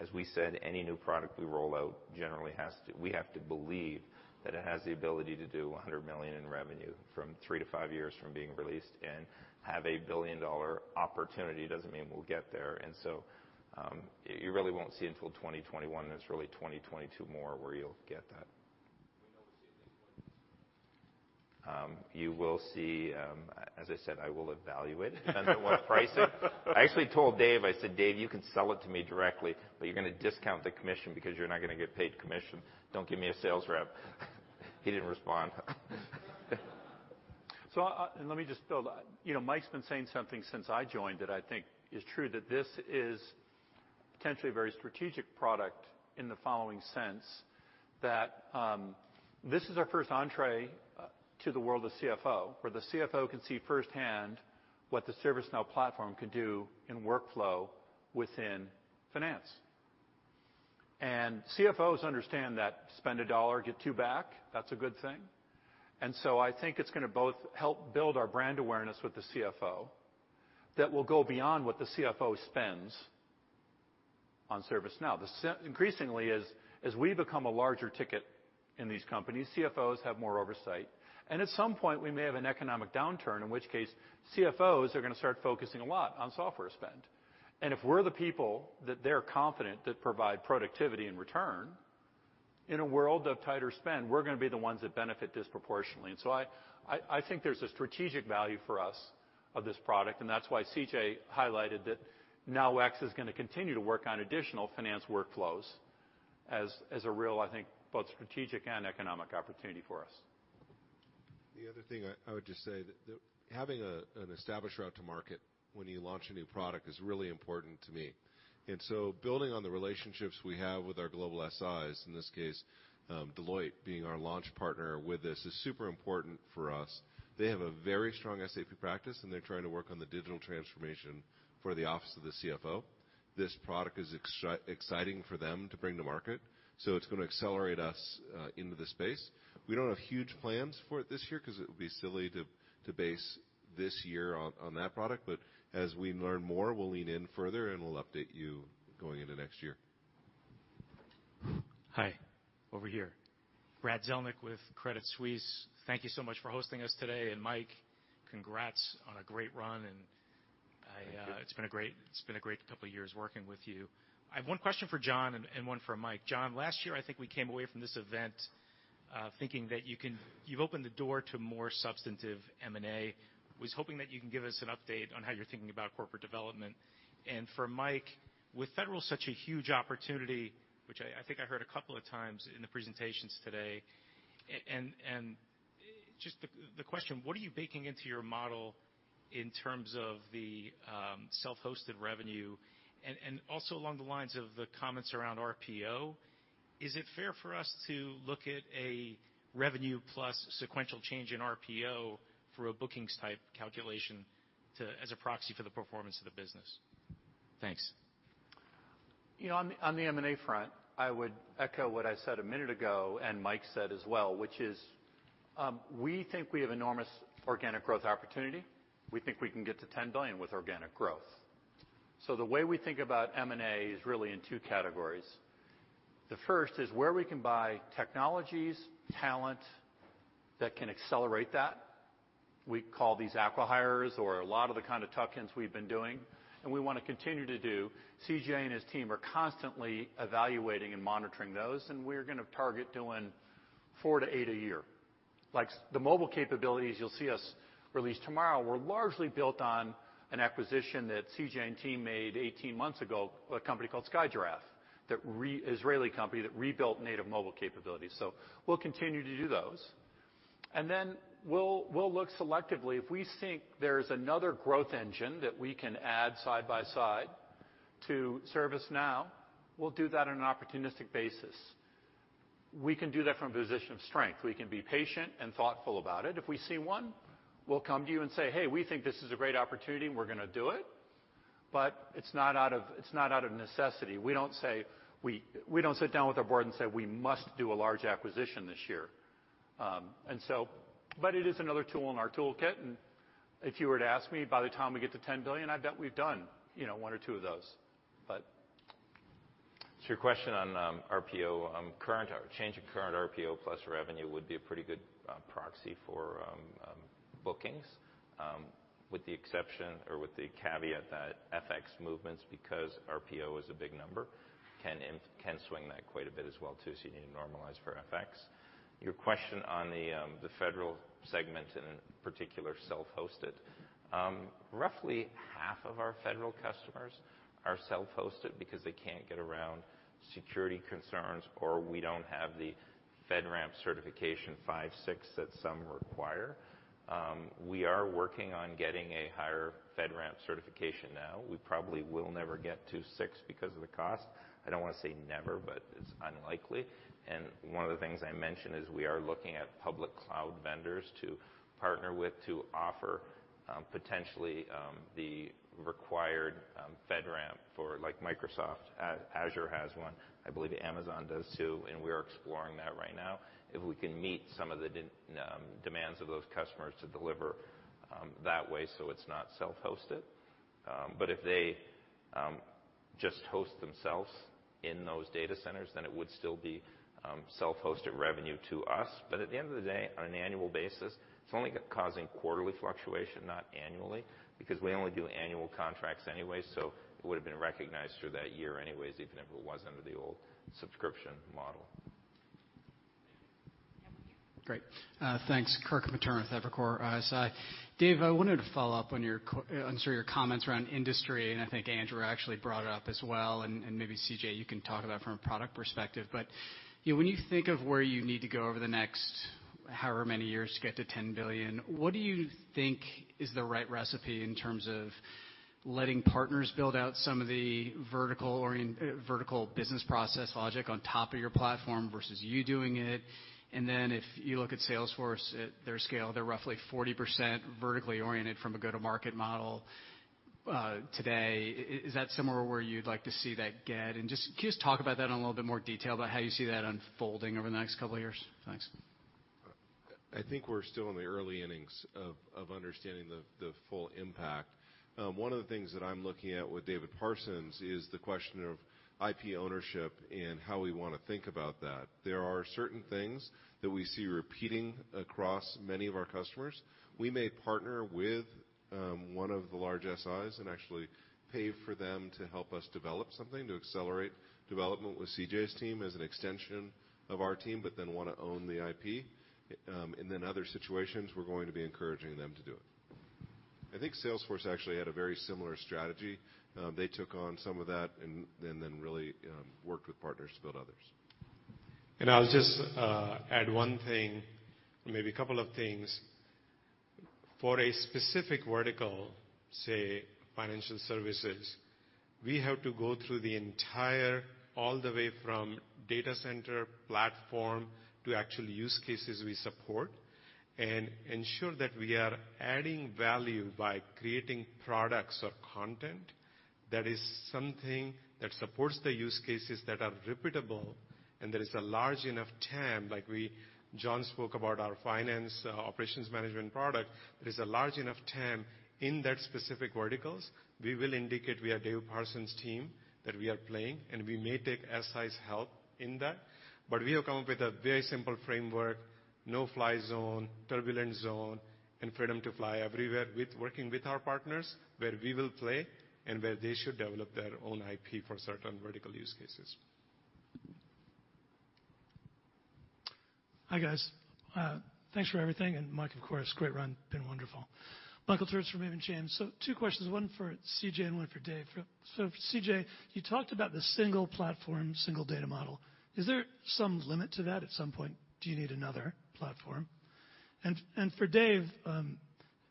as we said, any new product we roll out, we have to believe that it has the ability to do $100 million in revenue from 3-5 years from being released and have a billion-dollar opportunity. Doesn't mean we'll get there. You really won't see until 2021, and it's really 2022 more where you'll get that. You will see, as I said, I will evaluate depends on what pricing. I actually told Dave, I said, "Dave, you can sell it to me directly, but you're going to discount the commission because you're not going to get paid commission. Don't give me a sales rep." He didn't respond. Let me just build. Mike's been saying something since I joined that I think is true, that this is potentially a very strategic product in the following sense, that this is our first entrée to the world of CFO, where the CFO can see firsthand what the ServiceNow platform can do in workflow within finance. CFOs understand that spend $1, get two back, that's a good thing. I think it's going to both help build our brand awareness with the CFO that will go beyond what the CFO spends on ServiceNow. The increasingly is, as we become a larger ticket in these companies, CFOs have more oversight. At some point, we may have an economic downturn, in which case CFOs are going to start focusing a lot on software spend. If we're the people that they're confident that provide productivity in return, in a world of tighter spend, we're going to be the ones that benefit disproportionately. I think there's a strategic value for us of this product, and that's why CJ highlighted that NowX is going to continue to work on additional finance workflows as a real, I think, both strategic and economic opportunity for us. The other thing I would just say that having an established route to market when you launch a new product is really important to me. Building on the relationships we have with our global SIs, in this case, Deloitte being our launch partner with this, is super important for us. They have a very strong SAP practice, and they're trying to work on the digital transformation for the office of the CFO. This product is exciting for them to bring to market, so it's going to accelerate us into the space. We don't have huge plans for it this year because it would be silly to base this year on that product. As we learn more, we'll lean in further, and we'll update you going into next year. Hi. Over here. Brad Zelnick with Credit Suisse. Thank you so much for hosting us today. Mike, congrats on a great run. Thank you. It's been a great couple of years working with you. I have one question for John and one for Mike. John, last year, I think we came away from this event thinking that you've opened the door to more substantive M&A. Was hoping that you can give us an update on how you're thinking about corporate development. For Mike, with federal such a huge opportunity, which I think I heard a couple of times in the presentations today. Just the question, what are you baking into your model in terms of the self-hosted revenue? Also along the lines of the comments around RPO, is it fair for us to look at a revenue plus sequential change in RPO for a bookings type calculation as a proxy for the performance of the business? Thanks. On the M&A front, I would echo what I said a minute ago and Mike said as well, which is, we think we have enormous organic growth opportunity. We think we can get to $10 billion with organic growth. The way we think about M&A is really in 2 categories. The first is where we can buy technologies, talent that can accelerate that. We call these acquihires or a lot of the kind of tuck-ins we've been doing, and we want to continue to do. CJ and his team are constantly evaluating and monitoring those, and we're going to target doing 4 to 8 a year. Like the mobile capabilities you'll see us release tomorrow, were largely built on an acquisition that CJ and team made 18 months ago, a company called SkyGiraffe, Israeli company that rebuilt native mobile capabilities. We'll continue to do those. Then we'll look selectively. If we think there's another growth engine that we can add side by side to ServiceNow, we'll do that on an opportunistic basis. We can do that from a position of strength. We can be patient and thoughtful about it. If we see one, we'll come to you and say, "Hey, we think this is a great opportunity and we're going to do it." It's not out of necessity. We don't sit down with our board and say, "We must do a large acquisition this year." It is another tool in our toolkit, and if you were to ask me by the time we get to $10 billion, I bet we've done one or two of those. To your question on RPO, change in current RPO plus revenue would be a pretty good proxy for bookings. With the exception or with the caveat that FX movements, because RPO is a big number, can swing that quite a bit as well too. You need to normalize for FX. Your question on the federal segment and in particular, self-hosted. Roughly half of our federal customers are self-hosted because they can't get around security concerns, or we don't have the FedRAMP certification 5, 6 that some require. We are working on getting a higher FedRAMP certification now. We probably will never get to 6 because of the cost. I don't want to say never, but it's unlikely. One of the things I mentioned is we are looking at public cloud vendors to partner with to offer potentially the required FedRAMP for like Microsoft. Azure has one, I believe Amazon does too, and we are exploring that right now. If we can meet some of the demands of those customers to deliver that way so it is not self-hosted. If they just host themselves in those data centers, then it would still be self-hosted revenue to us. At the end of the day, on an annual basis, it is only causing quarterly fluctuation, not annually, because we only do annual contracts anyway, so it would've been recognized through that year anyways, even if it was under the old subscription model. Great. Thanks. Kirk Materne of Evercore ISI. Dave, I wanted to follow up on your comments around industry, I think Andrew actually brought it up as well, maybe CJ, you can talk about it from a product perspective. When you think of where you need to go over the next however many years to get to $10 billion, what do you think is the right recipe in terms of letting partners build out some of the vertical business process logic on top of your platform versus you doing it? If you look at Salesforce, at their scale, they're roughly 40% vertically oriented from a go-to-market model today. Is that somewhere where you'd like to see that get? Just talk about that in a little bit more detail about how you see that unfolding over the next couple of years. Thanks. I think we're still in the early innings of understanding the full impact. One of the things that I'm looking at with David Parsons is the question of IP ownership and how we want to think about that. There are certain things that we see repeating across many of our customers. We may partner with one of the large SIs and actually pay for them to help us develop something, to accelerate development with CJ's team as an extension of our team, but then want to own the IP. Other situations, we're going to be encouraging them to do it. I think Salesforce actually had a very similar strategy. They took on some of that and then really worked with partners to build others. I'll just add one thing, maybe a couple of things. For a specific vertical, say, financial services, we have to go through the entire, all the way from data center platform to actually use cases we support, and ensure that we are adding value by creating products or content that is something that supports the use cases that are reputable, there is a large enough TAM, like John spoke about our Financial Services Operations product. There is a large enough TAM in that specific verticals. We will indicate we are David Parsons' team, that we are playing, and we may take SI's help in that. We have come up with a very simple framework, no-fly zone, turbulent zone, and freedom to fly everywhere with working with our partners, where we will play and where they should develop their own IP for certain vertical use cases. Hi, guys. Thanks for everything. Mike, of course, great run. Been wonderful. Michael Turits from Raymond James. Two questions, one for CJ and one for Dave. CJ, you talked about the single platform, single data model. Is there some limit to that? At some point, do you need another platform? For Dave,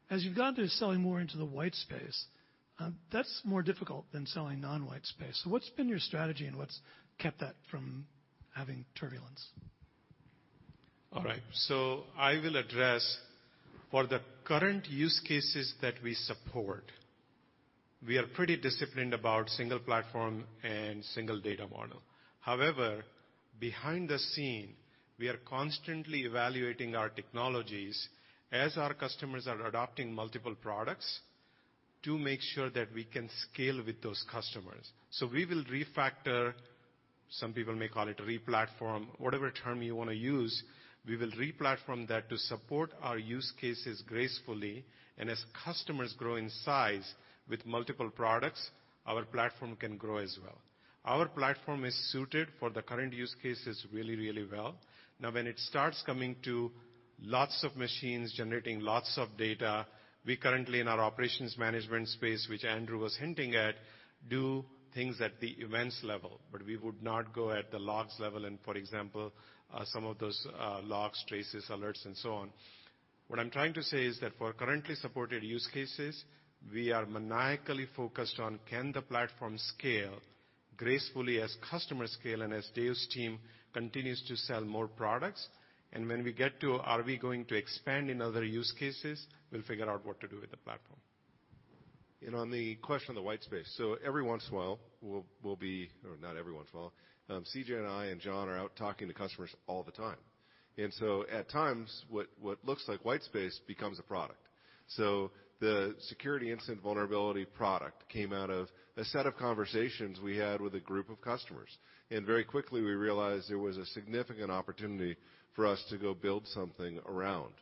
as you've gone through selling more into the white space, that's more difficult than selling non-white space. What's been your strategy, and what's kept that from having turbulence? All right. I will address for the current use cases that we support, we are pretty disciplined about single platform and single data model. However, behind the scene, we are constantly evaluating our technologies as our customers are adopting multiple products to make sure that we can scale with those customers. We will refactor, some people may call it re-platform, whatever term you want to use. We will re-platform that to support our use cases gracefully. As customers grow in size with multiple products, our platform can grow as well. Our platform is suited for the current use cases really, really well. Now, when it starts coming to lots of machines generating lots of data, we currently, in our operations management space, which Andrew was hinting at, do things at the events level, but we would not go at the logs level and, for example, some of those logs, traces, alerts, and so on. What I'm trying to say is that for currently supported use cases, we are maniacally focused on can the platform scale gracefully as customers scale and as Dave's team continues to sell more products? When we get to are we going to expand in other use cases, we'll figure out what to do with the platform. On the question of the white space, every once in a while, we'll be Or not every once in a while. CJ and I and John are out talking to customers all the time. At times, what looks like white space becomes a product. The security incident vulnerability product came out of a set of conversations we had with a group of customers. Very quickly, we realized there was a significant opportunity for us to go build something around.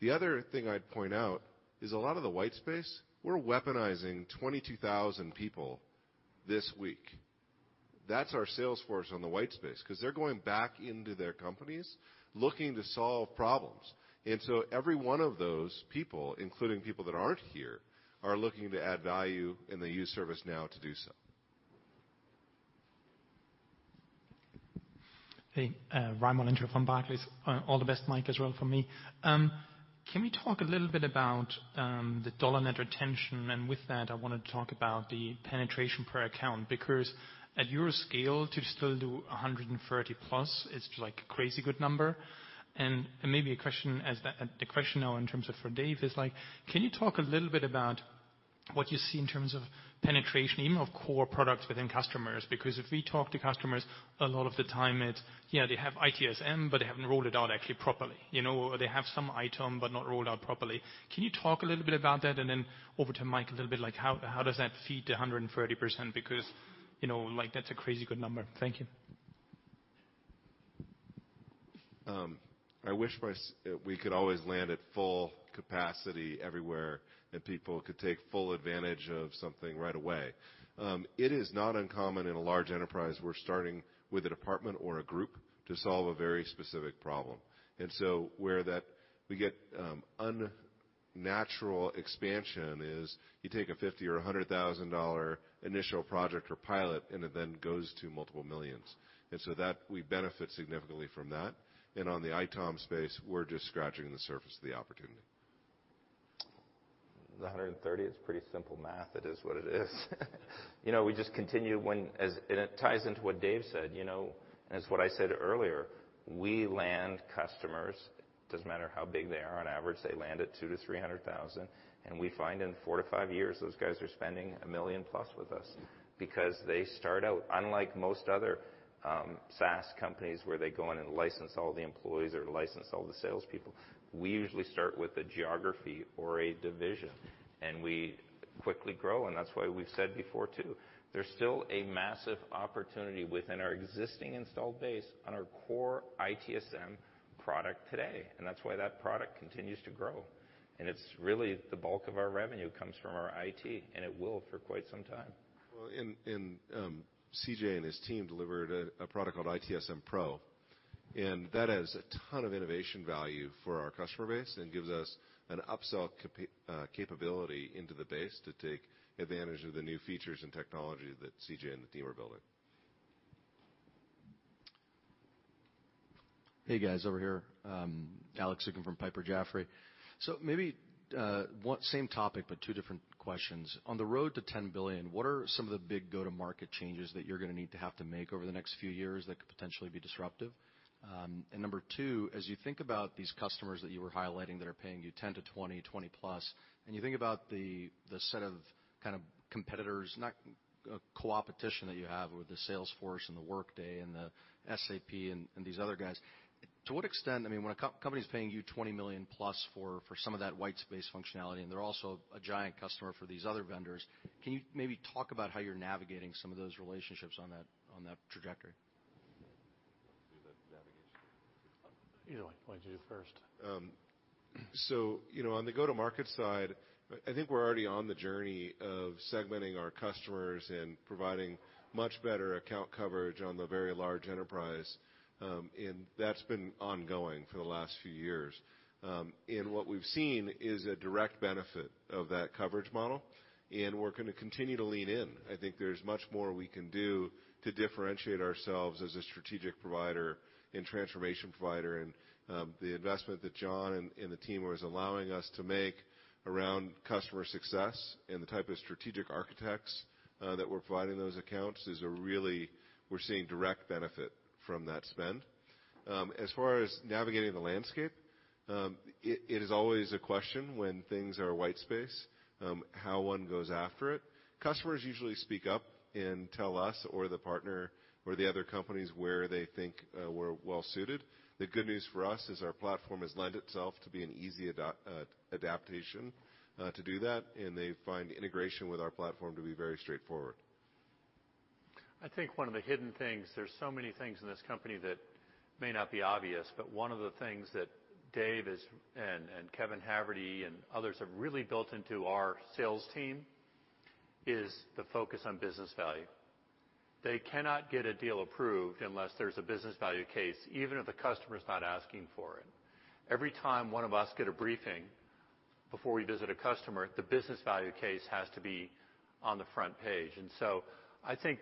The other thing I'd point out is a lot of the white space, we're weaponizing 22,000 people this week. That's our sales force on the white space, because they're going back into their companies looking to solve problems. Every one of those people, including people that aren't here, are looking to add value, and they use ServiceNow to do so. Hey, Raimo Lenschow from Barclays. All the best, Mike, as well from me. Can we talk a little bit about the dollar net retention? With that, I want to talk about the penetration per account, because at your scale, to still do 130+ is like a crazy good number. Maybe a question now in terms of for Dave is can you talk a little bit about what you see in terms of penetration, even of core products within customers? Because if we talk to customers, a lot of the time it's they have ITSM, but they haven't rolled it out actually properly. They have some ITOM, but not rolled out properly. Can you talk a little bit about that? Over to Mike a little bit, how does that feed to 130%? Because that's a crazy good number. Thank you. I wish we could always land at full capacity everywhere, and people could take full advantage of something right away. It is not uncommon in a large enterprise, we're starting with a department or a group to solve a very specific problem. So where that we get unnatural expansion is you take a $50,000 or $100,000 initial project or pilot, and it then goes to multiple millions. So we benefit significantly from that. On the ITOM space, we're just scratching the surface of the opportunity. The 130, it's pretty simple math. It is what it is. We just continue. It ties into what Dave said, and it's what I said earlier. We land customers, doesn't matter how big they are. On average, they land at two to $300,000. We find in four to five years, those guys are spending a $1 million+ with us. Because they start out, unlike most other SaaS companies where they go in and license all the employees or license all the salespeople, we usually start with a geography or a division, and we quickly grow. That's why we've said before, too, there's still a massive opportunity within our existing installed base on our core ITSM product today. That's why that product continues to grow. It's really the bulk of our revenue comes from our IT, and it will for quite some time. Well, CJ and his team delivered a product called ITSM Pro. That has a ton of innovation value for our customer base and gives us an upsell capability into the base to take advantage of the new features and technology that CJ and the team are building. Hey, guys, over here. Alex Zukin from Piper Jaffray. Maybe same topic, but two different questions. On the road to $10 billion, what are some of the big go-to-market changes that you're going to need to have to make over the next few years that could potentially be disruptive? Number 2, as you think about these customers that you were highlighting that are paying you $10 million-$20 million, $20 million-plus, and you think about the set of competitors, not co-opetition that you have with the Salesforce and the Workday and the SAP and these other guys. To what extent, when a company's paying you $20 million-plus for some of that white space functionality, and they're also a giant customer for these other vendors, can you maybe talk about how you're navigating some of those relationships on that trajectory? Do you want to do the navigation? Either way. Why don't you do it first? On the go-to-market side, I think we're already on the journey of segmenting our customers and providing much better account coverage on the very large enterprise. That's been ongoing for the last few years. What we've seen is a direct benefit of that coverage model. We're going to continue to lean in. I think there's much more we can do to differentiate ourselves as a strategic provider and transformation provider. The investment that John and the team are allowing us to make around customer success and the type of strategic architects that we're providing those accounts is a We're seeing direct benefit from that spend. As far as navigating the landscape, it is always a question when things are a white space, how one goes after it. Customers usually speak up and tell us or the partner or the other companies where they think we're well-suited. The good news for us is our platform has lent itself to be an easy adaptation to do that, and they find integration with our platform to be very straightforward. I think one of the hidden things, there's so many things in this company that may not be obvious. One of the things that Dave and Kevin Haverty and others have really built into our sales team is the focus on business value. They cannot get a deal approved unless there's a business value case, even if the customer's not asking for it. Every time one of us get a briefing before we visit a customer, the business value case has to be on the front page. I think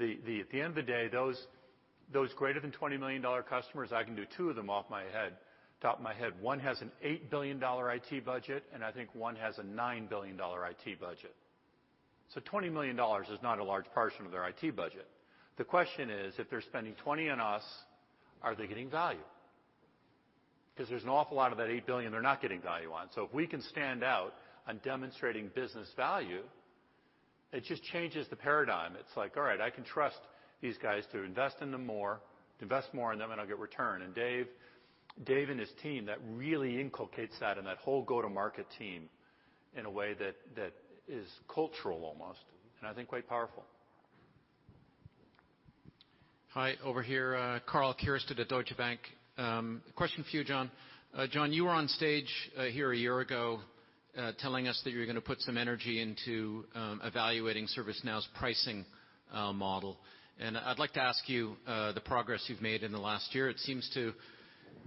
at the end of the day, those greater than $20 million customers, I can do two of them off my head, top of my head. One has an $8 billion IT budget, and I think one has a $9 billion IT budget. $20 million is not a large portion of their IT budget. The question is, if they're spending $20 on us, are they getting value? Because there's an awful lot of that $8 billion they're not getting value on. If we can stand out on demonstrating business value, it just changes the paradigm. It's like, all right, I can trust these guys to invest more in them, and I'll get return. Dave and his team, that really inculcates that in that whole go-to-market team in a way that is cultural almost, and I think quite powerful. Hi, over here. Karl Keirstead at Deutsche Bank. Question for you, John. John, you were on stage here a year ago, telling us that you're going to put some energy into evaluating ServiceNow's pricing model. I'd like to ask you the progress you've made in the last year.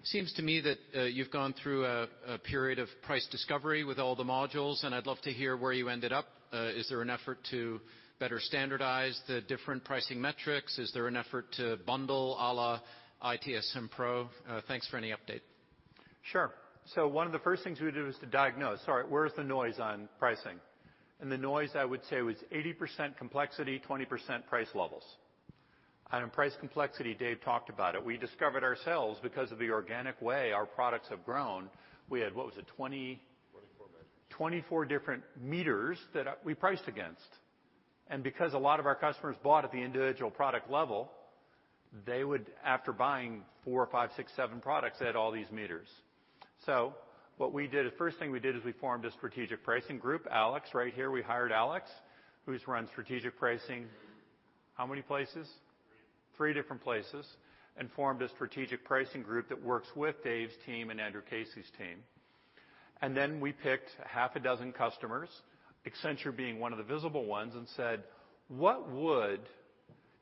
It seems to me that you've gone through a period of price discovery with all the modules, and I'd love to hear where you ended up. Is there an effort to better standardize the different pricing metrics? Is there an effort to bundle a la ITSM Pro? Thanks for any update. Sure. One of the first things we would do is to diagnose. All right, where is the noise on pricing? The noise, I would say, was 80% complexity, 20% price levels. On price complexity, Dave talked about it. We discovered ourselves, because of the organic way our products have grown, we had, what was it? 24 meters 24 different meters that we priced against. Because a lot of our customers bought at the individual product level, they would, after buying four, five, six, seven products, they had all these meters. What we did, the first thing we did is we formed a strategic pricing group. Alex, right here, we hired Alex, who's run strategic pricing, how many places? Three. Three different places, formed a strategic pricing group that works with Dave's team and Andrew Casey's team. We picked half a dozen customers, Accenture being one of the visible ones, and said, "What would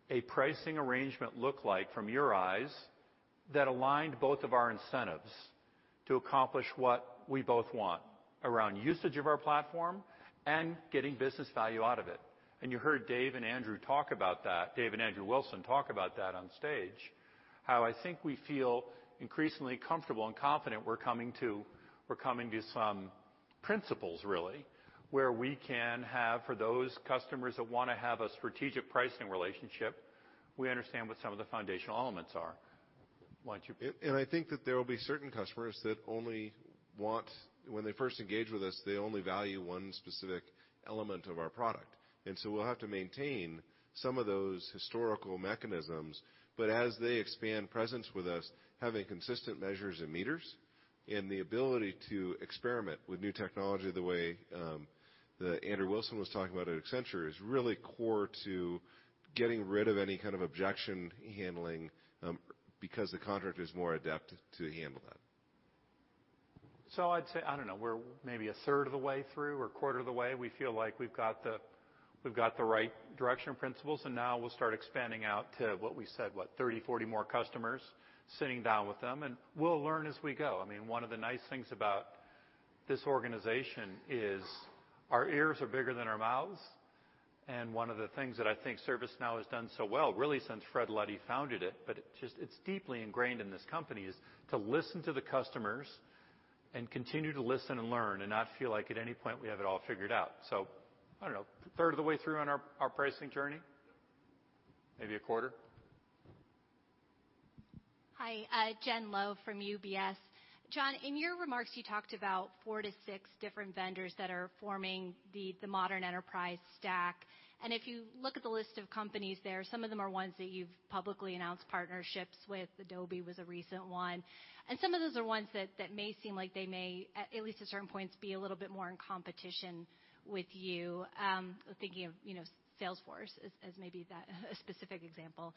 a pricing arrangement look like from your eyes that aligned both of our incentives to accomplish what we both want around usage of our platform and getting business value out of it. You heard Dave and Andrew talk about that. Dave and Andrew Wilson talk about that on stage, how I think we feel increasingly comfortable and confident we're coming to some principles really, where we can have for those customers that want to have a strategic pricing relationship, we understand what some of the foundational elements are. I think that there will be certain customers that only want, when they first engage with us, they only value one specific element of our product. We'll have to maintain some of those historical mechanisms, but as they expand presence with us, having consistent measures and meters and the ability to experiment with new technology the way that Andrew Wilson was talking about at Accenture is really core to getting rid of any kind of objection handling, because the contractor is more adept to handle that. I'd say, I don't know, we're maybe a third of the way through or quarter of the way. We feel like we've got the right direction and principles, now we'll start expanding out to what we said, what, 30, 40 more customers, sitting down with them, and we'll learn as we go. One of the nice things about this organization is our ears are bigger than our mouths. One of the things that I think ServiceNow has done so well, really since Fred Luddy founded it, but it's deeply ingrained in this company, is to listen to the customers and continue to listen and learn and not feel like at any point we have it all figured out. I don't know, a third of the way through on our pricing journey? Maybe a quarter. Hi, Jen Lowe from UBS. John, in your remarks, you talked about four to six different vendors that are forming the modern enterprise stack. If you look at the list of companies there, some of them are ones that you've publicly announced partnerships with. Adobe was a recent one. Some of those are ones that may seem like they may, at least at certain points, be a little bit more in competition with you. Thinking of Salesforce as maybe that specific example.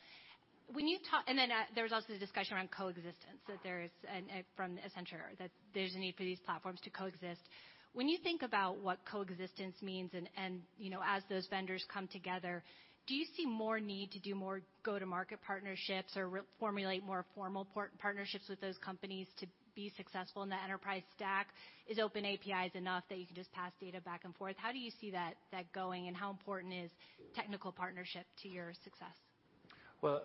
There was also the discussion around coexistence, from Accenture, that there's a need for these platforms to coexist. When you think about what coexistence means and, as those vendors come together, do you see more need to do more go-to-market partnerships or formulate more formal partnerships with those companies to be successful in that enterprise stack? Is Open APIs enough that you can just pass data back and forth? How do you see that going, and how important is technical partnership to your success?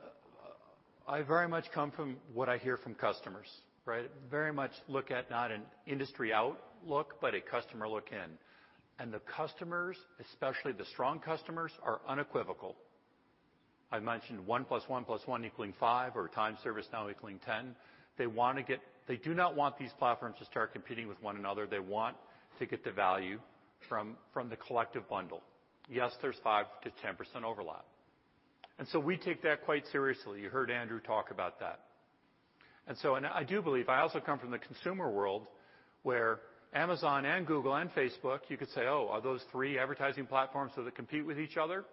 I very much come from what I hear from customers, right? Very much look at not an industry outlook, but a customer look in. The customers, especially the strong customers, are unequivocal. I mentioned one plus one plus one equaling 5 or Times ServiceNow equaling 10. They do not want these platforms to start competing with one another. They want to get the value from the collective bundle. Yes, there's 5%-10% overlap. We take that quite seriously. You heard Andrew talk about that. I do believe, I also come from the consumer world, where Amazon and Google and Facebook, you could say, "Oh, are those three advertising platforms so they compete with each other?"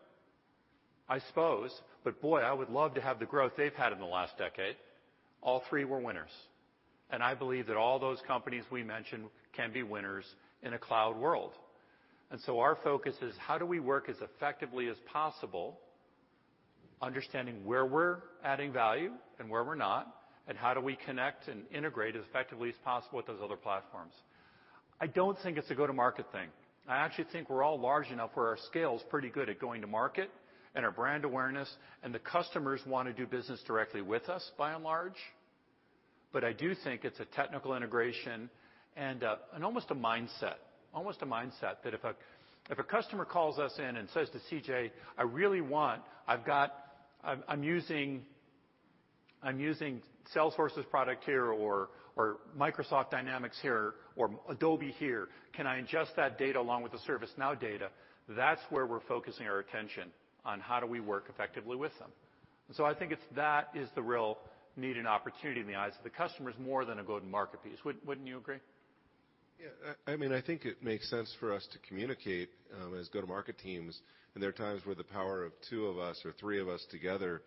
I suppose, but boy, I would love to have the growth they've had in the last decade. All three were winners. I believe that all those companies we mentioned can be winners in a cloud world. Our focus is how do we work as effectively as possible, understanding where we're adding value and where we're not, and how do we connect and integrate as effectively as possible with those other platforms. I don't think it's a go-to-market thing. I actually think we're all large enough where our scale is pretty good at going to market, and our brand awareness, and the customers want to do business directly with us by and large. I do think it's a technical integration and almost a mindset. Almost a mindset that if a customer calls us in and says to CJ, "I'm using Salesforce's product here, or Microsoft Dynamics here, or Adobe here. Can I ingest that data along with the ServiceNow data?" That's where we're focusing our attention on how do we work effectively with them. I think that is the real need and opportunity in the eyes of the customers more than a go-to-market piece. Wouldn't you agree? Yeah. I think it makes sense for us to communicate as go-to-market teams, and there are times where the power of two of us or three of us together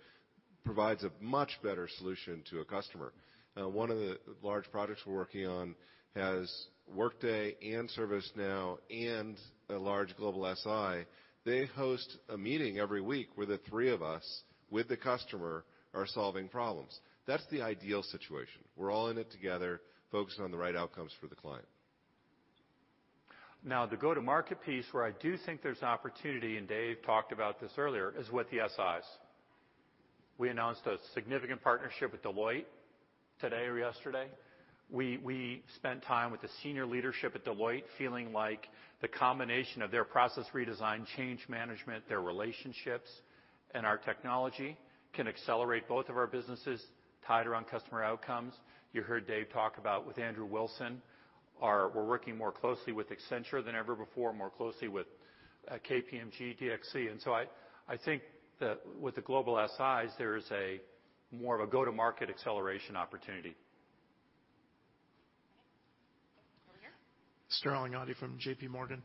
provides a much better solution to a customer. One of the large projects we're working on has Workday and ServiceNow and a large global SI. They host a meeting every week where the three of us, with the customer, are solving problems. That's the ideal situation. We're all in it together, focusing on the right outcomes for the client. The go-to-market piece, where I do think there's opportunity, and Dave talked about this earlier, is with the SIs. We announced a significant partnership with Deloitte today or yesterday. We spent time with the senior leadership at Deloitte, feeling like the combination of their process redesign, change management, their relationships, and our technology can accelerate both of our businesses tied around customer outcomes. You heard Dave talk about with Andrew Wilson. We're working more closely with Accenture than ever before, more closely with KPMG, DXC. I think that with the global SIs, there is a more of a go-to-market acceleration opportunity. Okay. Over here. Sterling Auty from JPMorgan.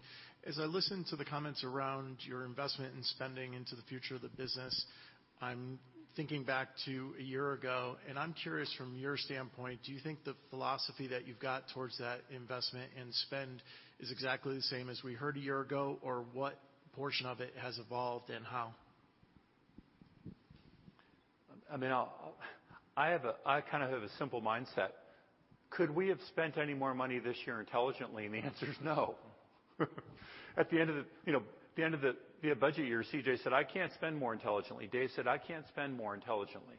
As I listen to the comments around your investment and spending into the future of the business, I. Thinking back to a year ago, I'm curious from your standpoint, do you think the philosophy that you've got towards that investment and spend is exactly the same as we heard a year ago? What portion of it has evolved, and how? I kind of have a simple mindset. Could we have spent any more money this year intelligently? The answer is no. At the end of the budget year, CJ said, "I can't spend more intelligently." Dave said, "I can't spend more intelligently."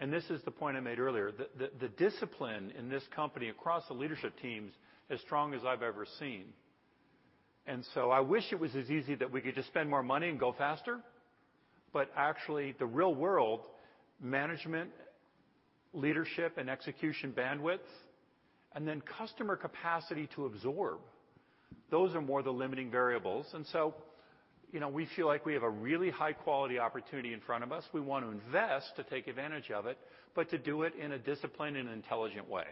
This is the point I made earlier. The discipline in this company across the leadership teams as strong as I've ever seen. I wish it was as easy that we could just spend more money and go faster. The real world, management, leadership, and execution bandwidth, and then customer capacity to absorb, those are more the limiting variables. We feel like we have a really high-quality opportunity in front of us. We want to invest to take advantage of it, but to do it in a disciplined and intelligent way.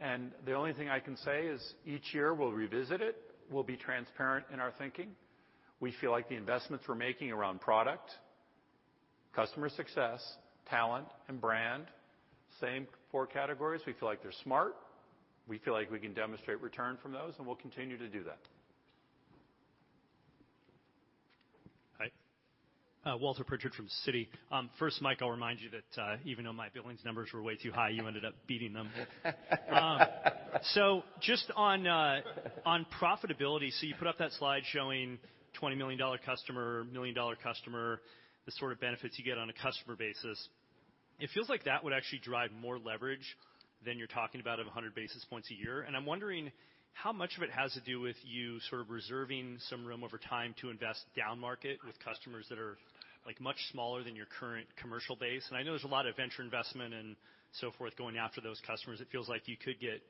The only thing I can say is each year we'll revisit it. We'll be transparent in our thinking. We feel like the investments we're making around product, customer success, talent, and brand, same four categories. We feel like they're smart. We feel like we can demonstrate return from those, and we'll continue to do that. Hi. Walter Pritchard from Citi. First, Mike, I'll remind you that even though my billings numbers were way too high, you ended up beating them. Just on profitability. You put up that slide showing $20-million customer, $1-million customer, the sort of benefits you get on a customer basis. It feels like that would actually drive more leverage than you're talking about of 100 basis points a year. I'm wondering how much of it has to do with you sort of reserving some room over time to invest downmarket with customers that are much smaller than your current commercial base. I know there's a lot of venture investment and so forth going after those customers. It feels like you could get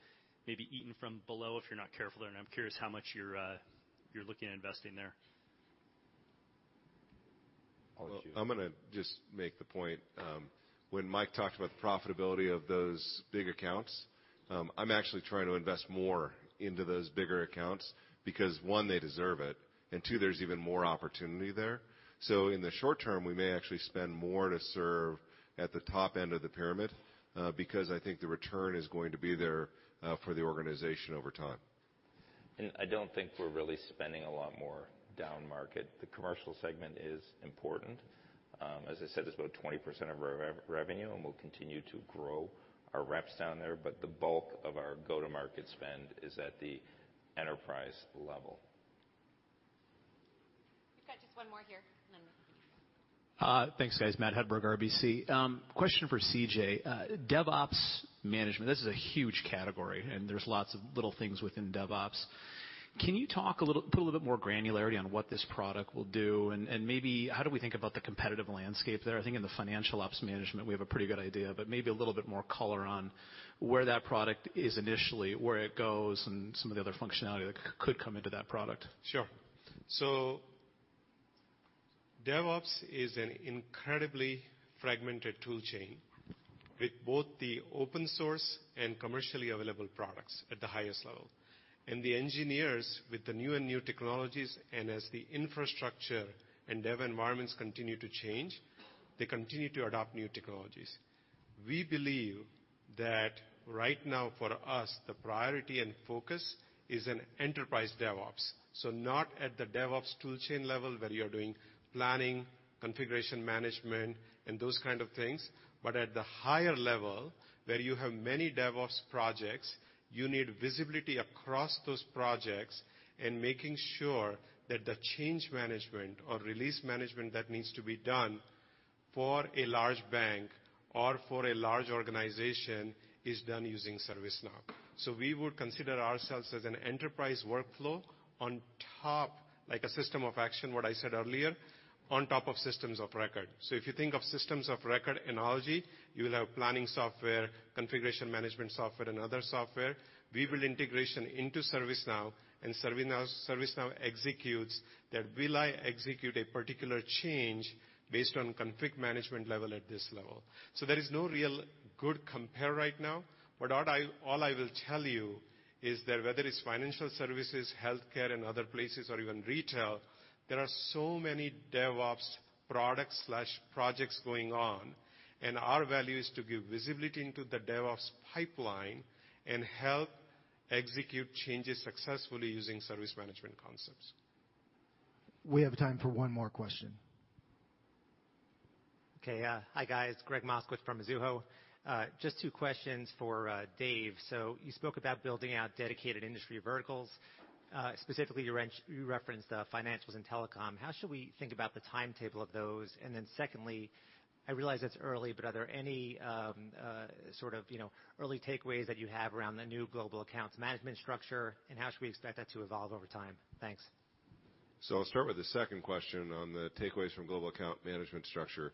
maybe eaten from below if you're not careful there, and I'm curious how much you're looking at investing there. I'll let you. I'm going to just make the point. When Mike Scarpelli talked about the profitability of those big accounts, I'm actually trying to invest more into those bigger accounts because, one, they deserve it, and two, there's even more opportunity there. In the short term, we may actually spend more to serve at the top end of the pyramid, because I think the return is going to be there for the organization over time. I don't think we're really spending a lot more downmarket. The commercial segment is important. As I said, it's about 20% of our revenue, and we'll continue to grow our reps down there. The bulk of our go-to-market spend is at the enterprise level. We've got just one more here, and then we'll conclude. Thanks, guys. Matt Hedberg, RBC. Question for CJ. DevOps management, this is a huge category, and there's lots of little things within DevOps. Can you put a little bit more granularity on what this product will do? Maybe how do we think about the competitive landscape there? I think in the Financial Services Operations, we have a pretty good idea, but maybe a little bit more color on where that product is initially, where it goes, and some of the other functionality that could come into that product. Sure. DevOps is an incredibly fragmented tool chain with both the open source and commercially available products at the highest level. The engineers with the new technologies and as the infrastructure and dev environments continue to change, they continue to adopt new technologies. We believe that right now, for us, the priority and focus is an enterprise DevOps. Not at the DevOps tool chain level where you're doing planning, configuration management, and those kind of things. At the higher level where you have many DevOps projects, you need visibility across those projects and making sure that the change management or release management that needs to be done for a large bank or for a large organization is done using ServiceNow. We would consider ourselves as an enterprise workflow on top, like a system of action, what I said earlier, on top of systems of record. If you think of systems of record analogy, you will have planning software, configuration management software, and other software. We build integration into ServiceNow, and ServiceNow executes that will I execute a particular change based on config management level at this level. There is no real good compare right now. All I will tell you is that whether it's financial services, healthcare, and other places, or even retail, there are so many DevOps products/projects going on. Our value is to give visibility into the DevOps pipeline and help execute changes successfully using service management concepts. We have time for one more question. Okay. Hi, guys. Gregg Moskowitz from Mizuho. Just two questions for Dave. You spoke about building out dedicated industry verticals. Specifically, you referenced financials and telecom. How should we think about the timetable of those? Secondly, I realize it's early, but are there any sort of early takeaways that you have around the new global accounts management structure, and how should we expect that to evolve over time? Thanks. I'll start with the second question on the takeaways from global account management structure.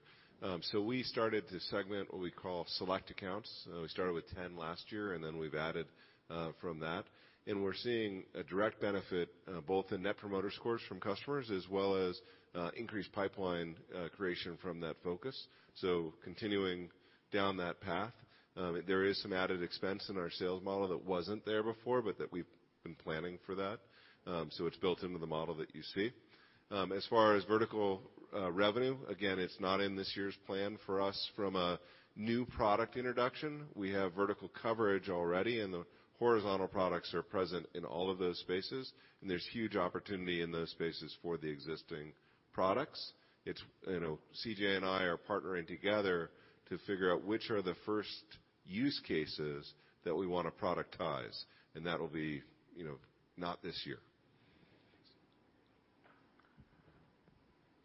We started to segment what we call select accounts. We started with 10 last year, and then we've added from that. We're seeing a direct benefit both in net promoter scores from customers as well as increased pipeline creation from that focus. Continuing down that path. There is some added expense in our sales model that wasn't there before, but that we've been planning for that. It's built into the model that you see. As far as vertical revenue, again, it's not in this year's plan for us from a new product introduction. We have vertical coverage already, and the horizontal products are present in all of those spaces, and there's huge opportunity in those spaces for the existing products. C.J. and I are partnering together to figure out which are the first use cases that we want to productize, and that will be not this year.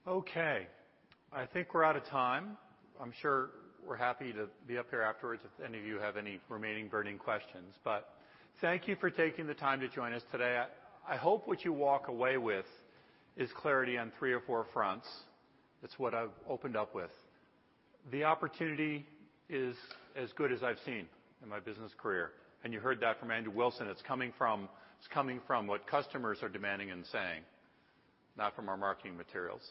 Okay. I think we're out of time. I'm sure we're happy to be up here afterwards if any of you have any remaining burning questions. Thank you for taking the time to join us today. I hope what you walk away with is clarity on three or four fronts. It's what I've opened up with. The opportunity is as good as I've seen in my business career, and you heard that from Andrew Wilson. It's coming from what customers are demanding and saying, not from our marketing materials.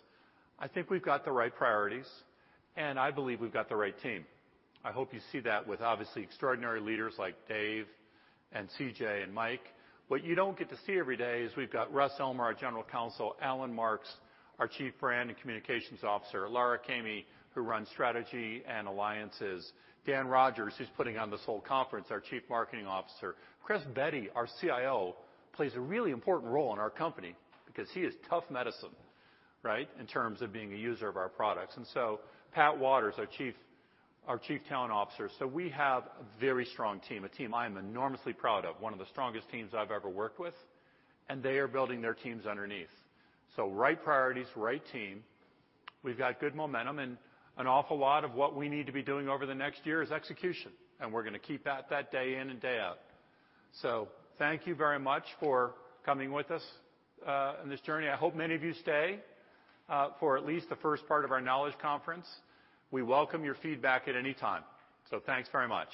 I think we've got the right priorities, and I believe we've got the right team. I hope you see that with, obviously, extraordinary leaders like Dave and C.J. and Mike. What you don't get to see every day is we've got Russell Elmer, our General Counsel, Alan Marks, our Chief Brand and Communications Officer, Lara Caimi, who runs strategy and alliances. Dan Rogers, who's putting on this whole conference, our Chief Marketing Officer. Chris Bedi, our CIO, plays a really important role in our company because he is tough medicine, right, in terms of being a user of our products. Pat Wadors, our Chief Talent Officer. We have a very strong team, a team I am enormously proud of, one of the strongest teams I've ever worked with, and they are building their teams underneath. Right priorities, right team. We've got good momentum and an awful lot of what we need to be doing over the next year is execution, and we're going to keep at that day in and day out. Thank you very much for coming with us on this journey. I hope many of you stay for at least the first part of our Knowledge Conference. We welcome your feedback at any time. Thanks very much.